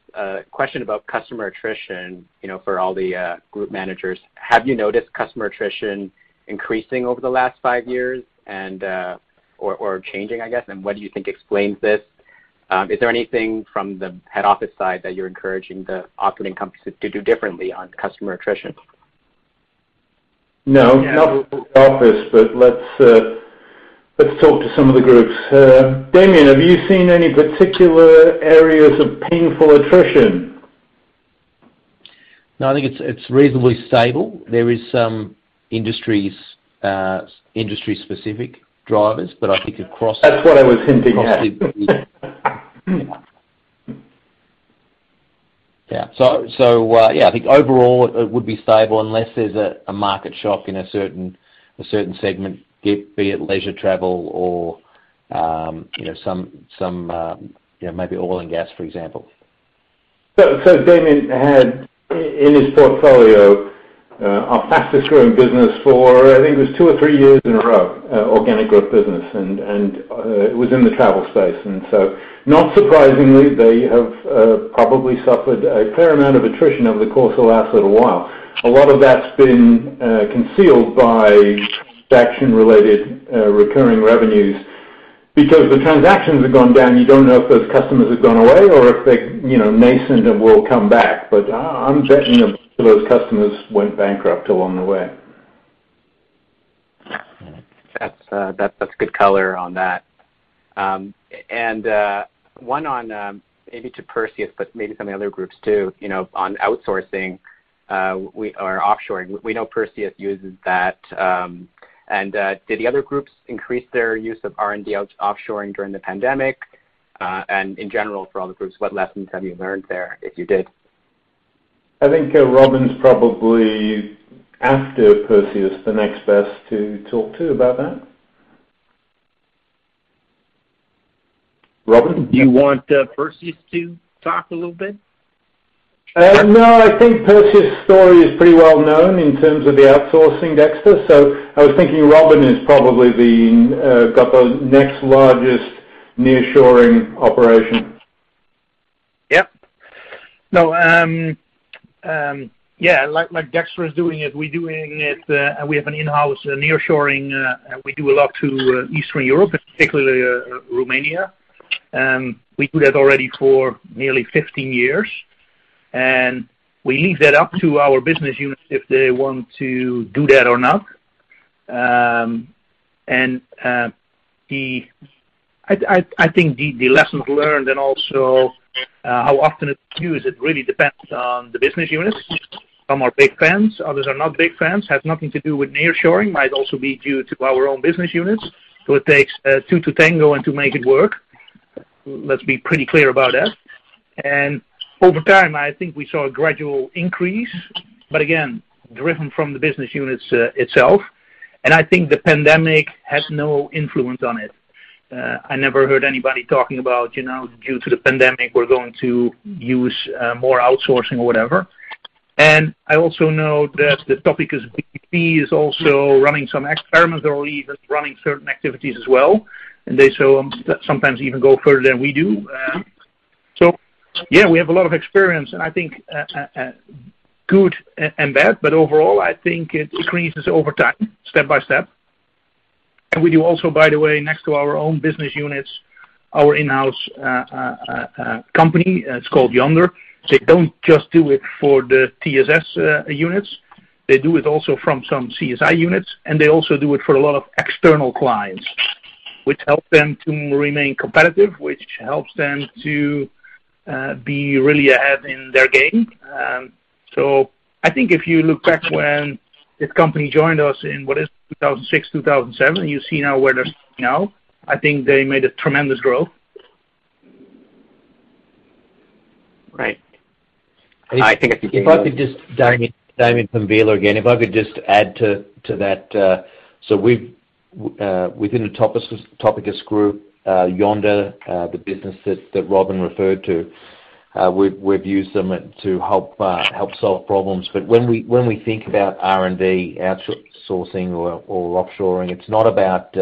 question about customer attrition, you know, for all the group managers. Have you noticed customer attrition increasing over the last five years or changing, I guess? What do you think explains this? Is there anything from the head office side that you're encouraging the operating companies to do differently on customer attrition? No. Not office. Let's talk to some of the groups. Damian, have you seen any particular areas of painful attrition? No, I think it's reasonably stable. There is some industries, industry-specific drivers, but I think across. That's what I was hinting at. Yeah. Yeah. I think overall it would be stable unless there's a market shock in a certain segment, be it leisure travel or, you know, some, you know, maybe oil and gas, for example. Damian had in his portfolio, our fastest growing business for I think it was two or three years in a row, organic growth business and it was in the travel space. Not surprisingly, they have probably suffered a fair amount of attrition over the course of the last little while. A lot of that's been concealed by transaction-related recurring revenues. The transactions have gone down, you don't know if those customers have gone away or if they, you know, nascent and will come back. I'm betting, you know, those customers went bankrupt along the way. That's good color on that. One on, maybe to Perseus, but maybe some of the other groups too, you know, on outsourcing or offshoring. We know Perseus uses that, and did the other groups increase their use of R&D out-offshoring during the pandemic? In general for all the groups, what lessons have you learned there, if you did? I think Robin's probably, after Perseus, the next best to talk to about that. Robin? Do you want, Perseus to talk a little bit? No. I think Perseus' story is pretty well known in terms of the outsourcing, Dexter. I was thinking Robin is probably the got the next largest nearshoring operation. Yep. No, Dexter is doing it, we're doing it, and we have an in-house nearshoring, and we do a lot to Eastern Europe, particularly Romania. We do that already for nearly 15 years, and we leave that up to our business units if they want to do that or not. I think the lessons learned and also how often it's used, it really depends on the business units. Some are big fans, others are not big fans. Has nothing to do with nearshoring, might also be due to our own business units. It takes two to tango and to make it work. Let's be pretty clear about that. Over time, I think we saw a gradual increase, but again, driven from the business units itself. I think the pandemic has no influence on it. I never heard anybody talking about, you know, due to the pandemic, we're going to use more outsourcing or whatever. I also know that Topicus.com B.V. is also running some experiments or even running certain activities as well, and they sometimes even go further than we do. Yeah, we have a lot of experience, and I think good and bad, but overall, I think it increases over time, step by step. We do also, by the way, next to our own business units, our in-house company, it's called Yonder. They don't just do it for the TSS units. They do it also from some CSI units. They also do it for a lot of external clients, which help them to remain competitive, which helps them to be really ahead in their game. I think if you look back when this company joined us in, what is it, 2006, 2007, you see now where they are now. I think they made a tremendous growth. Right. I think I can take those. If I could just Damian from Vela again. If I could just add to that. We've within the Topicus group, Yonder, the business that Robin referred to, we've used them to help solve problems. When we think about R&D outsourcing or offshoring, it's not about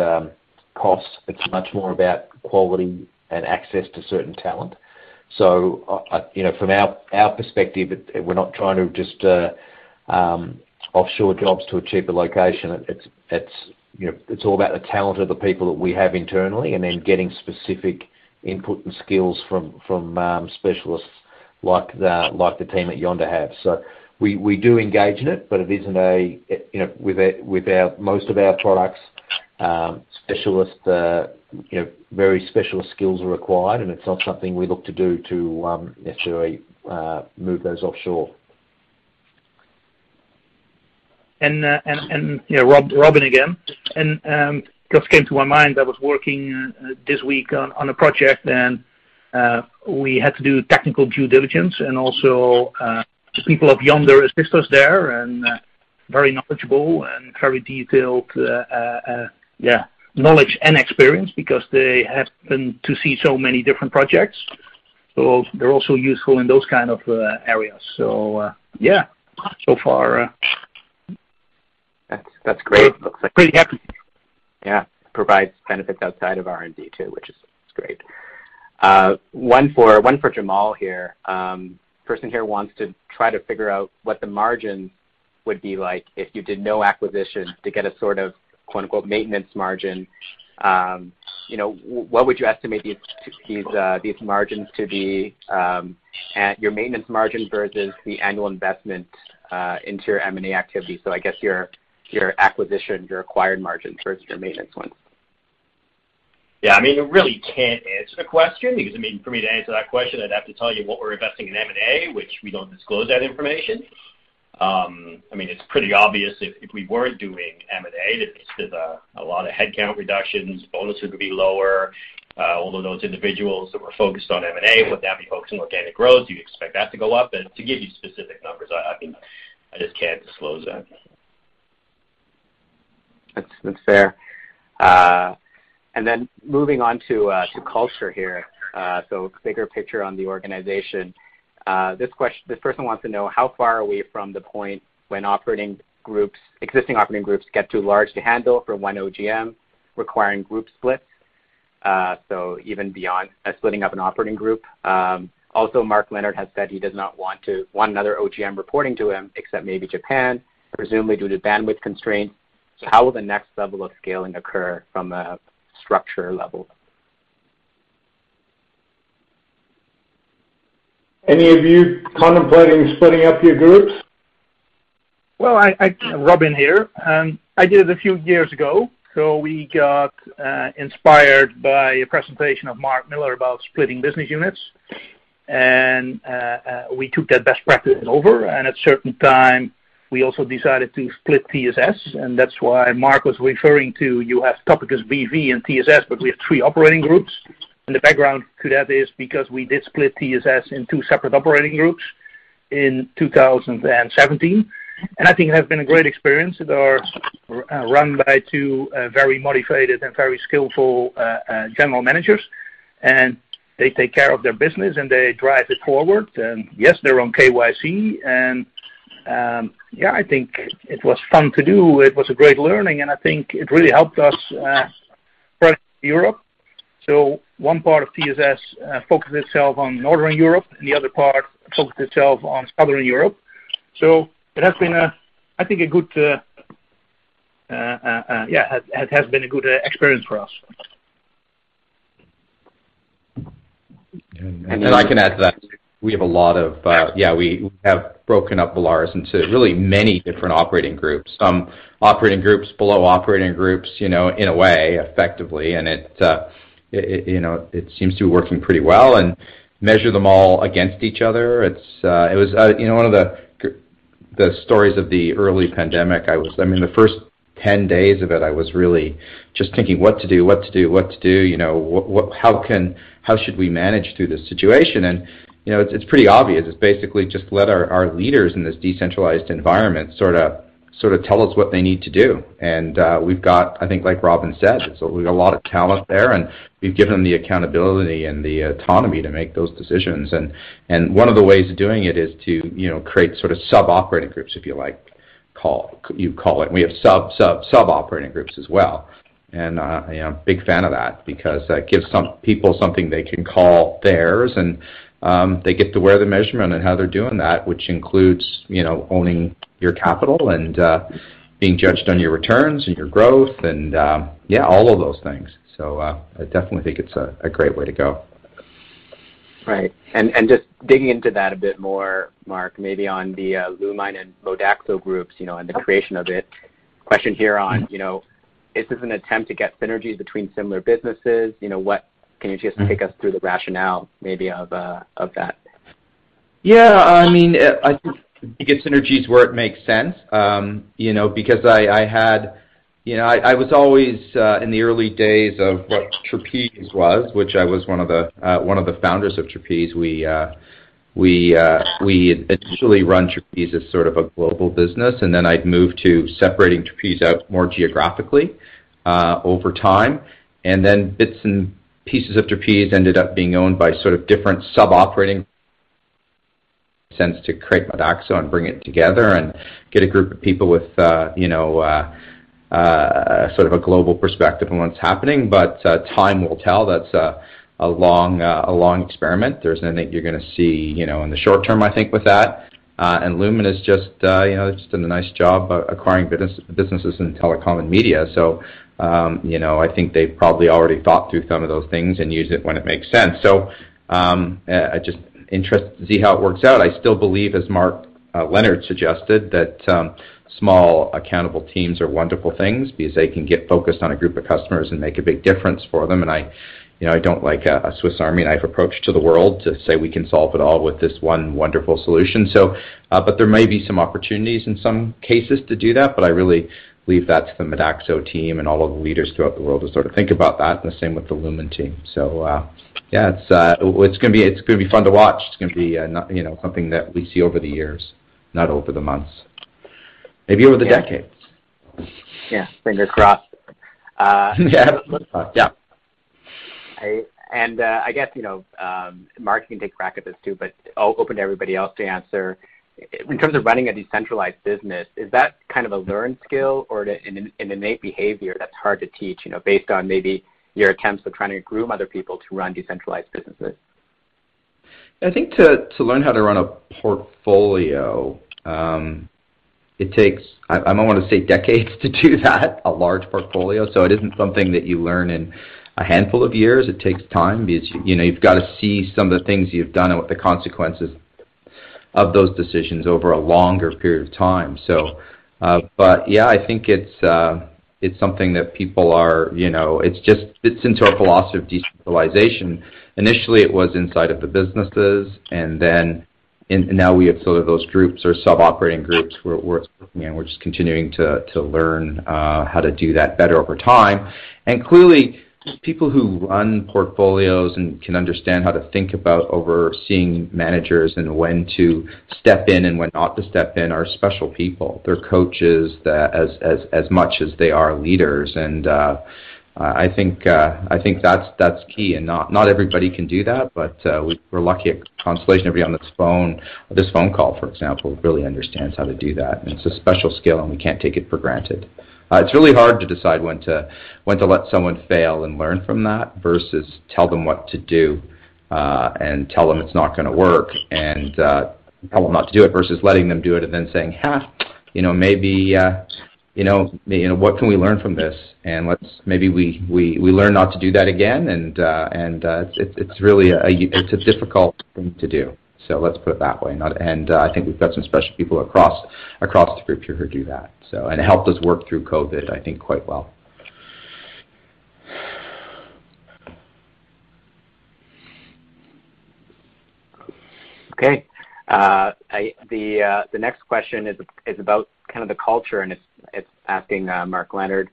cost. It's much more about quality and access to certain talent. You know, from our perspective, we're not trying to just offshore jobs to a cheaper location. It's, you know, it's all about the talent of the people that we have internally and then getting specific input and skills from specialists like the team at Yonder have. We do engage in it, but it isn't a, you know, with our most of our products, specialist, you know, very specialist skills are required, and it's not something we look to do to necessarily move those offshore. You know, Robin again. Just came to my mind, I was working this week on a project and we had to do technical due diligence and also people of Yonder assist us there and very knowledgeable and very detailed, yeah, knowledge and experience because they happen to see so many different projects. They're also useful in those kind of areas. Yeah, so far. That's great. Pretty happy. Yeah. Provides benefits outside of R&D too, which is great. One for Jamal here. Person here wants to try to figure out what the margin would be like if you did no acquisition to get a sort of "maintenance margin." You know, what would you estimate these margins to be at your maintenance margin versus the annual investment into your M&A activity? I guess your acquisition, your acquired margin versus your maintenance ones. Yeah, I mean, I really can't answer the question because, I mean, for me to answer that question, I'd have to tell you what we're investing in M&A, which we don't disclose that information. I mean, it's pretty obvious if we weren't doing M&A, there's a lot of headcount reductions, bonuses would be lower. Although those individuals that were focused on M&A would now be focused on organic growth. You expect that to go up. To give you specific numbers, I mean, I just can't disclose that. That's fair. Moving on to culture here, so bigger picture on the organization. This person wants to know how far are we from the point when operating groups, existing operating groups get too large to handle for one OGM requiring group splits, even beyond splitting up an operating group. Also, Mark Leonard has said he does not want another OGM reporting to him, except maybe Japan, presumably due to bandwidth constraints. How will the next level of scaling occur from a structure level? Any of you contemplating splitting up your groups? Robin here. I did it a few years ago. We got inspired by a presentation of Mark Miller about splitting business units. We took that best practice over, at certain time, we also decided to split TSS, that's why Mark was referring to you have Topicus.com B.V. and TSS, we have three operating groups. The background to that is because we did split TSS in two separate operating groups in 2017. I think it has been a great experience. They are run by two very motivated and very skillful general managers, they take care of their business, they drive it forward. Yes, they're on KYC. Yeah, I think it was fun to do. It was a great learning, and I think it really helped us spread Europe. One part of TSS focused itself on Northern Europe, and the other part focused itself on Southern Europe. It has been a, I think, a good experience for us. And- I can add to that. We have a lot of, we have broken up Volaris into really many different operating groups. Operating groups below operating groups, you know, in a way, effectively. It, you know, it seems to be working pretty well and measure them all against each other. It's, it was, you know, one of the stories of the early pandemic, I was I mean, the first 10 days of it, I was really just thinking what to do, you know, how should we manage through this situation? You know, it's pretty obvious. It's basically just let our leaders in this decentralized environment sort of tell us what they need to do. We've got, I think like Robin says, we got a lot of talent there, and we've given them the accountability and the autonomy to make those decisions. One of the ways of doing it is to, you know, create sort of sub-operating groups, if you like, you call it. We have sub-sub-sub-operating groups as well. You know, big fan of that because that gives some people something they can call theirs, and they get to wear the measurement on how they're doing that, which includes, you know, owning your capital and being judged on your returns and your growth and yeah, all of those things. I definitely think it's a great way to go. Right. Just digging into that a bit more, Mark, maybe on the Lumine and Modaxo groups, you know, and the creation of it. Question here on, you know, is this an attempt to get synergies between similar businesses? You know, can you just take us through the rationale maybe of that? Yeah. I mean, I think to get synergies where it makes sense, you know, because I, you know, I was always in the early days of what Trapeze was, which I was one of the, one of the founders of Trapeze. We initially run Trapeze as sort of a global business, and then I'd moved to separating Trapeze out more geographically over time. Bits and pieces of Trapeze ended up being owned by sort of different sub-operating sense to create Modaxo and bring it together and get a group of people with, you know, sort of a global perspective on what's happening. Time will tell. That's a long experiment. There's nothing you're gonna see, you know, in the short term, I think, with that. Lumine Group has just, you know, just done a nice job, acquiring businesses in telecom and media. You know, I think they've probably already thought through some of those things and use it when it makes sense. Just interested to see how it works out. I still believe, as Mark Leonard suggested, that small accountable teams are wonderful things because they can get focused on a group of customers and make a big difference for them. I, you know, I don't like a Swiss Army knife approach to the world to say we can solve it all with this one wonderful solution. There may be some opportunities in some cases to do that, but I really leave that to the Modaxo team and all of the leaders throughout the world to sort of think about that, and the same with the Lumine team. Yeah, it's gonna be fun to watch. It's gonna be, you know, something that we see over the years, not over the months. Maybe over the decades. Yeah. Fingers crossed. Yeah. Yeah. I guess, you know, Mark, you can take a crack at this too, but open to everybody else to answer. In terms of running a decentralized business, is that kind of a learned skill or an innate behavior that's hard to teach, you know, based on maybe your attempts of trying to groom other people to run decentralized businesses? I think to learn how to run a portfolio, it takes, I wanna say decades to do that, a large portfolio. It isn't something that you learn in a handful of years. It takes time because, you know, you've gotta see some of the things you've done and what the consequences of those decisions over a longer period of time. Yeah, I think it's something that people are, you know, it's just, it's into our philosophy of decentralization. Initially, it was inside of the businesses, and then now we have sort of those groups or sub-operating groups where it's working, and we're just continuing to learn how to do that better over time. Clearly, people who run portfolios and can understand how to think about overseeing managers and when to step in and when not to step in are special people. They're coaches, as much as they are leaders. I think that's key. Not everybody can do that, but we're lucky at Constellation. Everybody on this phone call, for example, really understands how to do that, and it's a special skill, and we can't take it for granted. It's really hard to decide when to let someone fail and learn from that versus tell them what to do and tell them it's not gonna work and tell them not to do it versus letting them do it and then saying, "Ha, you know, maybe, what can we learn from this? And maybe we learn not to do that again." It's really a difficult thing to do, so let's put it that way. I think we've got some special people across the group here who do that. It helped us work through COVID, I think, quite well. The next question is about kind of the culture, and it's asking Mark Leonard,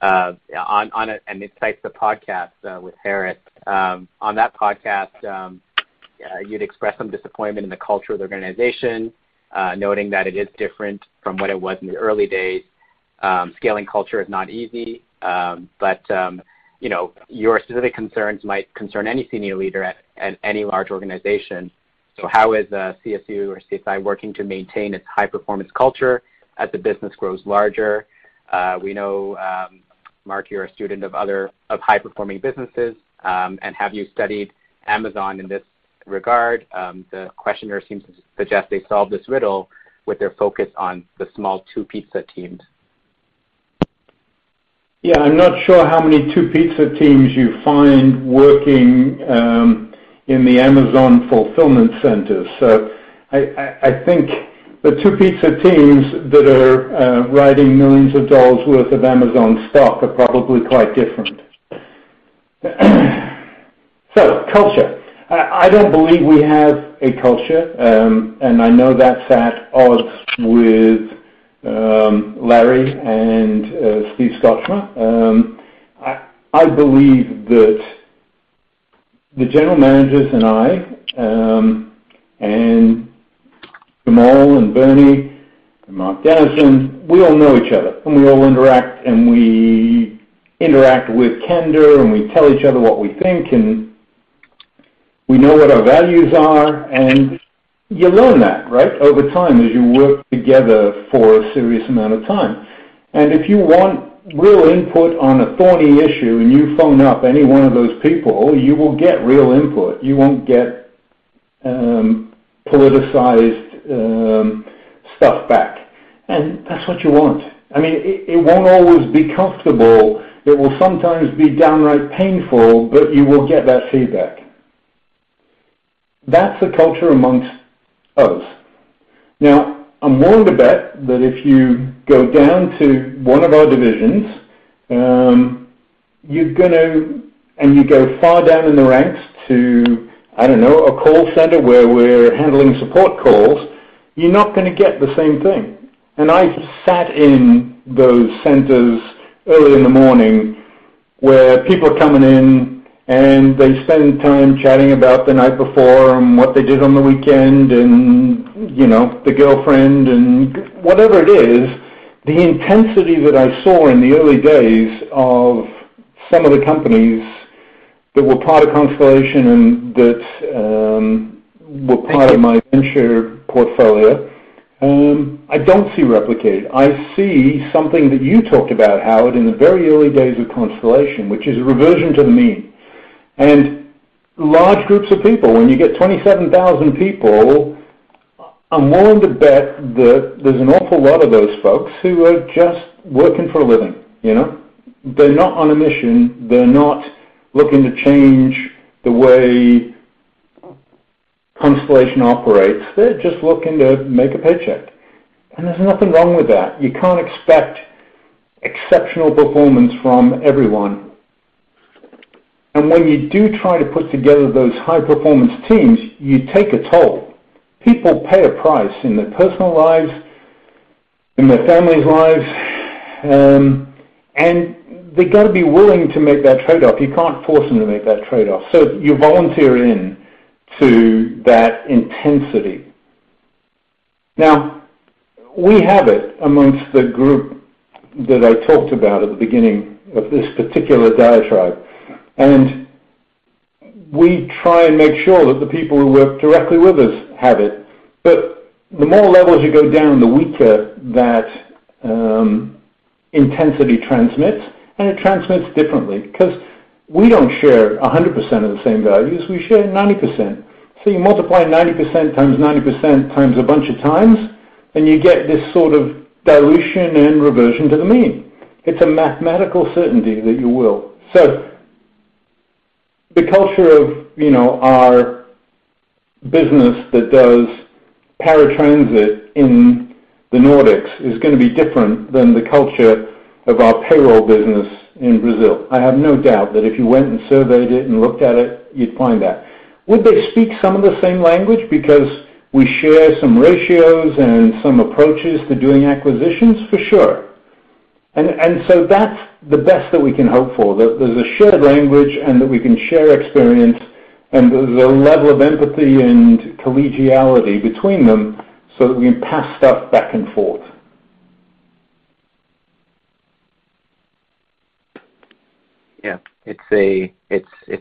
and it cites the podcast with Harris. On that podcast, you'd expressed some disappointment in the culture of the organization, noting that it is different from what it was in the early days. Scaling culture is not easy, but, you know, your specific concerns might concern any senior leader at any large organization. How is CSU or CSI working to maintain its high-performance culture as the business grows larger? We know, Mark, you're a student of high-performing businesses, and have you studied Amazon in this regard? The questioner seems to suggest they solved this riddle with their focus on the small 2-pizza teams. Yeah. I'm not sure how many 2-pizza teams you find working in the Amazon fulfillment centers. I think the 2-pizza teams that are riding millions of dollars worth of Amazon stock are probably quite different. Culture. I don't believe we have a culture, I know that's at odds with Larry Cunningham and Steve Scotchmer. I believe that the general managers and I, Jamal Baksh and Bernard Anzarouth and Mark Dennison, we all know each other, we all interact, we interact with candor, we tell each other what we think, and we know what our values are. You learn that, right, over time as you work together for a serious amount of time. If you want real input on a thorny issue and you phone up any one of those people, you will get real input. You won't get politicized stuff back. That's what you want. I mean, it won't always be comfortable. It will sometimes be downright painful, but you will get that feedback. That's the culture amongst us. Now, I'm willing to bet that if you go down to one of our divisions, you're gonna go far down in the ranks to, I don't know, a call center where we're handling support calls, you're not gonna get the same thing. I've sat in those centers early in the morning where people are coming in and they spend time chatting about the night before and what they did on the weekend and, you know, the girlfriend and whatever it is. The intensity that I saw in the early days of some of the companies that were part of Constellation and that were part of my venture portfolio, I don't see replicated. I see something that you talked about, Howard, in the very early days of Constellation, which is a reversion to the mean. Large groups of people, when you get 27,000 people, I'm willing to bet that there's an awful lot of those folks who are just working for a living, you know? They're not on a mission. They're not looking to change the way Constellation operates. They're just looking to make a paycheck. There's nothing wrong with that. You can't expect exceptional performance from everyone. When you do try to put together those high-performance teams, you take a toll. People pay a price in their personal lives, in their family's lives, they've got to be willing to make that trade-off. You can't force them to make that trade-off. You volunteer in to that intensity. We have it amongst the group that I talked about at the beginning of this particular diatribe, and we try and make sure that the people who work directly with us have it. The more levels you go down, the weaker that intensity transmits, and it transmits differently. 'Cause we don't share 100% of the same values. We share 90%. You multiply 90% times 90% times a bunch of times, and you get this sort of dilution and reversion to the mean. It's a mathematical certainty that you will. The culture of, you know, our business that does paratransit in the Nordics is going to be different than the culture of our payroll business in Brazil. I have no doubt that if you went and surveyed it and looked at it, you'd find that. Would they speak some of the same language because we share some ratios and some approaches to doing acquisitions? For sure. That's the best that we can hope for, that there's a shared language and that we can share experience and there's a level of empathy and collegiality between them so that we can pass stuff back and forth.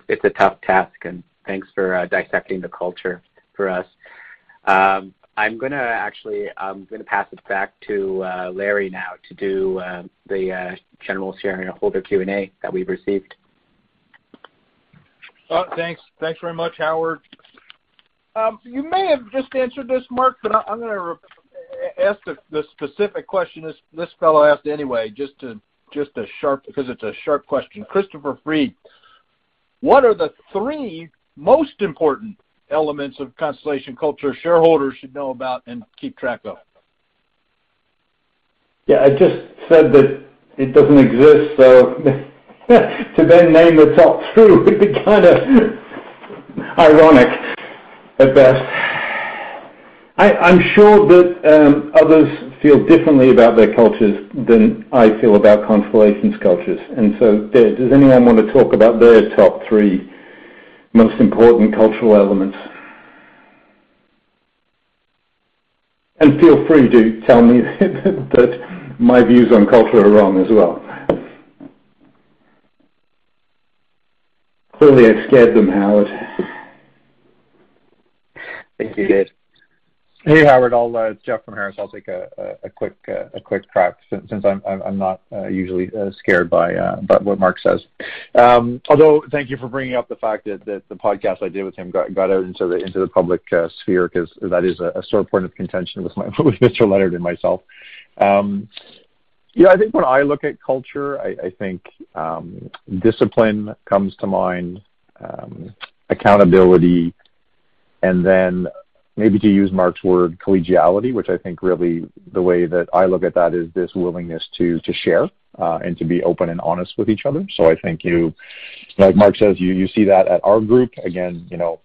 It's a tough task. Thanks for dissecting the culture for us. I'm actually gonna pass it back to Larry now to do the general shareholder Q&A that we've received. Well, thanks. Thanks very much, Howard. You may have just answered this, Mark, but I'm gonna ask the specific question this fellow asked anyway, because it's a sharp question. Christopher Freed. What are the three most important elements of Constellation culture shareholders should know about and keep track of? Yeah, I just said that it doesn't exist, to then name the top three would be kinda ironic at best. I'm sure that others feel differently about their cultures than I feel about Constellation's cultures. Does anyone want to talk about their top three most important cultural elements? Feel free to tell me that my views on culture are wrong as well. Clearly, I scared them, Howard. I think you did. Hey, Howard. I'll, Jeff from Harris, I'll take a quick crack since I'm not usually scared by what Mark says. Although thank you for bringing up the fact that the podcast I did with him got out into the public sphere 'cause that is a sore point of contention with Mr. Leonard and myself. Yeah, I think when I look at culture, I think discipline comes to mind, accountability, and then maybe to use Mark's word, collegiality, which I think really the way that I look at that is this willingness to share and to be open and honest with each other. I think like Mark says, you see that at our group. Again, you know,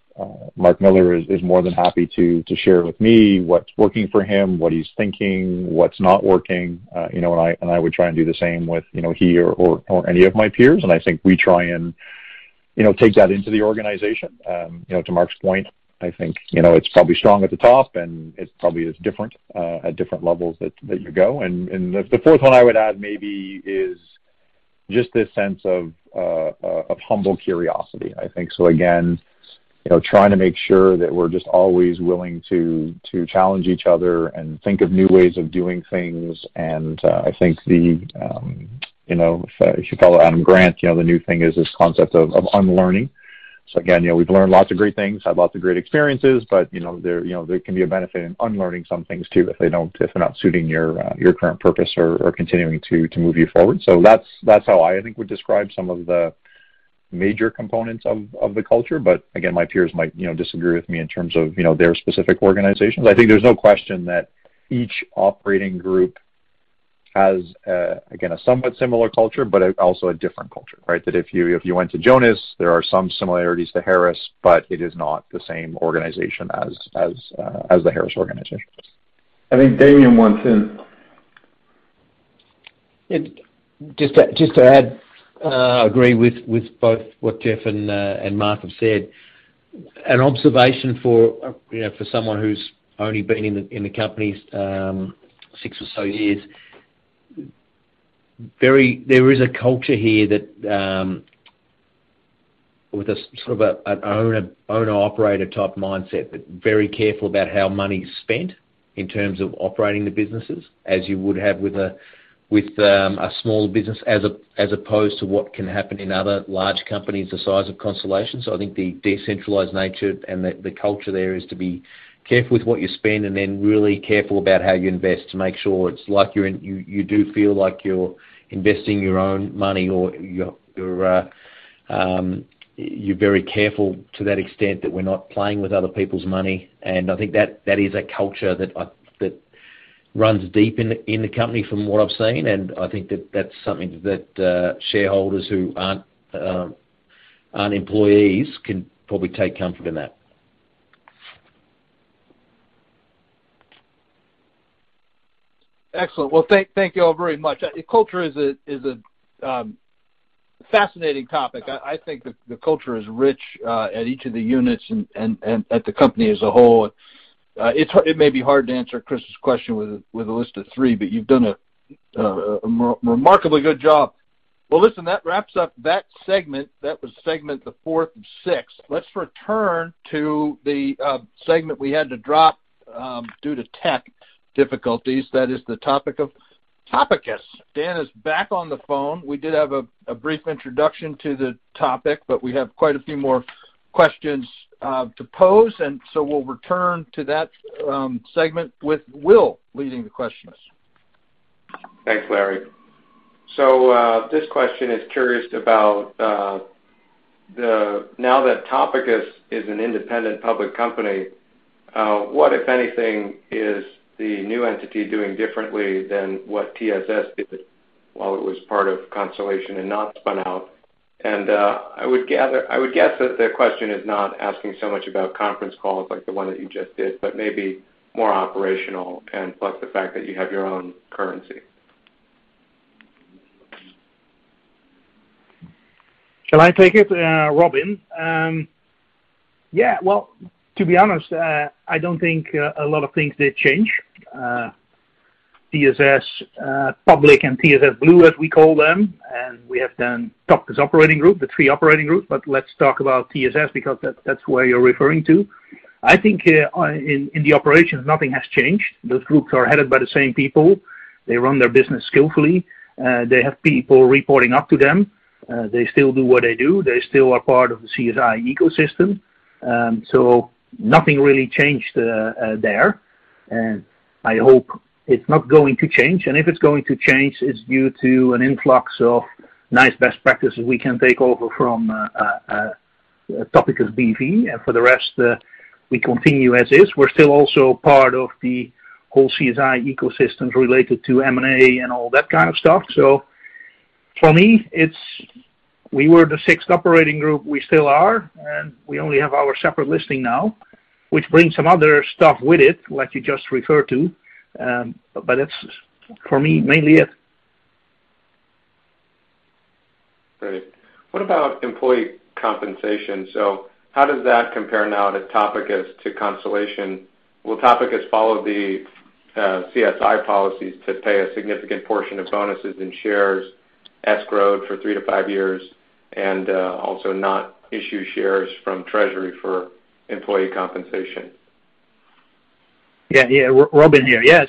Mark Miller is more than happy to share with me what's working for him, what he's thinking, what's not working. You know, I would try and do the same with, you know, he or any of my peers. I think we try and take that into the organization. You know, to Mark's point, I think, you know, it's probably strong at the top, and it probably is different at different levels that you go. The fourth one I would add maybe is just this sense of humble curiosity, I think. Again, you know, trying to make sure that we're just always willing to challenge each other and think of new ways of doing things. I think the, you know, if you follow Adam Grant, you know, the new thing is this concept of unlearning. Again, you know, we've learned lots of great things, had lots of great experiences, but, you know, there, you know, there can be a benefit in unlearning some things too if they're not suiting your current purpose or continuing to move you forward. That's, that's how I think would describe some of the major components of the culture. Again, my peers might, you know, disagree with me in terms of, you know, their specific organizations. I think there's no question that each operating group has, again, a somewhat similar culture, but also a different culture, right? If you went to Jonas, there are some similarities to Harris, but it is not the same organization as the Harris organization. I think Damian wants in. Just to add, agree with both what Jeff and Mark have said. An observation for, you know, for someone who's only been in the company six or so years. There is a culture here that, with a sort of an owner-operator type mindset, but very careful about how money is spent in terms of operating the businesses, as you would have with a, with a smaller business as opposed to what can happen in other large companies the size of Constellation. I think the decentralized nature and the culture there is to be careful with what you spend, and then really careful about how you invest to make sure it's like you do feel like you're investing your own money or your very careful to that extent that we're not playing with other people's money. I think that is a culture that runs deep in the company from what I've seen. I think that that's something that shareholders who aren't employees can probably take comfort in that. Excellent. Well, thank you all very much. Culture is a fascinating topic. I think the culture is rich at each of the units and at the company as a whole. It may be hard to answer Chris's question with a list of three, but you've done a remarkably good job. Well, listen, that wraps up that segment. That was segment the fourth of six. Let's return to the segment we had to drop due to tech difficulties. That is the topic of Topicus. Daan is back on the phone. We did have a brief introduction to the topic, but we have quite a few more questions to pose, and so we'll return to that segment with Will leading the questions. Thanks, Larry. This question is curious about the Now that Topicus is an independent public company, what, if anything, is the new entity doing differently than what TSS did while it was part of Constellation and not spun out? I would guess that the question is not asking so much about conference calls like the one that you just did, but maybe more operational and plus the fact that you have your own currency. Shall I take it, Robin? Yeah. Well, to be honest, I don't think a lot of things did change. TSS Public and TSS Blue, as we call them, and we have then Topicus operating group, the three operating group. Let's talk about TSS because that's where you're referring to. I think in the operations, nothing has changed. Those groups are headed by the same people. They run their business skillfully. They have people reporting up to them. They still do what they do. They still are part of the CSI ecosystem. Nothing really changed there. I hope it's not going to change. If it's going to change, it's due to an influx of nice best practices we can take over from Topicus B.V. For the rest, we continue as is. We're still also part of the whole CSI ecosystems related to M&A and all that kind of stuff. For me, it's we were the sixth operating group, we still are, and we only have our separate listing now, which brings some other stuff with it, like you just referred to. It's for me, mainly it. Great. What about employee compensation? How does that compare now that Topicus to Constellation? Will Topicus follow the CSI policies to pay a significant portion of bonuses in shares escrowed for three to five years and also not issue shares from treasury for employee compensation? Yeah. Robin here. Yeah.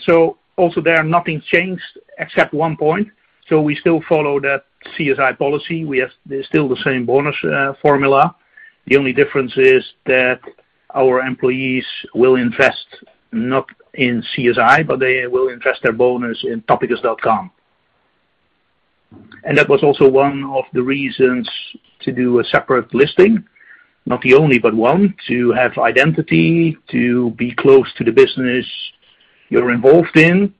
Also there, nothing changed except one point. We still follow that CSI policy. We have still the same bonus formula. The only difference is that our employees will invest not in CSI, but they will invest their bonus in Topicus.com. That was also one of the reasons to do a separate listing, not the only, but one, to have identity, to be close to the business you're involved in.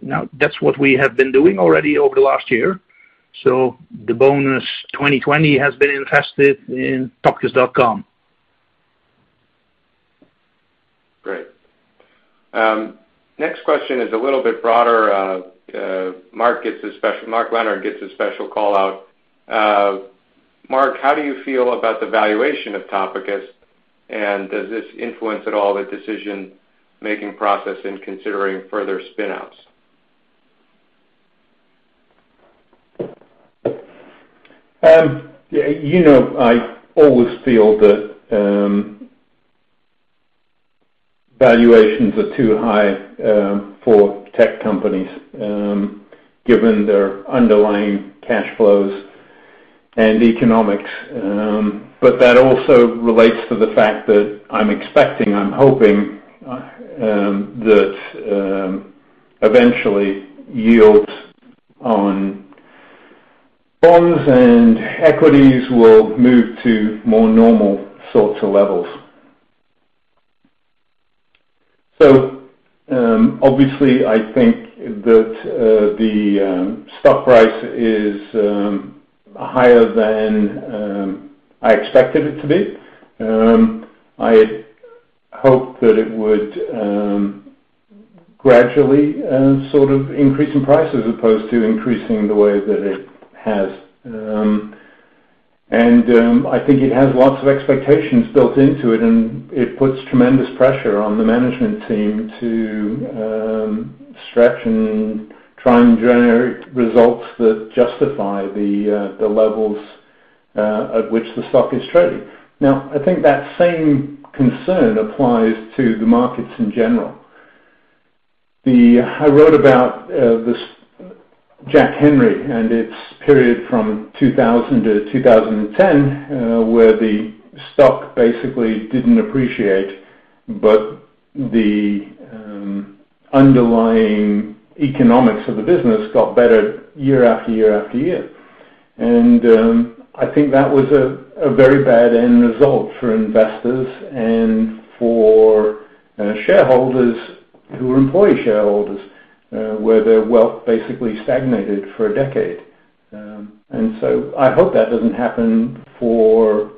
Now that's what we have been doing already over the last year. The bonus 2020 has been invested in Topicus.com. Great. Next question is a little bit broader. Mark Leonard gets a special call-out. Mark, how do you feel about the valuation of Topicus, and does this influence at all the decision-making process in considering further spin-outs? You know, I always feel that valuations are too high for tech companies given their underlying cash flows and economics. That also relates to the fact that I'm expecting, I'm hoping that eventually yields on bonds and equities will move to more normal sorts of levels. Obviously, I think that the stock price is higher than I expected it to be. I hoped that it would gradually sort of increase in price as opposed to increasing the way that it has. I think it has lots of expectations built into it, and it puts tremendous pressure on the management team to stretch and try and generate results that justify the levels at which the stock is trading. Now, I think that same concern applies to the markets in general. I wrote about this Jack Henry, and its period from 2000-2010, where the stock basically didn't appreciate, but the underlying economics of the business got better year-after-year-after-year. I think that was a very bad end result for investors and for shareholders who were employee shareholders, where their wealth basically stagnated for a decade. I hope that doesn't happen for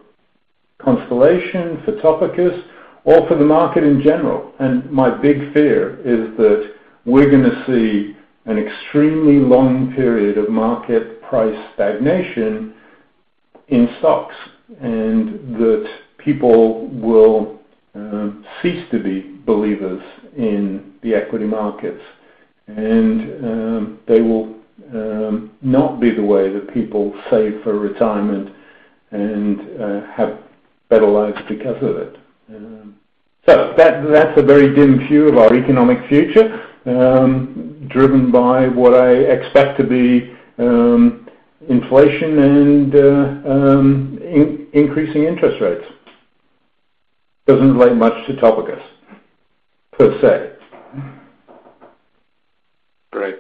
Constellation, for Topicus, or for the market in general. My big fear is that we're gonna see an extremely long period of market price stagnation in stocks, and that people will cease to be believers in the equity markets. They will not be the way that people save for retirement and have better lives because of it. That's a very dim view of our economic future, driven by what I expect to be increasing interest rates. Doesn't relate much to Topicus, per se. Great.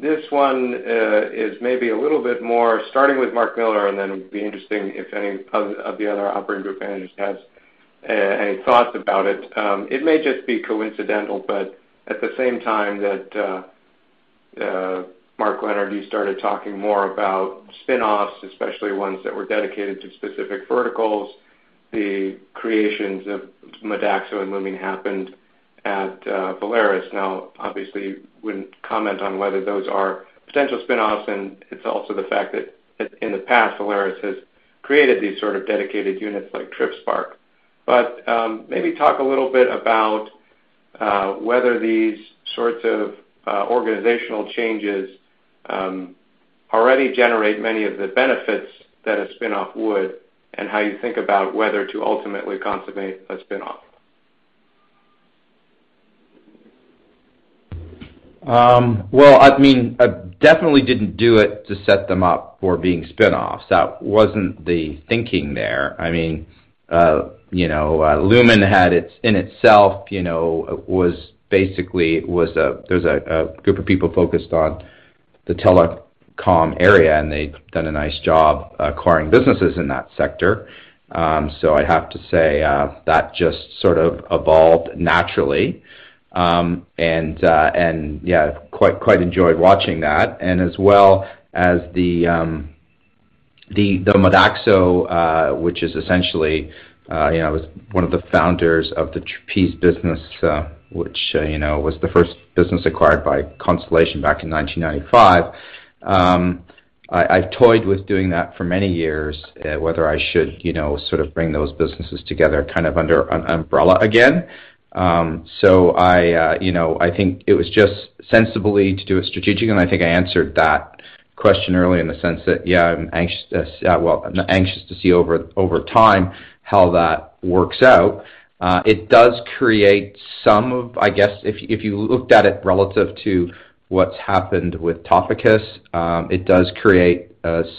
This one is maybe a little bit more starting with Mark Miller, and then it would be interesting if any of the other operating group managers has any thoughts about it. It may just be coincidental, but at the same time that Mark Leonard, you started talking more about spinoffs, especially ones that were dedicated to specific verticals, the creations of Modaxo and Lumine Group happened at Volaris. Now, obviously, you wouldn't comment on whether those are potential spinoffs, and it is also the fact that in the past, Volaris has created these sort of dedicated units like TripSpark. Maybe talk a little bit about whether these sorts of organizational changes already generate many of the benefits that a spinoff would and how you think about whether to ultimately consummate a spinoff. Well, I mean, I definitely didn't do it to set them up for being spinoffs. That wasn't the thinking there. I mean, you know, Lumine had in itself, you know, was basically a group of people focused on the telecom area, and they've done a nice job, acquiring businesses in that sector. So I have to say, that just sort of evolved naturally. Yeah, quite enjoyed watching that. As well as the, the Modaxo, which is essentially, you know, was one of the founders of the Trapeze business, which, you know, was the first business acquired by Constellation back in 1995. I toyed with doing that for many years, whether I should, you know, sort of bring those businesses together kind of under an umbrella again. I, you know, I think it was just sensibly to do it strategically, and I think I answered that question earlier in the sense that, yeah, I'm anxious to see over time how that works out. It does create some of I guess if you looked at it relative to what's happened with Topicus, it does create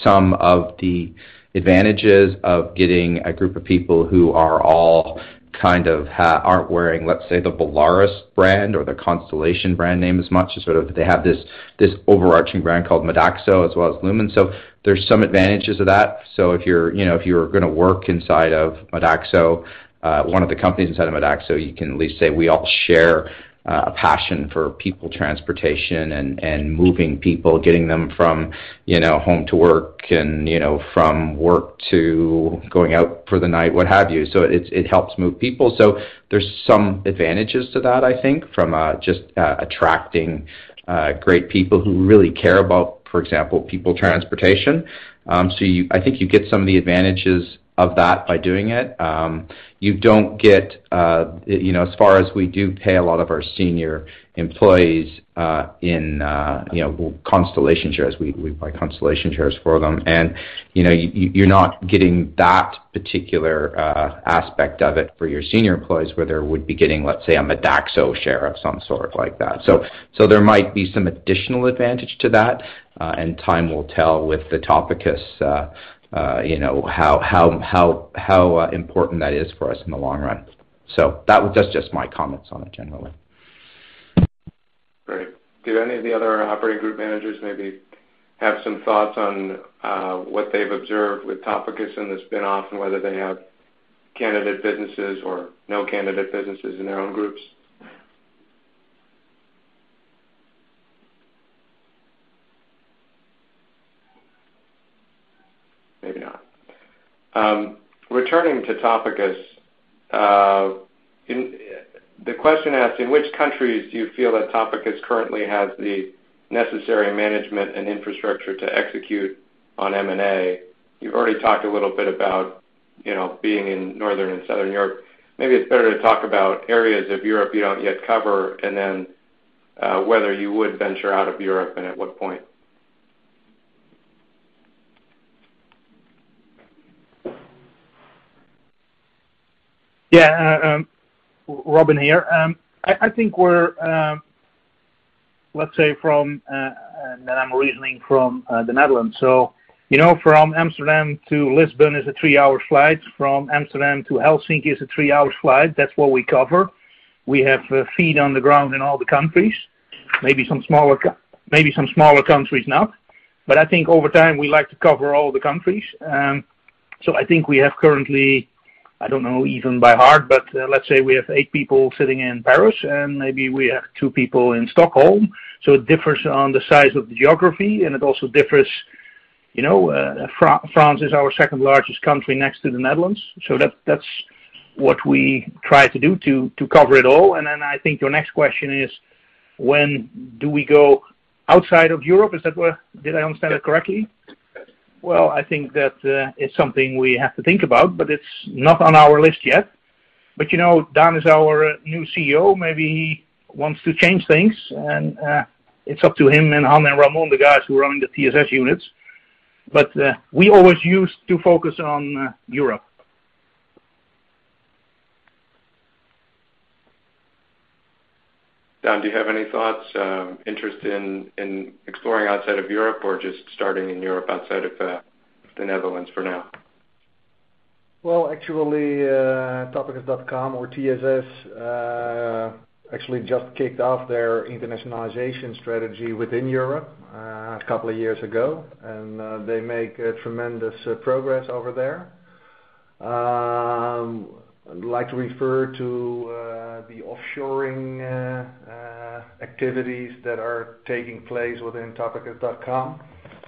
some of the advantages of getting a group of people who are all kind of aren't wearing, let's say, the Volaris brand or the Constellation brand name as much to sort of They have this overarching brand called Modaxo as well as Lumine Group. There's some advantages to that. If you're gonna work inside of Modaxo, one of the companies inside of Modaxo, you can at least say we all share a passion for people transportation and moving people, getting them from home to work and from work to going out for the night, what have you. It helps move people. There's some advantages to that, I think, from just attracting great people who really care about, for example, people transportation. I think you get some of the advantages of that by doing it. You don't get as far as we do pay a lot of our senior employees in Constellation shares. We buy Constellation shares for them. You know, you're not getting that particular aspect of it for your senior employees, where they would be getting, let’s say, a Modaxo share of some sort like that. There might be some additional advantage to that, and time will tell with the Topicus, you know, how important that is for us in the long run. That was just my comments on it generally. Great. Do any of the other operating group managers maybe have some thoughts on what they've observed with Topicus and the spin-off, and whether they have candidate businesses or no candidate businesses in their own groups? Maybe not. Returning to Topicus, The question asked, in which countries do you feel that Topicus currently has the necessary management and infrastructure to execute on M&A? You've already talked a little bit about, you know, being in Northern and Southern Europe. Maybe it's better to talk about areas of Europe you don't yet cover, and then whether you would venture out of Europe, and at what point. Yeah, Robin here. I think we're, let's say from, and I'm reasoning from, the Netherlands. You know, from Amsterdam to Lisbon is a three-hour flight. From Amsterdam to Helsinki is a three-hour flight. That's what we cover. We have feet on the ground in all the countries. Maybe some smaller countries not. I think over time, we like to cover all the countries. I think we have currently, I don't know even by heart, but, let's say we have eight people sitting in Paris, and maybe we have two people in Stockholm. It differs on the size of the geography, and it also differs, you know, France is our second-largest country next to the Netherlands. That's what we try to do to cover it all. I think your next question is, when do we go outside of Europe? Did I understand that correctly? Well, I think that it’s something we have to think about, but it’s not on our list yet. You know, Daan is our new Chief Executive Officer. Maybe he wants to change things, and it’s up to him and Han and Ramon, the guys who are running the TSS units. We always used to focus on Europe. Daan, do you have any thoughts, interest in exploring outside of Europe or just starting in Europe outside of the Netherlands for now? Well, actually, Topicus.com or TSS actually just kicked off their internationalization strategy within Europe a couple of years ago. They make tremendous progress over there. I'd like to refer to the offshoring activities that are taking place within Topicus.com,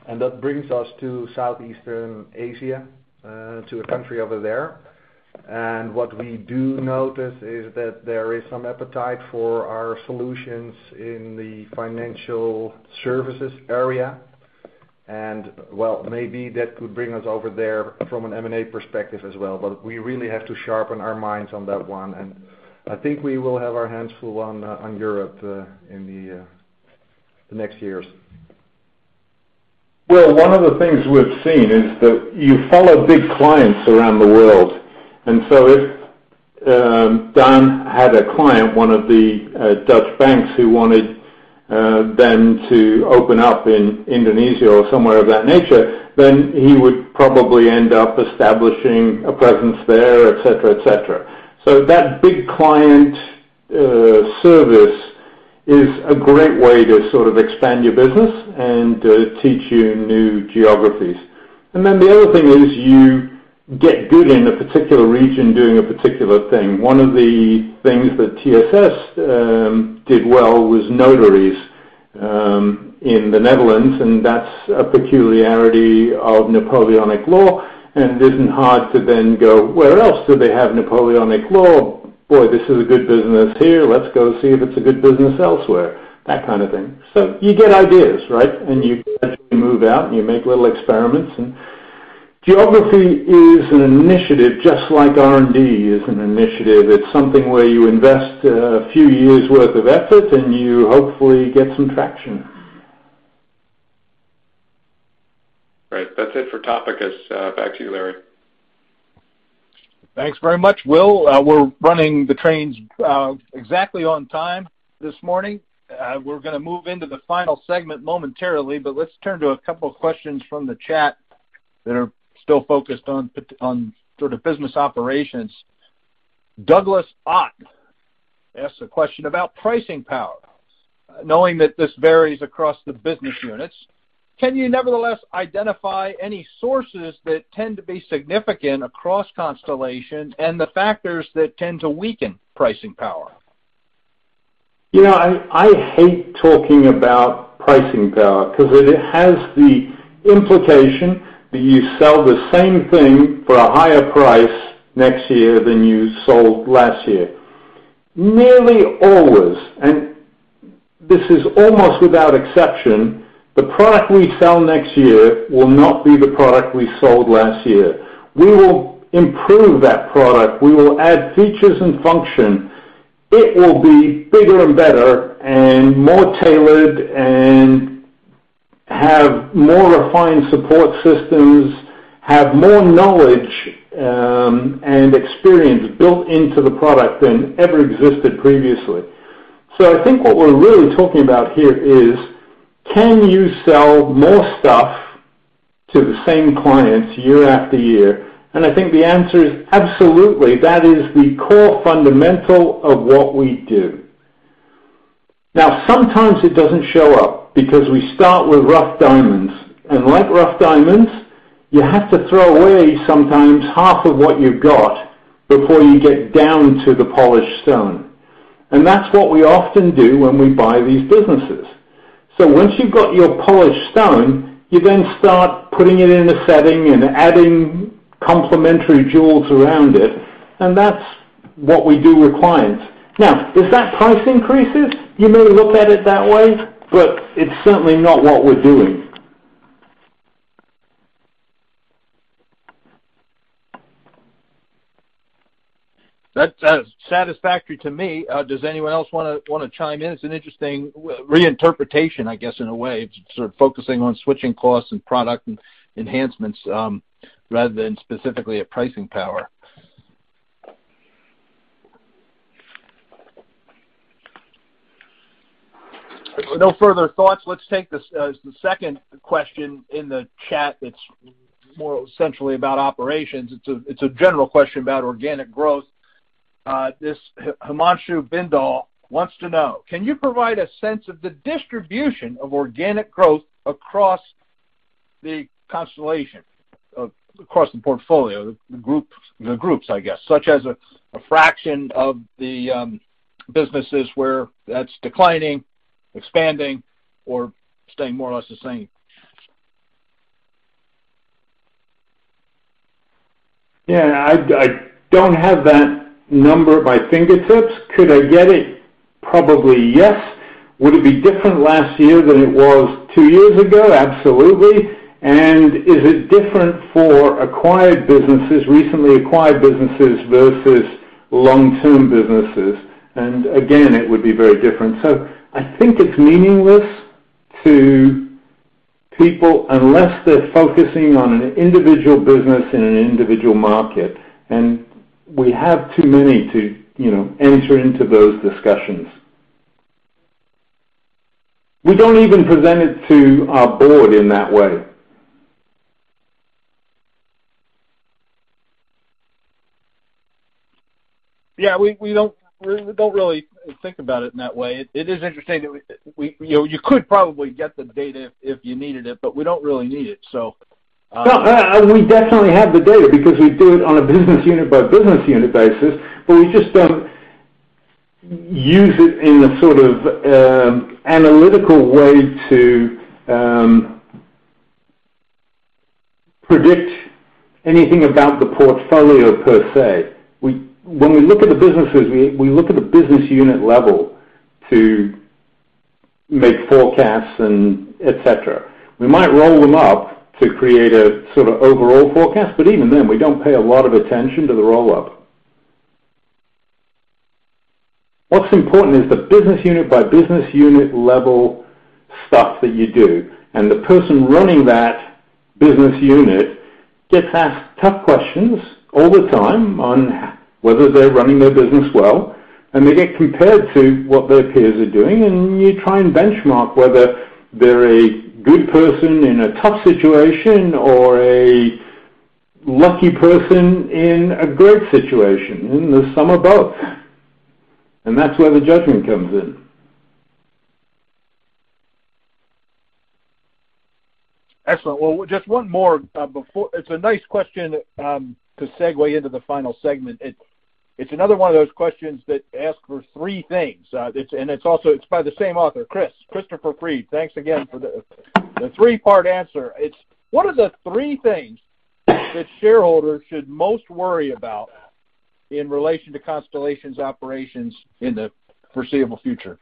and that brings us to Southeastern Asia to a country over there. What we do notice is that there is some appetite for our solutions in the financial services area. Well, maybe that could bring us over there from an M&A perspective as well. We really have to sharpen our minds on that one. I think we will have our hands full on Europe in the next years. Well, one of the things we've seen is that you follow big clients around the world. If Daan had a client, one of the Dutch banks who wanted them to open up in Indonesia or somewhere of that nature, then he would probably end up establishing a presence there, et cetera, et cetera. That big client service is a great way to sort of expand your business and teach you new geographies. The other thing is you get good in a particular region doing a particular thing. One of the things that TSS did well was notaries in the Netherlands, that's a peculiarity of Napoleonic law, it isn't hard to then go, "Where else do they have Napoleonic law? Boy, this is a good business here. Let's go see if it's a good business elsewhere." That kind of thing. You get ideas, right? You gradually move out, and you make little experiments. Geography is an initiative, just like R&D is an initiative. It's something where you invest a few years' worth of effort, and you hopefully get some traction. Right. That's it for Topicus. back to you, Larry. Thanks very much. Well, we're running the trains exactly on time this morning. We're gonna move into the final segment momentarily, but let's turn to a couple of questions from the chat that are still focused on sort of business operations. Douglas Ott asked a question about pricing power. Knowing that this varies across the business units, can you nevertheless identify any sources that tend to be significant across Constellation and the factors that tend to weaken pricing power? You know, I hate talking about pricing power because it has the implication that you sell the same thing for a higher price next year than you sold last year. Nearly always, and this is almost without exception, the product we sell next year will not be the product we sold last year. We will improve that product. We will add features and function. It will be bigger and better and more tailored and have more refined support systems, have more knowledge and experience built into the product than ever existed previously. I think what we're really talking about here is, can you sell more stuff to the same clients year-after-year. I think the answer is absolutely. That is the core fundamental of what we do. Now, sometimes it doesn't show up because we start with rough diamonds. Like rough diamonds, you have to throw away sometimes half of what you got before you get down to the polished stone. That's what we often do when we buy these businesses. Once you've got your polished stone, you then start putting it in a setting and adding complementary jewels around it, and that's what we do with clients. Now, is that price increases? You may look at it that way, but it's certainly not what we're doing. That's satisfactory to me. Does anyone else wanna chime in? It's an interesting reinterpretation, I guess, in a way. It's sort of focusing on switching costs and product enhancements, rather than specifically a pricing power. No further thoughts. Let's take this as the second question in the chat that's more essentially about operations. It's a general question about organic growth. This Himanshu Bindal wants to know, can you provide a sense of the distribution of organic growth across the Constellation, across the portfolio, the groups, I guess, such as a fraction of the businesses where that's declining, expanding, or staying more or less the same? Yeah. I don't have that number at my fingertips. Could I get it? Probably, yes. Would it be different last year than it was two years ago? Absolutely. Is it different for acquired businesses, recently acquired businesses versus long-term businesses? Again, it would be very different. I think it's meaningless to people unless they're focusing on an individual business in an individual market. We have too many to, you know, enter into those discussions. We don't even present it to our board in that way. Yeah. We don't really think about it in that way. It is interesting that we, you know, you could probably get the data if you needed it, but we don't really need it, so. No. We definitely have the data because we do it on a business unit by business unit basis, we just don't use it in a sort of analytical way to predict anything about the portfolio per se. When we look at the businesses, we look at the business unit level to make forecasts and et cetera. We might roll them up to create a sort of overall forecast, even then, we don't pay a lot of attention to the roll-up. What's important is the business unit by business unit level stuff that you do, and the person running that business unit gets asked tough questions all the time on whether they're running their business well, and they get compared to what their peers are doing, and you try and benchmark whether they're a good person in a tough situation or a lucky person in a great situation. There's some of both. That's where the judgment comes in. Excellent. Just one more before it's a nice question to segue into the final segment. It's another one of those questions that ask for three things. It's also by the same author, Christopher Freed. Thanks again for the three-part answer. What are the three things that shareholders should most worry about in relation to Constellation's operations in the foreseeable future?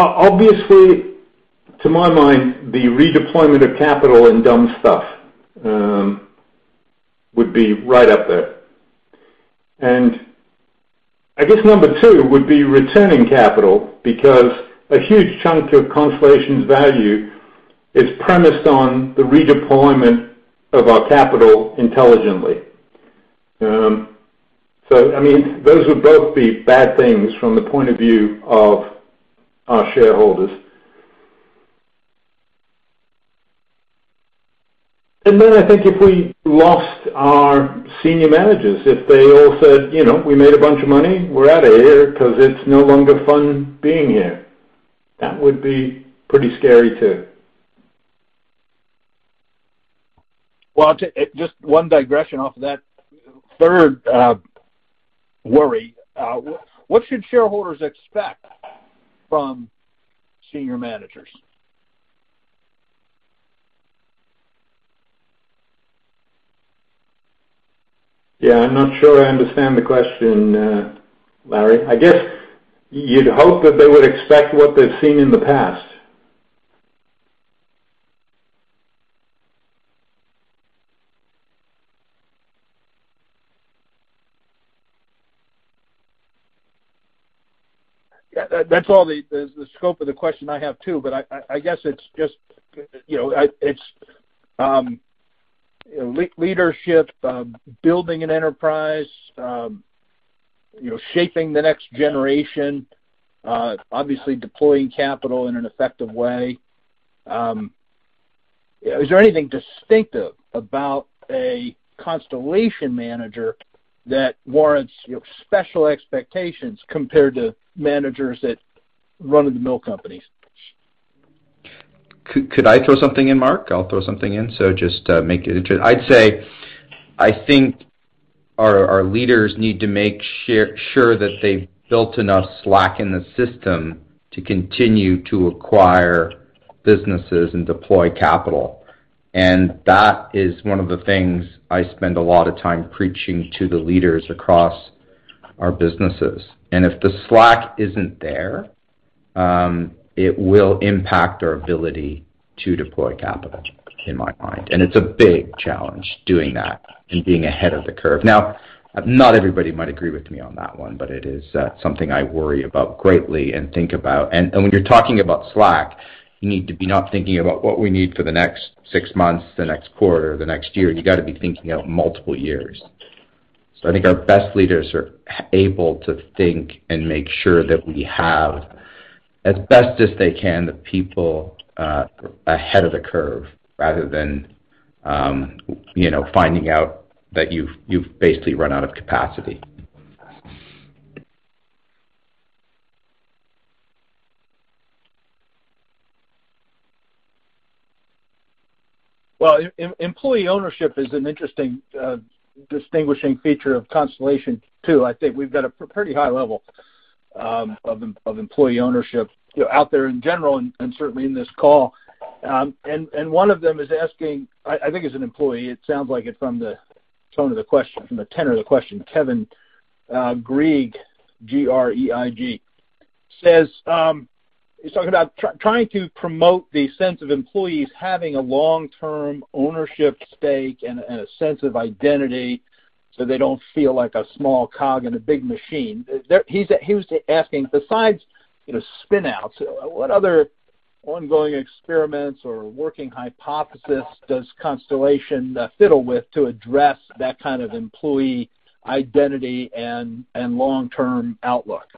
Obviously, to my mind, the redeployment of capital in dumb stuff would be right up there. I guess number two would be returning capital because a huge chunk of Constellation's value is premised on the redeployment of our capital intelligently. I mean, those would both be bad things from the point of view of our shareholders. I think if we lost our senior managers, if they all said, "You know, we made a bunch of money, we're out of here 'cause it's no longer fun being here," that would be pretty scary too. Well, just one digression off of that third worry. What should shareholders expect from senior managers? Yeah. I'm not sure I understand the question, Larry. I guess you'd hope that they would expect what they've seen in the past. Yeah, that's all the scope of the question I have too, but I, I guess it's just, you know, it's leadership, building an enterprise, you know, shaping the next generation, obviously deploying capital in an effective way. Is there anything distinctive about a Constellation manager that warrants, you know, special expectations compared to managers at run-of-the-mill companies? Could I throw something in, Mark? I'll throw something in, so just make it interesting. I'd say I think our leaders need to make sure that they've built enough slack in the system to continue to acquire businesses and deploy capital. That is one of the things I spend a lot of time preaching to the leaders across our businesses. If the slack isn't there, it will impact our ability to deploy capital, in my mind. It's a big challenge doing that and being ahead of the curve. Now, not everybody might agree with me on that one, but it is something I worry about greatly and think about. When you're talking about slack, you need to be not thinking about what we need for the next six months, the next quarter, the next year. You gotta be thinking out multiple years. I think our best leaders are able to think and make sure that we have, as best as they can, the people ahead of the curve rather than, you know, finding out that you've basically run out of capacity. Well, employee ownership is an interesting distinguishing feature of Constellation too. I think we've got a pretty high level of employee ownership, you know, out there in general and certainly in this call. One of them is asking, I think it's an employee. It sounds like it from the tone of the question, from the tenor of the question. Kevin Greig, G-R-E-I-G, says he's talking about trying to promote the sense of employees having a long-term ownership stake and a sense of identity so they don't feel like a small cog in a big machine. He was asking, besides, you know, spin-outs, what other ongoing experiments or working hypothesis does Constellation fiddle with to address that kind of employee identity and long-term outlook?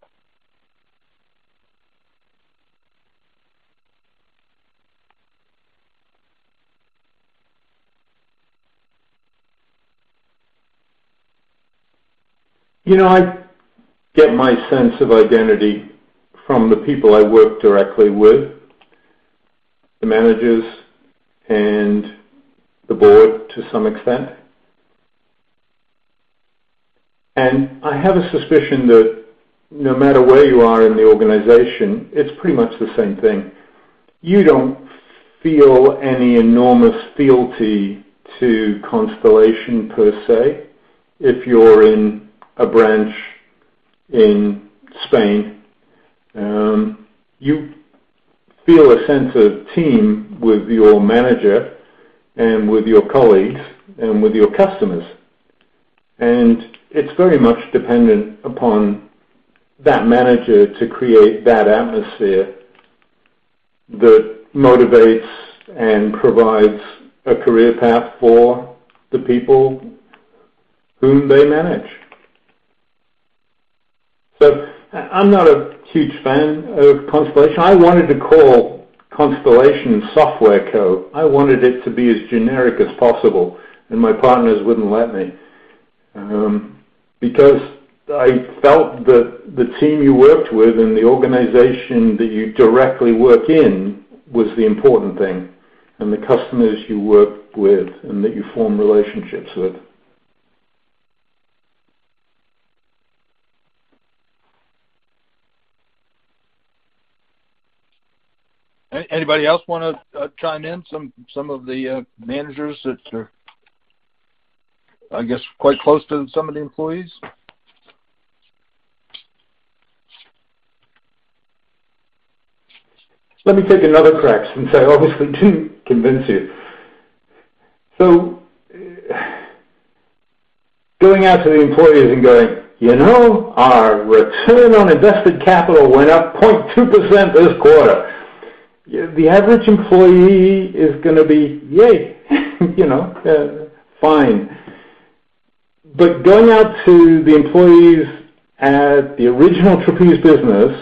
You know, I get my sense of identity from the people I work directly with, the managers and the board to some extent. I have a suspicion that no matter where you are in the organization, it's pretty much the same thing. You don't feel any enormous fealty to Constellation per se if you're in a branch in Spain. You feel a sense of team with your manager and with your colleagues and with your customers. It's very much dependent upon that manager to create that atmosphere that motivates and provides a career path for the people whom they manage. I'm not a huge fan of Constellation. I wanted to call Constellation Software Co. I wanted it to be as generic as possible, and my partners wouldn't let me. I felt that the team you worked with and the organization that you directly work in was the important thing, and the customers you work with and that you form relationships with. Anybody else wanna chime in? Some of the managers that are, I guess, quite close to some of the employees? Let me take another crack since I obviously didn't convince you. Going out to the employees and going, "You know, our return on invested capital went up 0.2% this quarter." The average employee is going to be, "Yay." You know? Fine. Going out to the employees at the original Trapeze business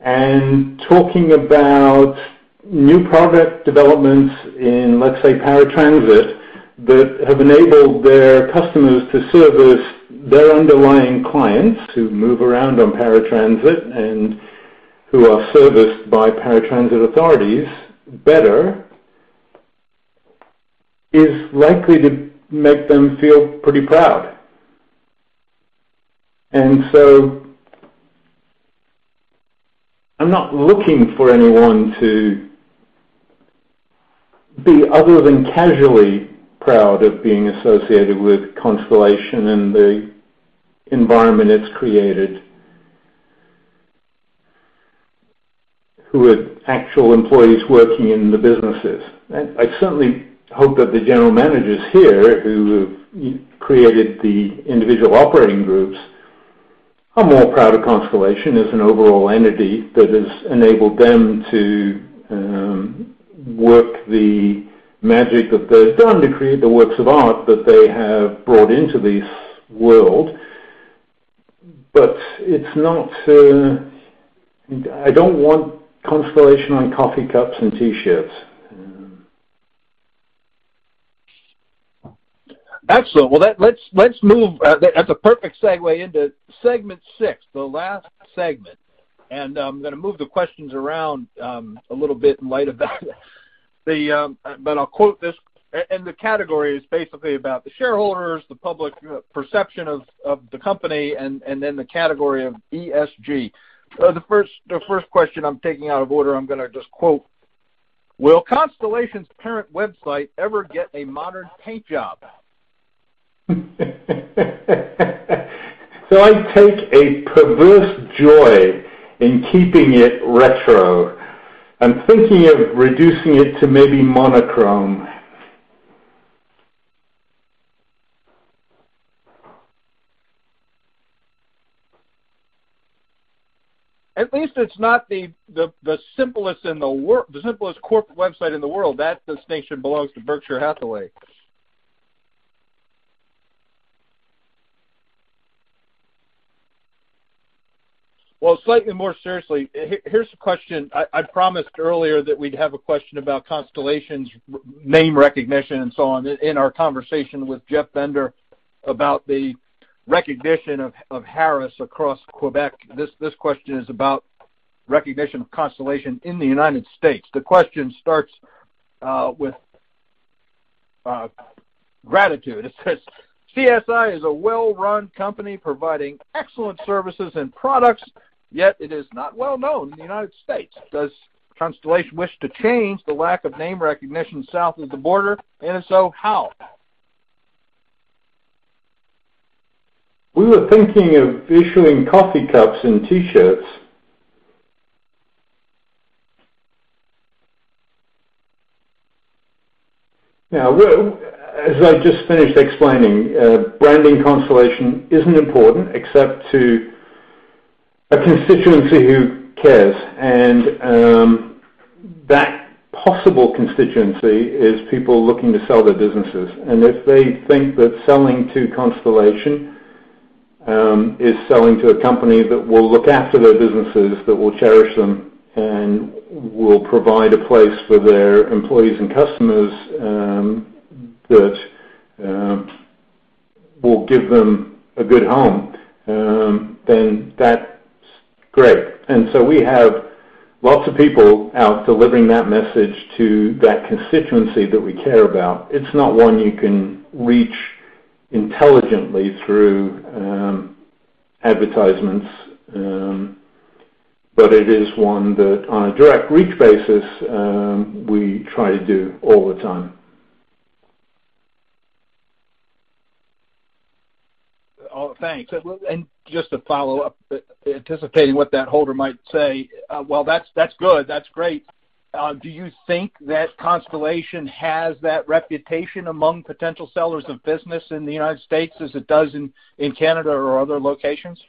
and talking about new product developments in, let's say, paratransit, that have enabled their customers to service their underlying clients who move around on paratransit and who are serviced by paratransit authorities better, is likely to make them feel pretty proud. I am not looking for anyone to be other than casually proud of being associated with Constellation and the environment it's created. Who are actual employees working in the businesses. I certainly hope that the general managers here who have created the individual operating groups are more proud of Constellation as an overall entity that has enabled them to work the magic that they've done to create the works of art that they have brought into this world. It's not, I don't want Constellation on coffee cups and T-shirts. Excellent. Well, that let's move, that's a perfect segue into segment six, the last segment. I'm gonna move the questions around a little bit in light about the, but I'll quote this. The category is basically about the shareholders, the public perception of the company, and then the category of ESG. The first question I'm taking out of order, I'm gonna just quote: "Will Constellation's parent website ever get a modern paint job?" I take a perverse joy in keeping it retro. I'm thinking of reducing it to maybe monochrome. At least it's not the simplest corporate website in the world. That distinction belongs to Berkshire Hathaway. Well, slightly more seriously, here's a question. I promised earlier that we'd have a question about Constellation's name recognition and so on. In our conversation with Jeff Bender about the recognition of Harris across Quebec. This question is about recognition of Constellation in the U.S. The question starts with gratitude. It says, "CSI is a well-run company providing excellent services and products, yet it is not well known in the U.S. Does Constellation wish to change the lack of name recognition south of the border? If so, how? We were thinking of issuing coffee cups and T-shirts. As I just finished explaining, branding Constellation isn't important except to a constituency who cares. That possible constituency is people looking to sell their businesses. If they think that selling to Constellation is selling to a company that will look after their businesses, that will cherish them, and will provide a place for their employees and customers, that will give them a good home, then that's great. We have lots of people out delivering that message to that constituency that we care about. It's not one you can reach intelligently through advertisements. It is one that on a direct reach basis, we try to do all the time. Oh, thanks. Just to follow-up, anticipating what that holder might say, well, that's good. That's great. Do you think that Constellation has that reputation among potential sellers of business in the United States as it does in Canada or other locations?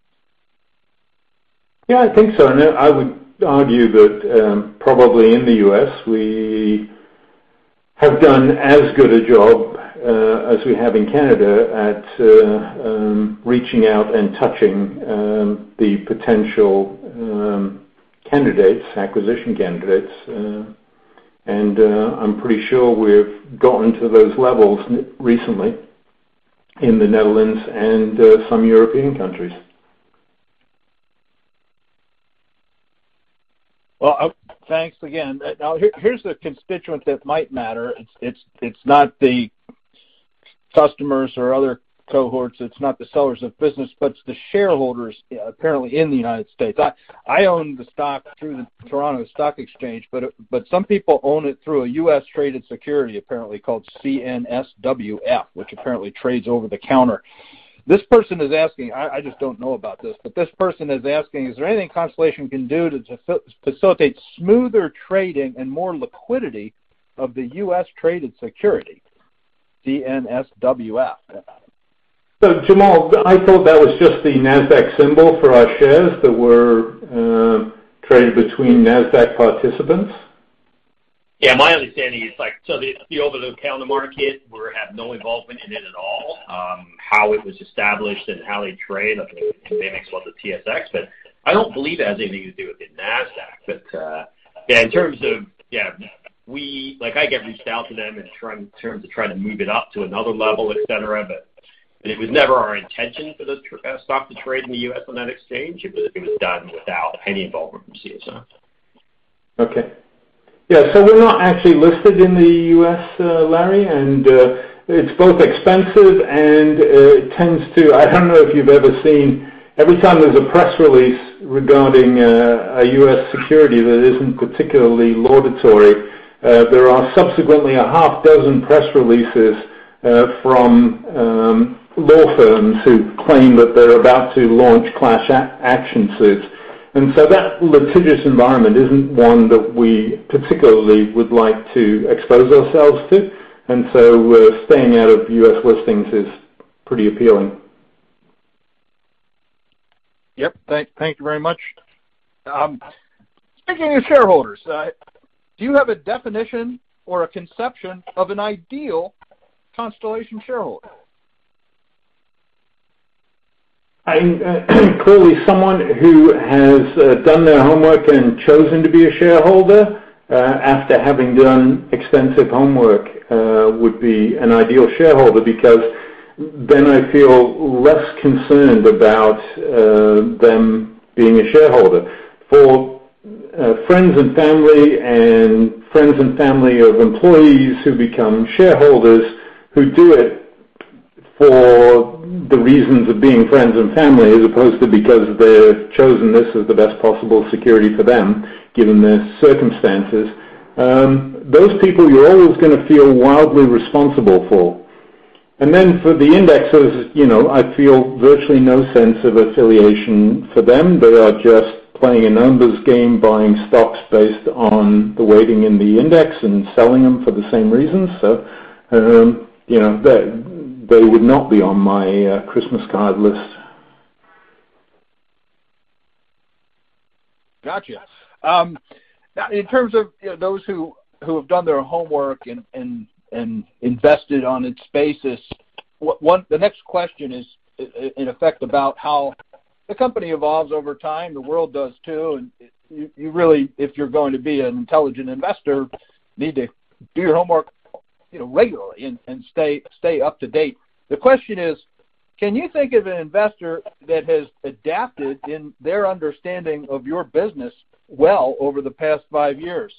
Yeah, I think so. I would argue that, probably in the U.S., we have done as good a job as we have in Canada at reaching out and touching the potential candidates, acquisition candidates, and I'm pretty sure we've gotten to those levels recently in the Netherlands and some European countries. Well, thanks again. Now here's a constituent that might matter. It's not the customers or other cohorts, it's not the sellers of business, but it's the shareholders, apparently in the U.S. I own the stock through the Toronto Stock Exchange, but some people own it through a U.S. traded security, apparently called CNSWF, which apparently trades over the counter. This person is asking I just don't know about this, but this person is asking, is there anything Constellation can do to facilitate smoother trading and more liquidity of the U.S. traded security, CNSWF? Jamal, I thought that was just the Nasdaq symbol for our shares that were traded between Nasdaq participants. Yeah. My understanding is like, so the over-the-counter market, we have no involvement in it at all, how it was established and how they trade, I think they mix well with TSX. I don't believe it has anything to do with the Nasdaq. Yeah, in terms of Yeah, Like, I get reached out to them in terms of trying to move it up to another level, et cetera. It was never our intention for the stock to trade in the U.S. on that exchange. It was done without any involvement from CSI. Okay. Yeah. We're not actually listed in the U.S., Larry. It's both expensive and it tends to I don't know if you've ever seen, every time there's a press release regarding a U.S. security that isn't particularly laudatory, there are subsequently a half-dozen press releases from law firms who claim that they're about to launch class action suits. That litigious environment isn't one that we particularly would like to expose ourselves to. We're staying out of U.S. listings is pretty appealing. Yep. Thank you very much. Speaking of shareholders, do you have a definition or a conception of an ideal Constellation shareholder? I, clearly someone who has done their homework and chosen to be a shareholder, after having done extensive homework, would be an ideal shareholder because then I feel less concerned about them being a shareholder. For friends and family and friends and family of employees who become shareholders who do it for the reasons of being friends and family as opposed to because they've chosen this as the best possible security for them given their circumstances, those people you're always gonna feel wildly responsible for. Then for the indexers, you know, I feel virtually no sense of affiliation for them. They are just playing a numbers game buying stocks based on the weighting in the index and selling them for the same reasons. You know, they would not be on my Christmas card list. Gotcha. Now in terms of, you know, those who have done their homework and invested on its basis, the next question is, in effect about how the company evolves over time, the world does too, and you really, if you're going to be an intelligent investor, need to do your homework, you know, regularly and stay up to date. The question is, can you think of an investor that has adapted in their understanding of your business well over the past five years?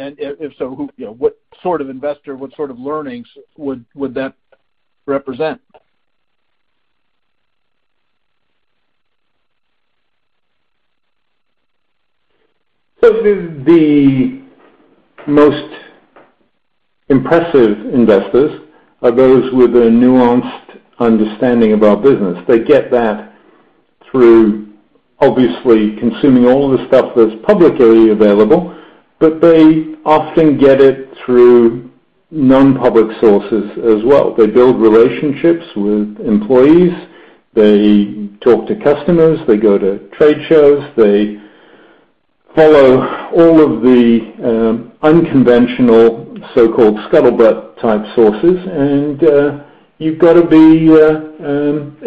If so, who, you know, what sort of investor, what sort of learnings would that represent? The most impressive investors are those with a nuanced understanding of our business. They get that through obviously consuming all of the stuff that's publicly available, but they often get it through non-public sources as well. They build relationships with employees. They talk to customers. They go to trade shows. They follow all of the unconventional so-called scuttlebutt type sources. You've gotta be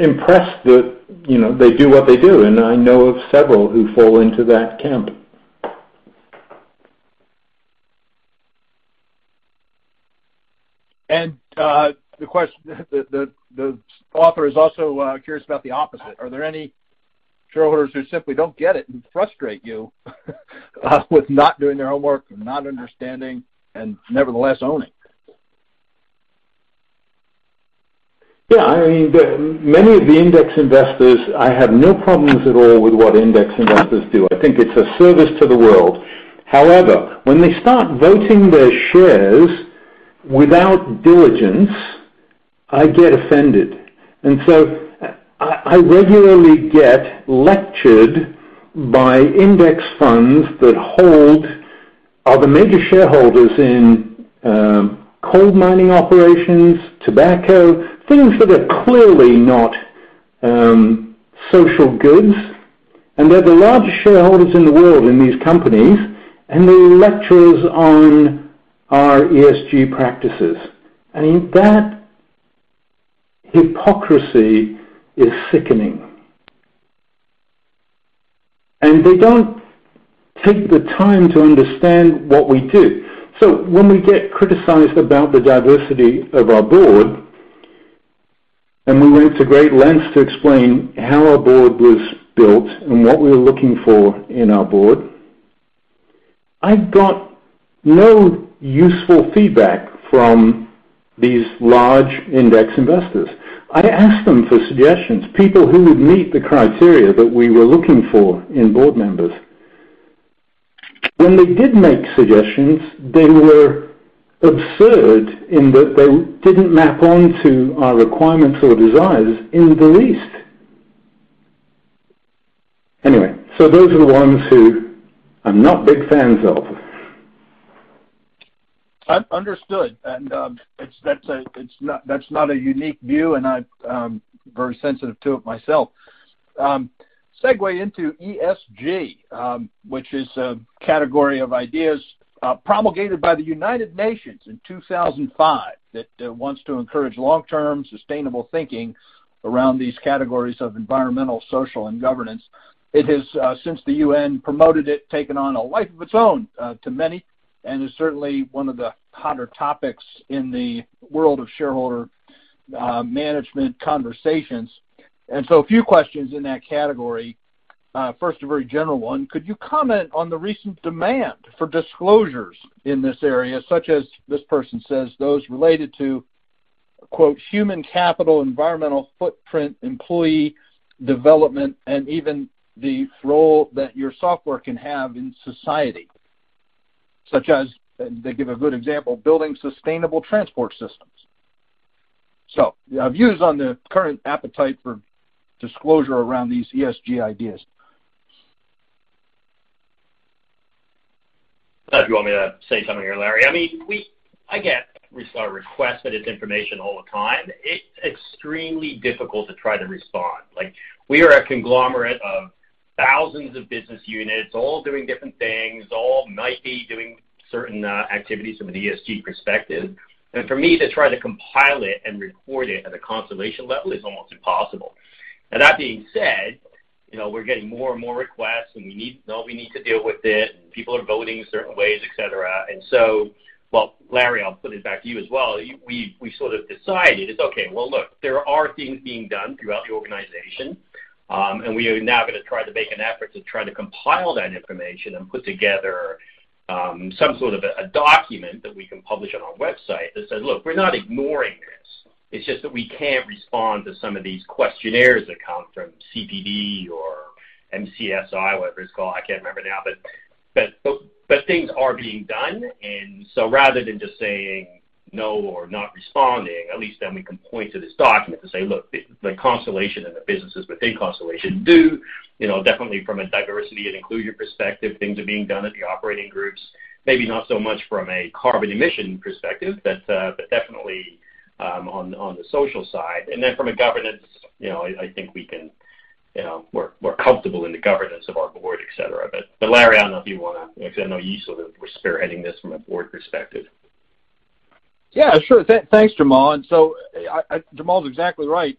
impressed that, you know, they do what they do. I know of several who fall into that camp. The author is also curious about the opposite. Are there any shareholders who simply don't get it and frustrate you with not doing their homework and not understanding and nevertheless owning? I mean, many of the index investors, I have no problems at all with what index investors do. I think it's a service to the world. However, when they start voting their shares without diligence, I get offended. I regularly get lectured by index funds that hold are the major shareholders in coal mining operations, tobacco, things that are clearly not social goods. They're the largest shareholders in the world in these companies, and they lecture us on our ESG practices. I mean, that hypocrisy is sickening. They don't take the time to understand what we do. When we get criticized about the diversity of our board, and we went to great lengths to explain how our board was built and what we were looking for in our board, I got no useful feedback from these large index investors. I asked them for suggestions, people who would meet the criteria that we were looking for in board members. When they did make suggestions, they were absurd in that they didn't map onto our requirements or desires in the least. Anyway, those are the ones who I'm not big fans of. Un-understood. That's not a unique view, and I'm very sensitive to it myself. Segue into ESG, which is a category of ideas promulgated by the United Nations in 2005 that wants to encourage long-term sustainable thinking around these categories of environmental, social, and governance. It has, since the UN promoted it, taken on a life of its own to many, and is certainly one of the hotter topics in the world of shareholder management conversations. A few questions in that category. First, a very general one. Could you comment on the recent demand for disclosures in this area, such as this person says, those related to, quote, "human capital, environmental footprint, employee development, and even the role that your software can have in society," such as, they give a good example, building sustainable transport systems? Views on the current appetite for disclosure around these ESG ideas. I don't know if you want me to say something here, Larry. I mean, I get requests for this information all the time. It's extremely difficult to try to respond. Like, we are a conglomerate of thousands of business units, all doing different things, all might be doing certain activities from an ESG perspective. For me to try to compile it and report it at a Constellation level is almost impossible. Now, that being said, you know, we're getting more and more requests, and we need to deal with it, and people are voting certain ways, et cetera. Well, Larry, I'll put it back to you as well. We sort of decided it's okay. Well, look, there are things being done throughout the organization, we are now gonna try to make an effort to try to compile that information and put together some sort of a document that we can publish on our website that says, "Look, we're not ignoring this." It's just that we can't respond to some of these questionnaires that come from CDP or MSCI, whatever it's called. I can't remember now. Things are being done. Rather than just saying no or not responding, at least then we can point to this document to say, "Look, the Constellation and the businesses within Constellation do, you know, definitely from a diversity and inclusion perspective, things are being done at the operating groups." Maybe not so much from a carbon emission perspective, but definitely on the social side. Then from a governance, you know, I think we can, you know, we're comfortable in the governance of our board, et cetera. Larry, I don't know if you wanna because I know you sort of were spearheading this from a board perspective. Yeah, sure. Thanks, Jamal. Jamal's exactly right.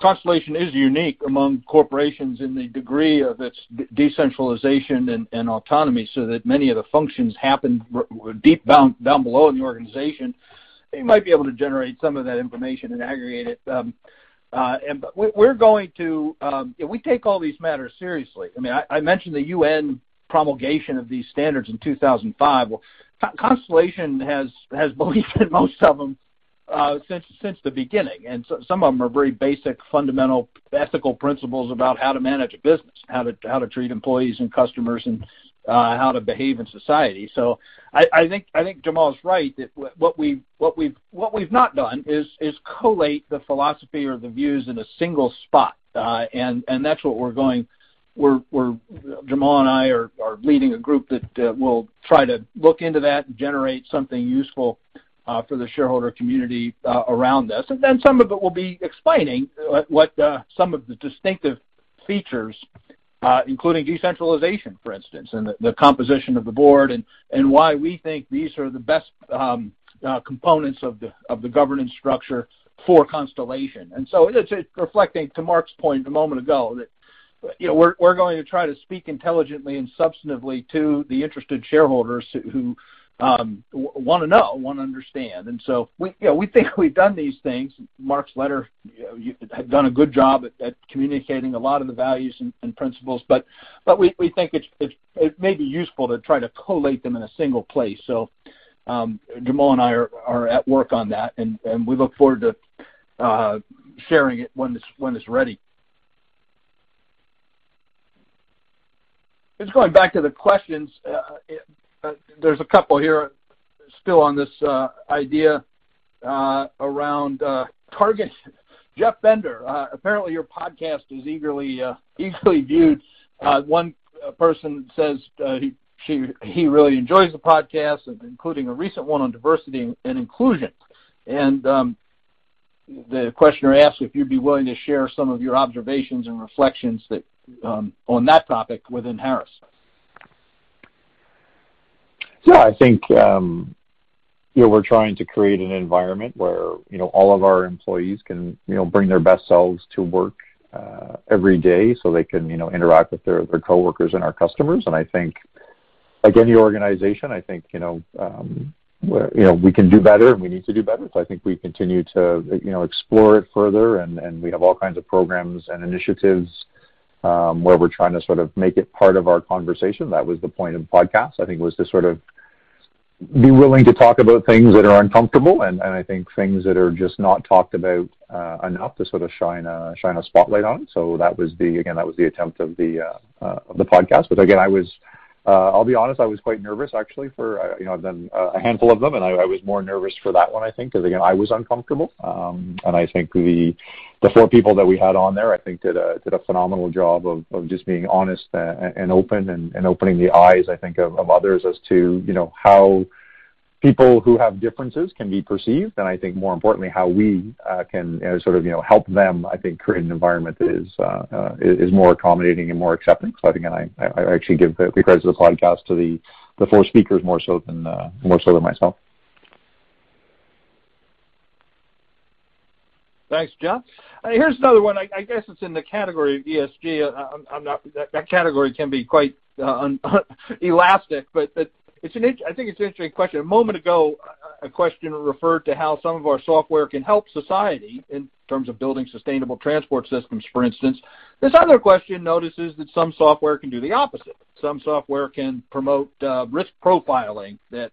Constellation is unique among corporations in the degree of its decentralization and autonomy so that many of the functions happen deep down in the organization. They might be able to generate some of that information and aggregate it. You know, we take all these matters seriously. I mean, I mentioned the UN promulgation of these standards in 2005. Constellation has believed in most of them since the beginning. Some of them are very basic, fundamental ethical principles about how to manage a business, how to treat employees and customers, and how to behave in society. I think Jamal's right that what we've not done is collate the philosophy or the views in a single spot. We're Jamal and I are leading a group that will try to look into that and generate something useful for the shareholder community around this. Some of it will be explaining what some of the distinctive features, including decentralization, for instance, and the composition of the board and why we think these are the best components of the governance structure for Constellation. It's reflecting, to Mark's point a moment ago, that, you know, we're going to try to speak intelligently and substantively to the interested shareholders who wanna know, wanna understand. We, you know, we think we've done these things. Mark's letter, you know, had done a good job at communicating a lot of the values and principles, but we think it may be useful to try to collate them in a single place. Jamal and I are at work on that, and we look forward to sharing it when it's ready. Going back to the questions, there's a couple here still on this idea around Target. Jeff Bender, apparently your podcast is eagerly viewed. One person says he really enjoys the podcast, including a recent one on diversity and inclusion. The questioner asks if you'd be willing to share some of your observations and reflections that, on that topic within Harris. Yeah. I think, you know, we're trying to create an environment where, you know, all of our employees can, you know, bring their best selves to work every day so they can, you know, interact with their coworkers and our customers. I think, like any organization, I think, you know, where, you know, we can do better, and we need to do better. I think we continue to, you know, explore it further, and we have all kinds of programs and initiatives where we're trying to sort of make it part of our conversation. That was the point of the podcast, I think, was to sort of be willing to talk about things that are uncomfortable and I think things that are just not talked about enough to sort of shine a spotlight on. That was the, again, that was the attempt of the podcast. Again, I was, I'll be honest, I was quite nervous actually for, you know, I've done a handful of them, and I was more nervous for that one, I think, 'cause again, I was uncomfortable. And I think the four people that we had on there, I think did a phenomenal job of just being honest and open and opening the eyes, I think, of others as to, you know, how people who have differences can be perceived, and I think more importantly, how we can sort of, you know, help them, I think, create an environment that is more accommodating and more accepting. Again, I actually give the regards of the podcast to the four speakers more so than more so than myself. Thanks, Jeff. Here's another one. I guess it's in the category of ESG. I'm not That category can be quite unelastic, but I think it's an interesting question. A moment ago, a question referred to how some of our software can help society in terms of building sustainable transport systems, for instance. This other question notices that some software can do the opposite. Some software can promote risk profiling that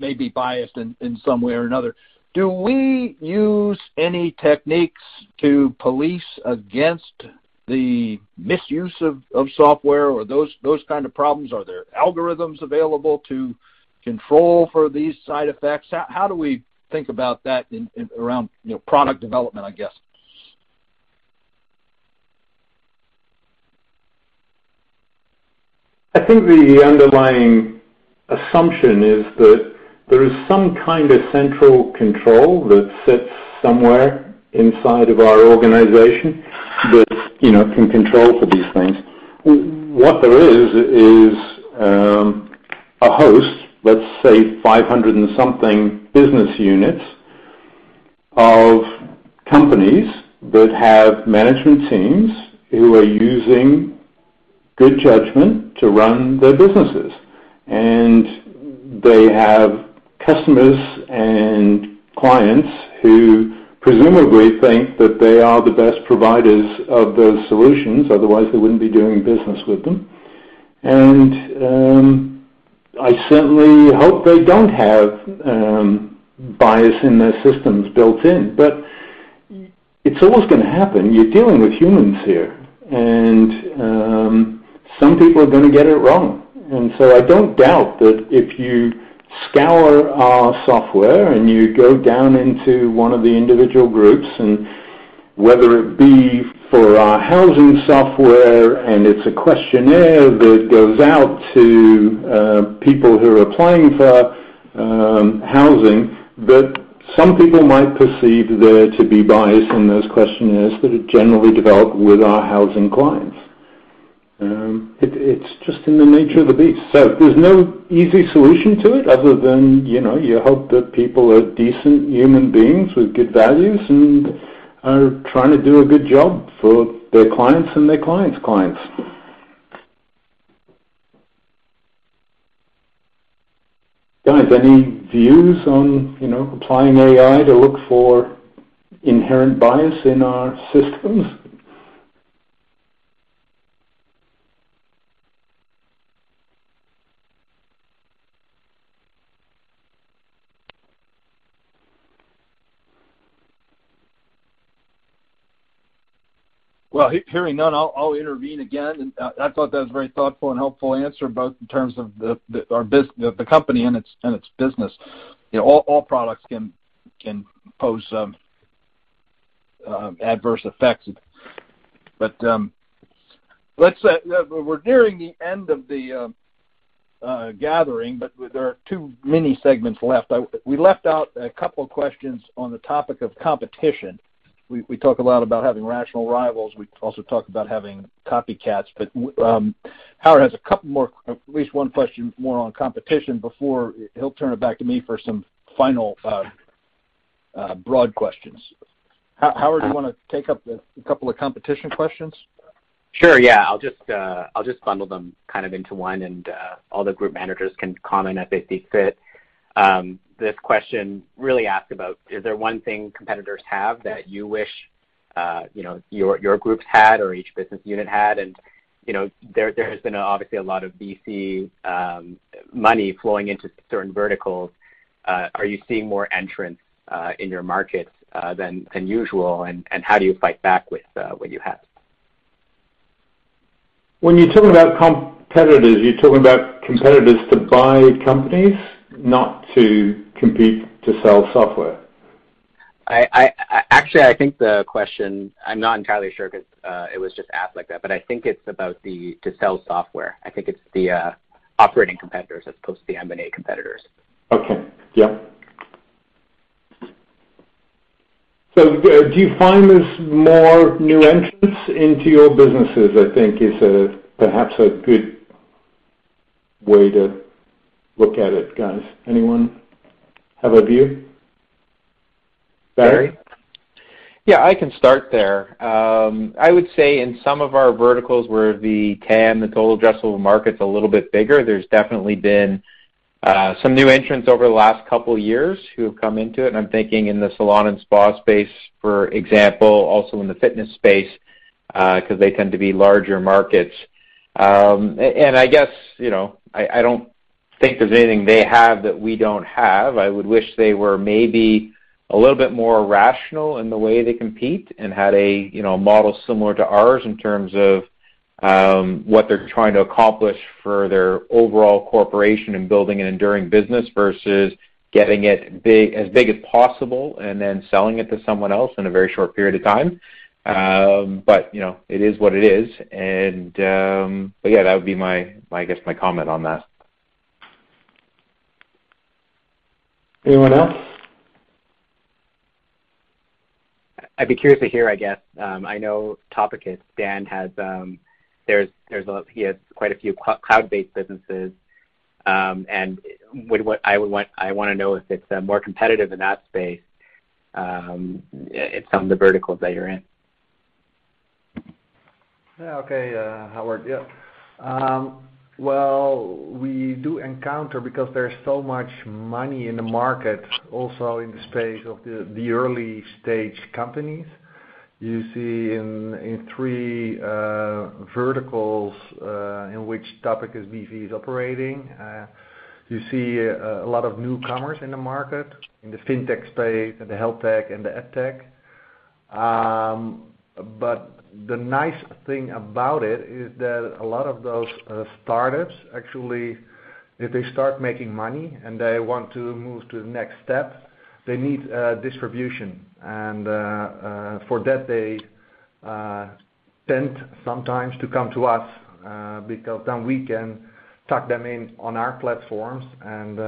may be biased in some way or another. Do we use any techniques to police against the misuse of software or those kind of problems? Are there algorithms available to control for these side effects? How do we think about that around, you know, product development, I guess? I think the underlying assumption is that there is some kind of central control that sits somewhere inside of our organization that, you know, can control for these things. What there is a host, let's say 500 and something business units of companies that have management teams who are using good judgment to run their businesses. They have customers and clients who presumably think that they are the best providers of those solutions, otherwise they wouldn't be doing business with them. I certainly hope they don't have bias in their systems built in. It's always gonna happen. You're dealing with humans here. Some people are gonna get it wrong. I don't doubt that if you scour our software and you go down into one of the individual groups, and whether it be for our housing software, and it's a questionnaire that goes out to people who are applying for housing, that some people might perceive there to be bias in those questionnaires that are generally developed with our housing clients. It's just in the nature of the beast. There's no easy solution to it other than, you know, you hope that people are decent human beings with good values and are trying to do a good job for their clients and their clients' clients. Guys, any views on, you know, applying AI to look for inherent bias in our systems? Well, hearing none, I'll intervene again. I thought that was a very thoughtful and helpful answer, both in terms of the company and its business. You know, all products can pose some adverse effects. Let's, we're nearing the end of the gathering, but there are two mini segments left. We left out a couple questions on the topic of competition. We talk a lot about having rational rivals. We also talk about having copycats. Howard has a couple more, at least one question more on competition before he'll turn it back to me for some final broad questions. Howard, do you wanna take up a couple of competition questions? Sure, yeah. I'll just, I'll just bundle them kind of into one, and all the group managers can comment as they see fit. This question really asks about, is there one thing competitors have that you wish, you know, your groups had or each business unit had? You know, there has been obviously a lot of VC money flowing into certain verticals. Are you seeing more entrants in your markets than usual? How do you fight back with what you have? When you're talking about competitors, you're talking about competitors to buy companies, not to compete to sell software? I actually think the question, I'm not entirely sure 'cause it was just asked like that, but I think it's about to sell software. I think it's the operating competitors as opposed to the M&A competitors. Okay. Yeah. Do you find there's more new entrants into your businesses, I think is a perhaps a good way to look at it, guys? Anyone have a view? Barry? Yeah, I can start there. I would say in some of our verticals where the TAM, the total addressable market's a little bit bigger, there's definitely been some new entrants over the last couple years who have come into it, and I'm thinking in the salon and spa space, for example, also in the fitness space, 'cause they tend to be larger markets. I guess, you know, I don't think there's anything they have that we don't have. I would wish they were maybe a little bit more rational in the way they compete and had a, you know, model similar to ours in terms of what they're trying to accomplish for their overall corporation and building an enduring business versus getting it big, as big as possible, and then selling it to someone else in a very short period of time. You know, it is what it is. yeah, that would be my, I guess, my comment on that. Anyone else? I'd be curious to hear, I guess. I know Topicus, Daan, has quite a few cloud-based businesses, and I wanna know if it's more competitive in that space, in some of the verticals that you're in. Okay, Howard. Yeah. Well, we do encounter because there is so much money in the market also in the space of the early stage companies. You see in three verticals in which Topicus.com is operating. You see a lot of newcomers in the market, in the fintech space and the health tech and the ed tech. The nice thing about it is that a lot of those startups, actually, if they start making money and they want to move to the next step, they need distribution. For that they tend sometimes to come to us because then we can tuck them in on our platforms and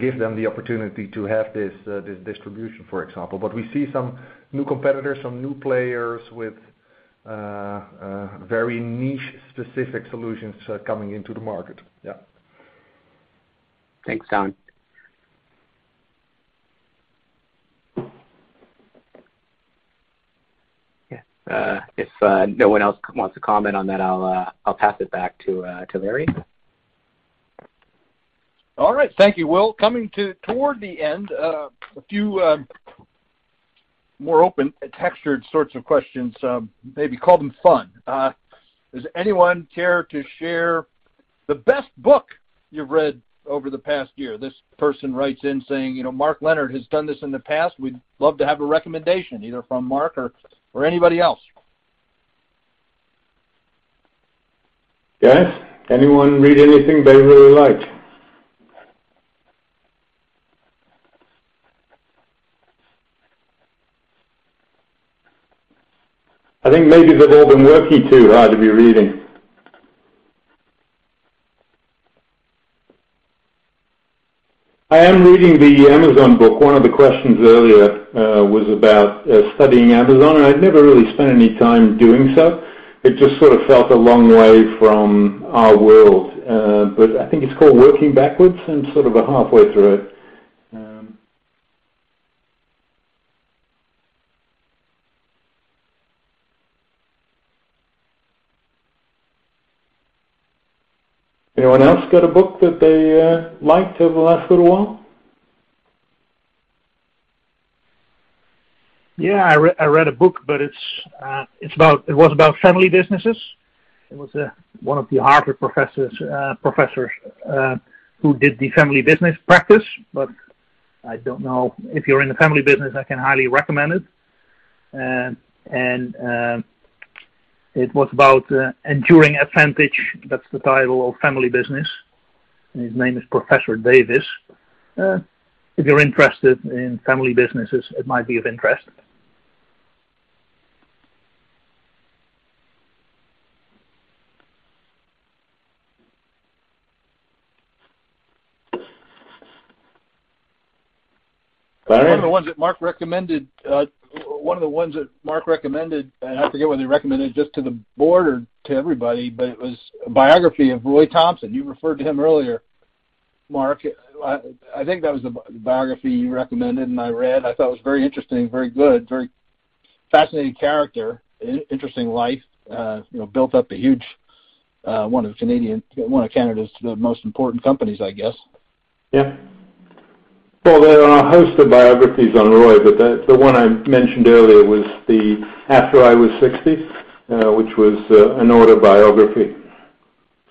give them the opportunity to have this distribution, for example. We see some new competitors, some new players with very niche-specific solutions coming into the market. Thanks, Daan. Yeah. If no one else wants to comment on that, I'll pass it back to Larry. All right. Thank you, Will. Coming toward the end, a few more open textured sorts of questions, maybe call them fun. Does anyone care to share the best book you've read over the past year? This person writes in saying, you know, Mark Leonard has done this in the past. We'd love to have a recommendation either from Mark or anybody else. Yes. Anyone read anything they really like? I think maybe they've all been working too hard to be reading. I am reading the Amazon book. One of the questions earlier was about studying Amazon, and I'd never really spent any time doing so. It just sort of felt a long way from our world. I think it's called Working Backwards, I'm sort of halfway through it. Anyone else got a book that they liked over the last little while? I read a book. It was about family businesses. It was one of the Harvard professors who did the family business practice. I don't know if you're in the family business, I can highly recommend it. It was about Enduring Advantage. That's the title of family business. His name is Professor Davis. If you're interested in family businesses, it might be of interest. One of the ones that Mark recommended, and I forget whether he recommended just to the board or to everybody, but it was a biography of Roy Thomson. You referred to him earlier, Mark. I think that was the biography you recommended, and I read. I thought it was very interesting, very good, very fascinating character, interesting life, you know, built up a huge, one of Canadian, one of Canada's most important companies, I guess. Yeah. Well, there are a host of biographies on Roy, but the one I mentioned earlier was the After I Was Sixty, which was an autobiography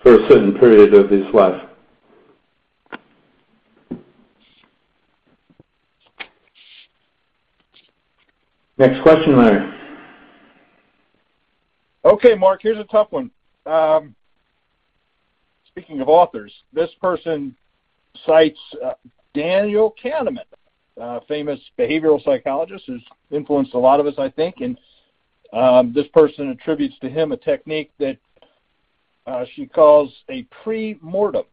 for a certain period of his life. Next question, Larry. Okay, Mark, here's a tough one. Speaking of authors, this person cites Daniel Kahneman, a famous behavioral psychologist, who's influenced a lot of us. This person attributes to him a technique that she calls a pre-mortem.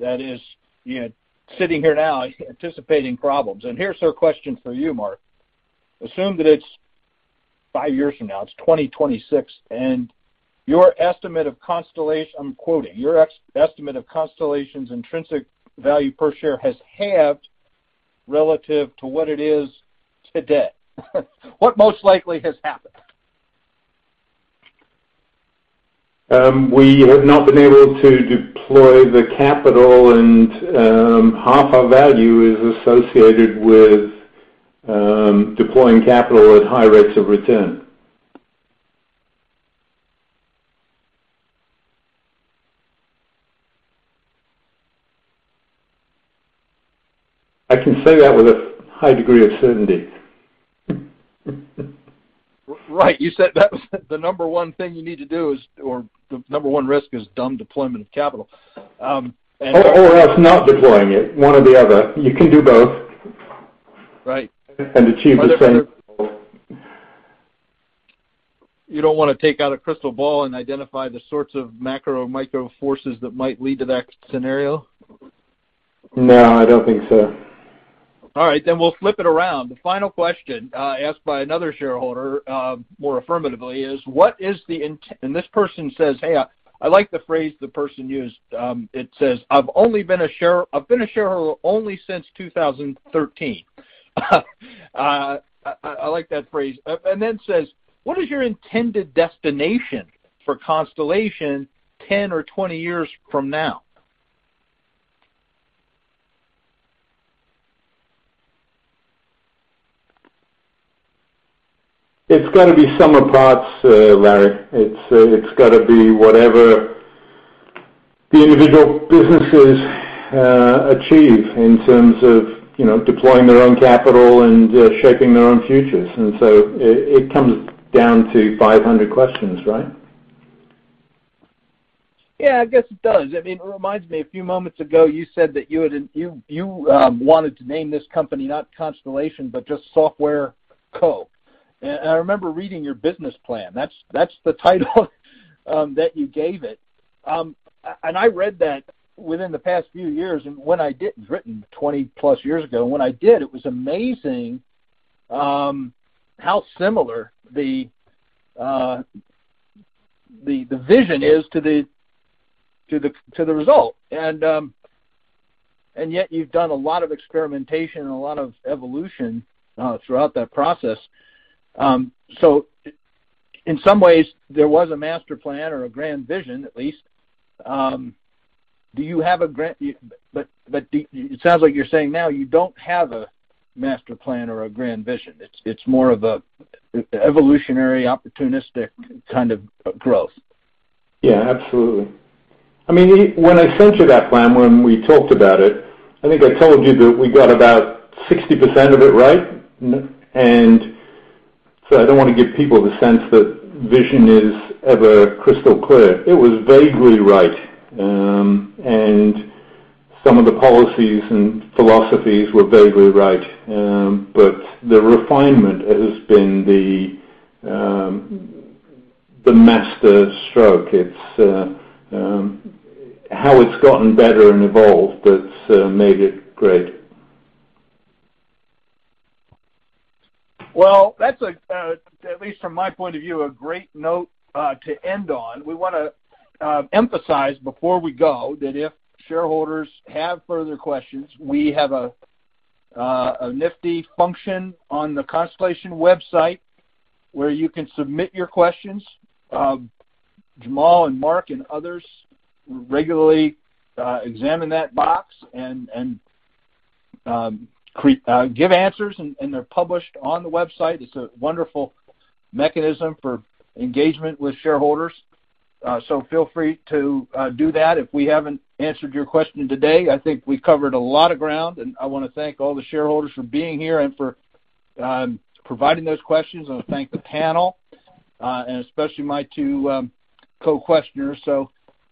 That is, you know, sitting here now anticipating problems. Here's her question for you, Mark. Assume that it's five years from now, it's 2026, and your estimate of Constellation, I'm quoting, "Your estimate of Constellation's intrinsic value per share has halved relative to what it is today." What most likely has happened? We have not been able to deploy the capital and half our value is associated with deploying capital at high rates of return. I can say that with a high degree of certainty. Right. You said that was the number one thing you need to do is, or the number one risk is dumb deployment of capital. Or else not deploying it, one or the other. You can do both. Right. Achieve the same goal. You don't wanna take out a crystal ball and identify the sorts of macro or micro forces that might lead to that scenario? No, I don't think so. All right. We'll flip it around. The final question, asked by another shareholder, more affirmatively, is what is the and this person says, "Hey, I like the phrase the person used." It says, "I've been a shareholder only since 2013." I like that phrase. Says, "What is your intended destination for Constellation 10 or 20 years from now? It's gotta be sum of parts, Larry. It's, it's gotta be whatever the individual businesses achieve in terms of, you know, deploying their own capital and shaping their own futures. It, it comes down to 500 questions, right? Yeah, I guess it does. I mean, it reminds me a few moments ago, you said that you wanted to name this company not Constellation, but just Software Co. I remember reading your business plan. That's the title that you gave it. I read that within the past few years, and when I did, it was written 20+ years ago, and when I did, it was amazing how similar the vision is to the result. Yet you've done a lot of experimentation and a lot of evolution throughout that process. In some ways, there was a master plan or a grand vision, at least. It sounds like you're saying now you don't have a master plan or a grand vision. It's more of a evolutionary, opportunistic kind of growth. Yeah, absolutely. I mean, when I sent you that plan, when we talked about it, I think I told you that we got about 60% of it right. I don't wanna give people the sense that vision is ever crystal clear. It was vaguely right. Some of the policies and philosophies were vaguely right. The refinement has been the master stroke. It's how it's gotten better and evolved that's made it great. That's a, at least from my point of view, a great note to end on. We wanna emphasize before we go that if shareholders have further questions, we have a nifty function on the Constellation website where you can submit your questions. Jamal Baksh and Mark Leonard and others regularly examine that box and give answers, and they're published on the website. It's a wonderful mechanism for engagement with shareholders. Feel free to do that if we haven't answered your question today. I think we covered a lot of ground, and I wanna thank all the shareholders for being here and for providing those questions. I wanna thank the panel and especially my two co-questioners.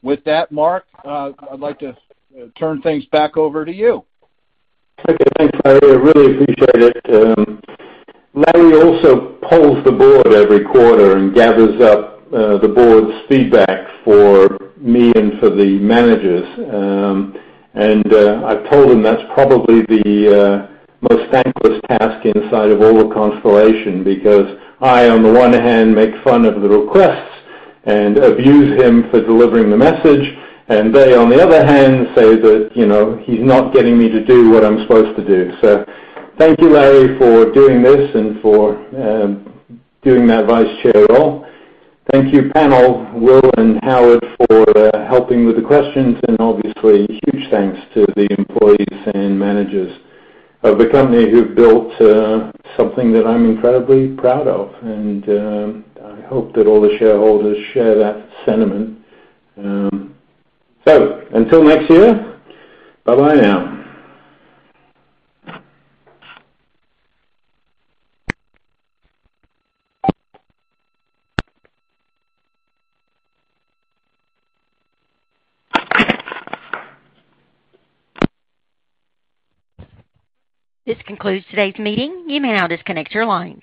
With that, Mark Leonard, I'd like to turn things back over to you. Okay. Thanks, Larry. I really appreciate it. Larry also polls the board every quarter and gathers up the board's feedback for me and for the managers. I've told him that's probably the most thankless task inside of all of Constellation because I, on the one hand, make fun of the requests and abuse him for delivering the message, and they, on the other hand, say that, you know, he's not getting me to do what I'm supposed to do. Thank you, Larry, for doing this and for doing that vice chair role. Thank you, panel, Will and Howard, for helping with the questions and obviously huge thanks to the employees and managers of the company who've built something that I'm incredibly proud of. I hope that all the shareholders share that sentiment. Until next year, bye-bye now. This concludes today's meeting. You may now disconnect your lines.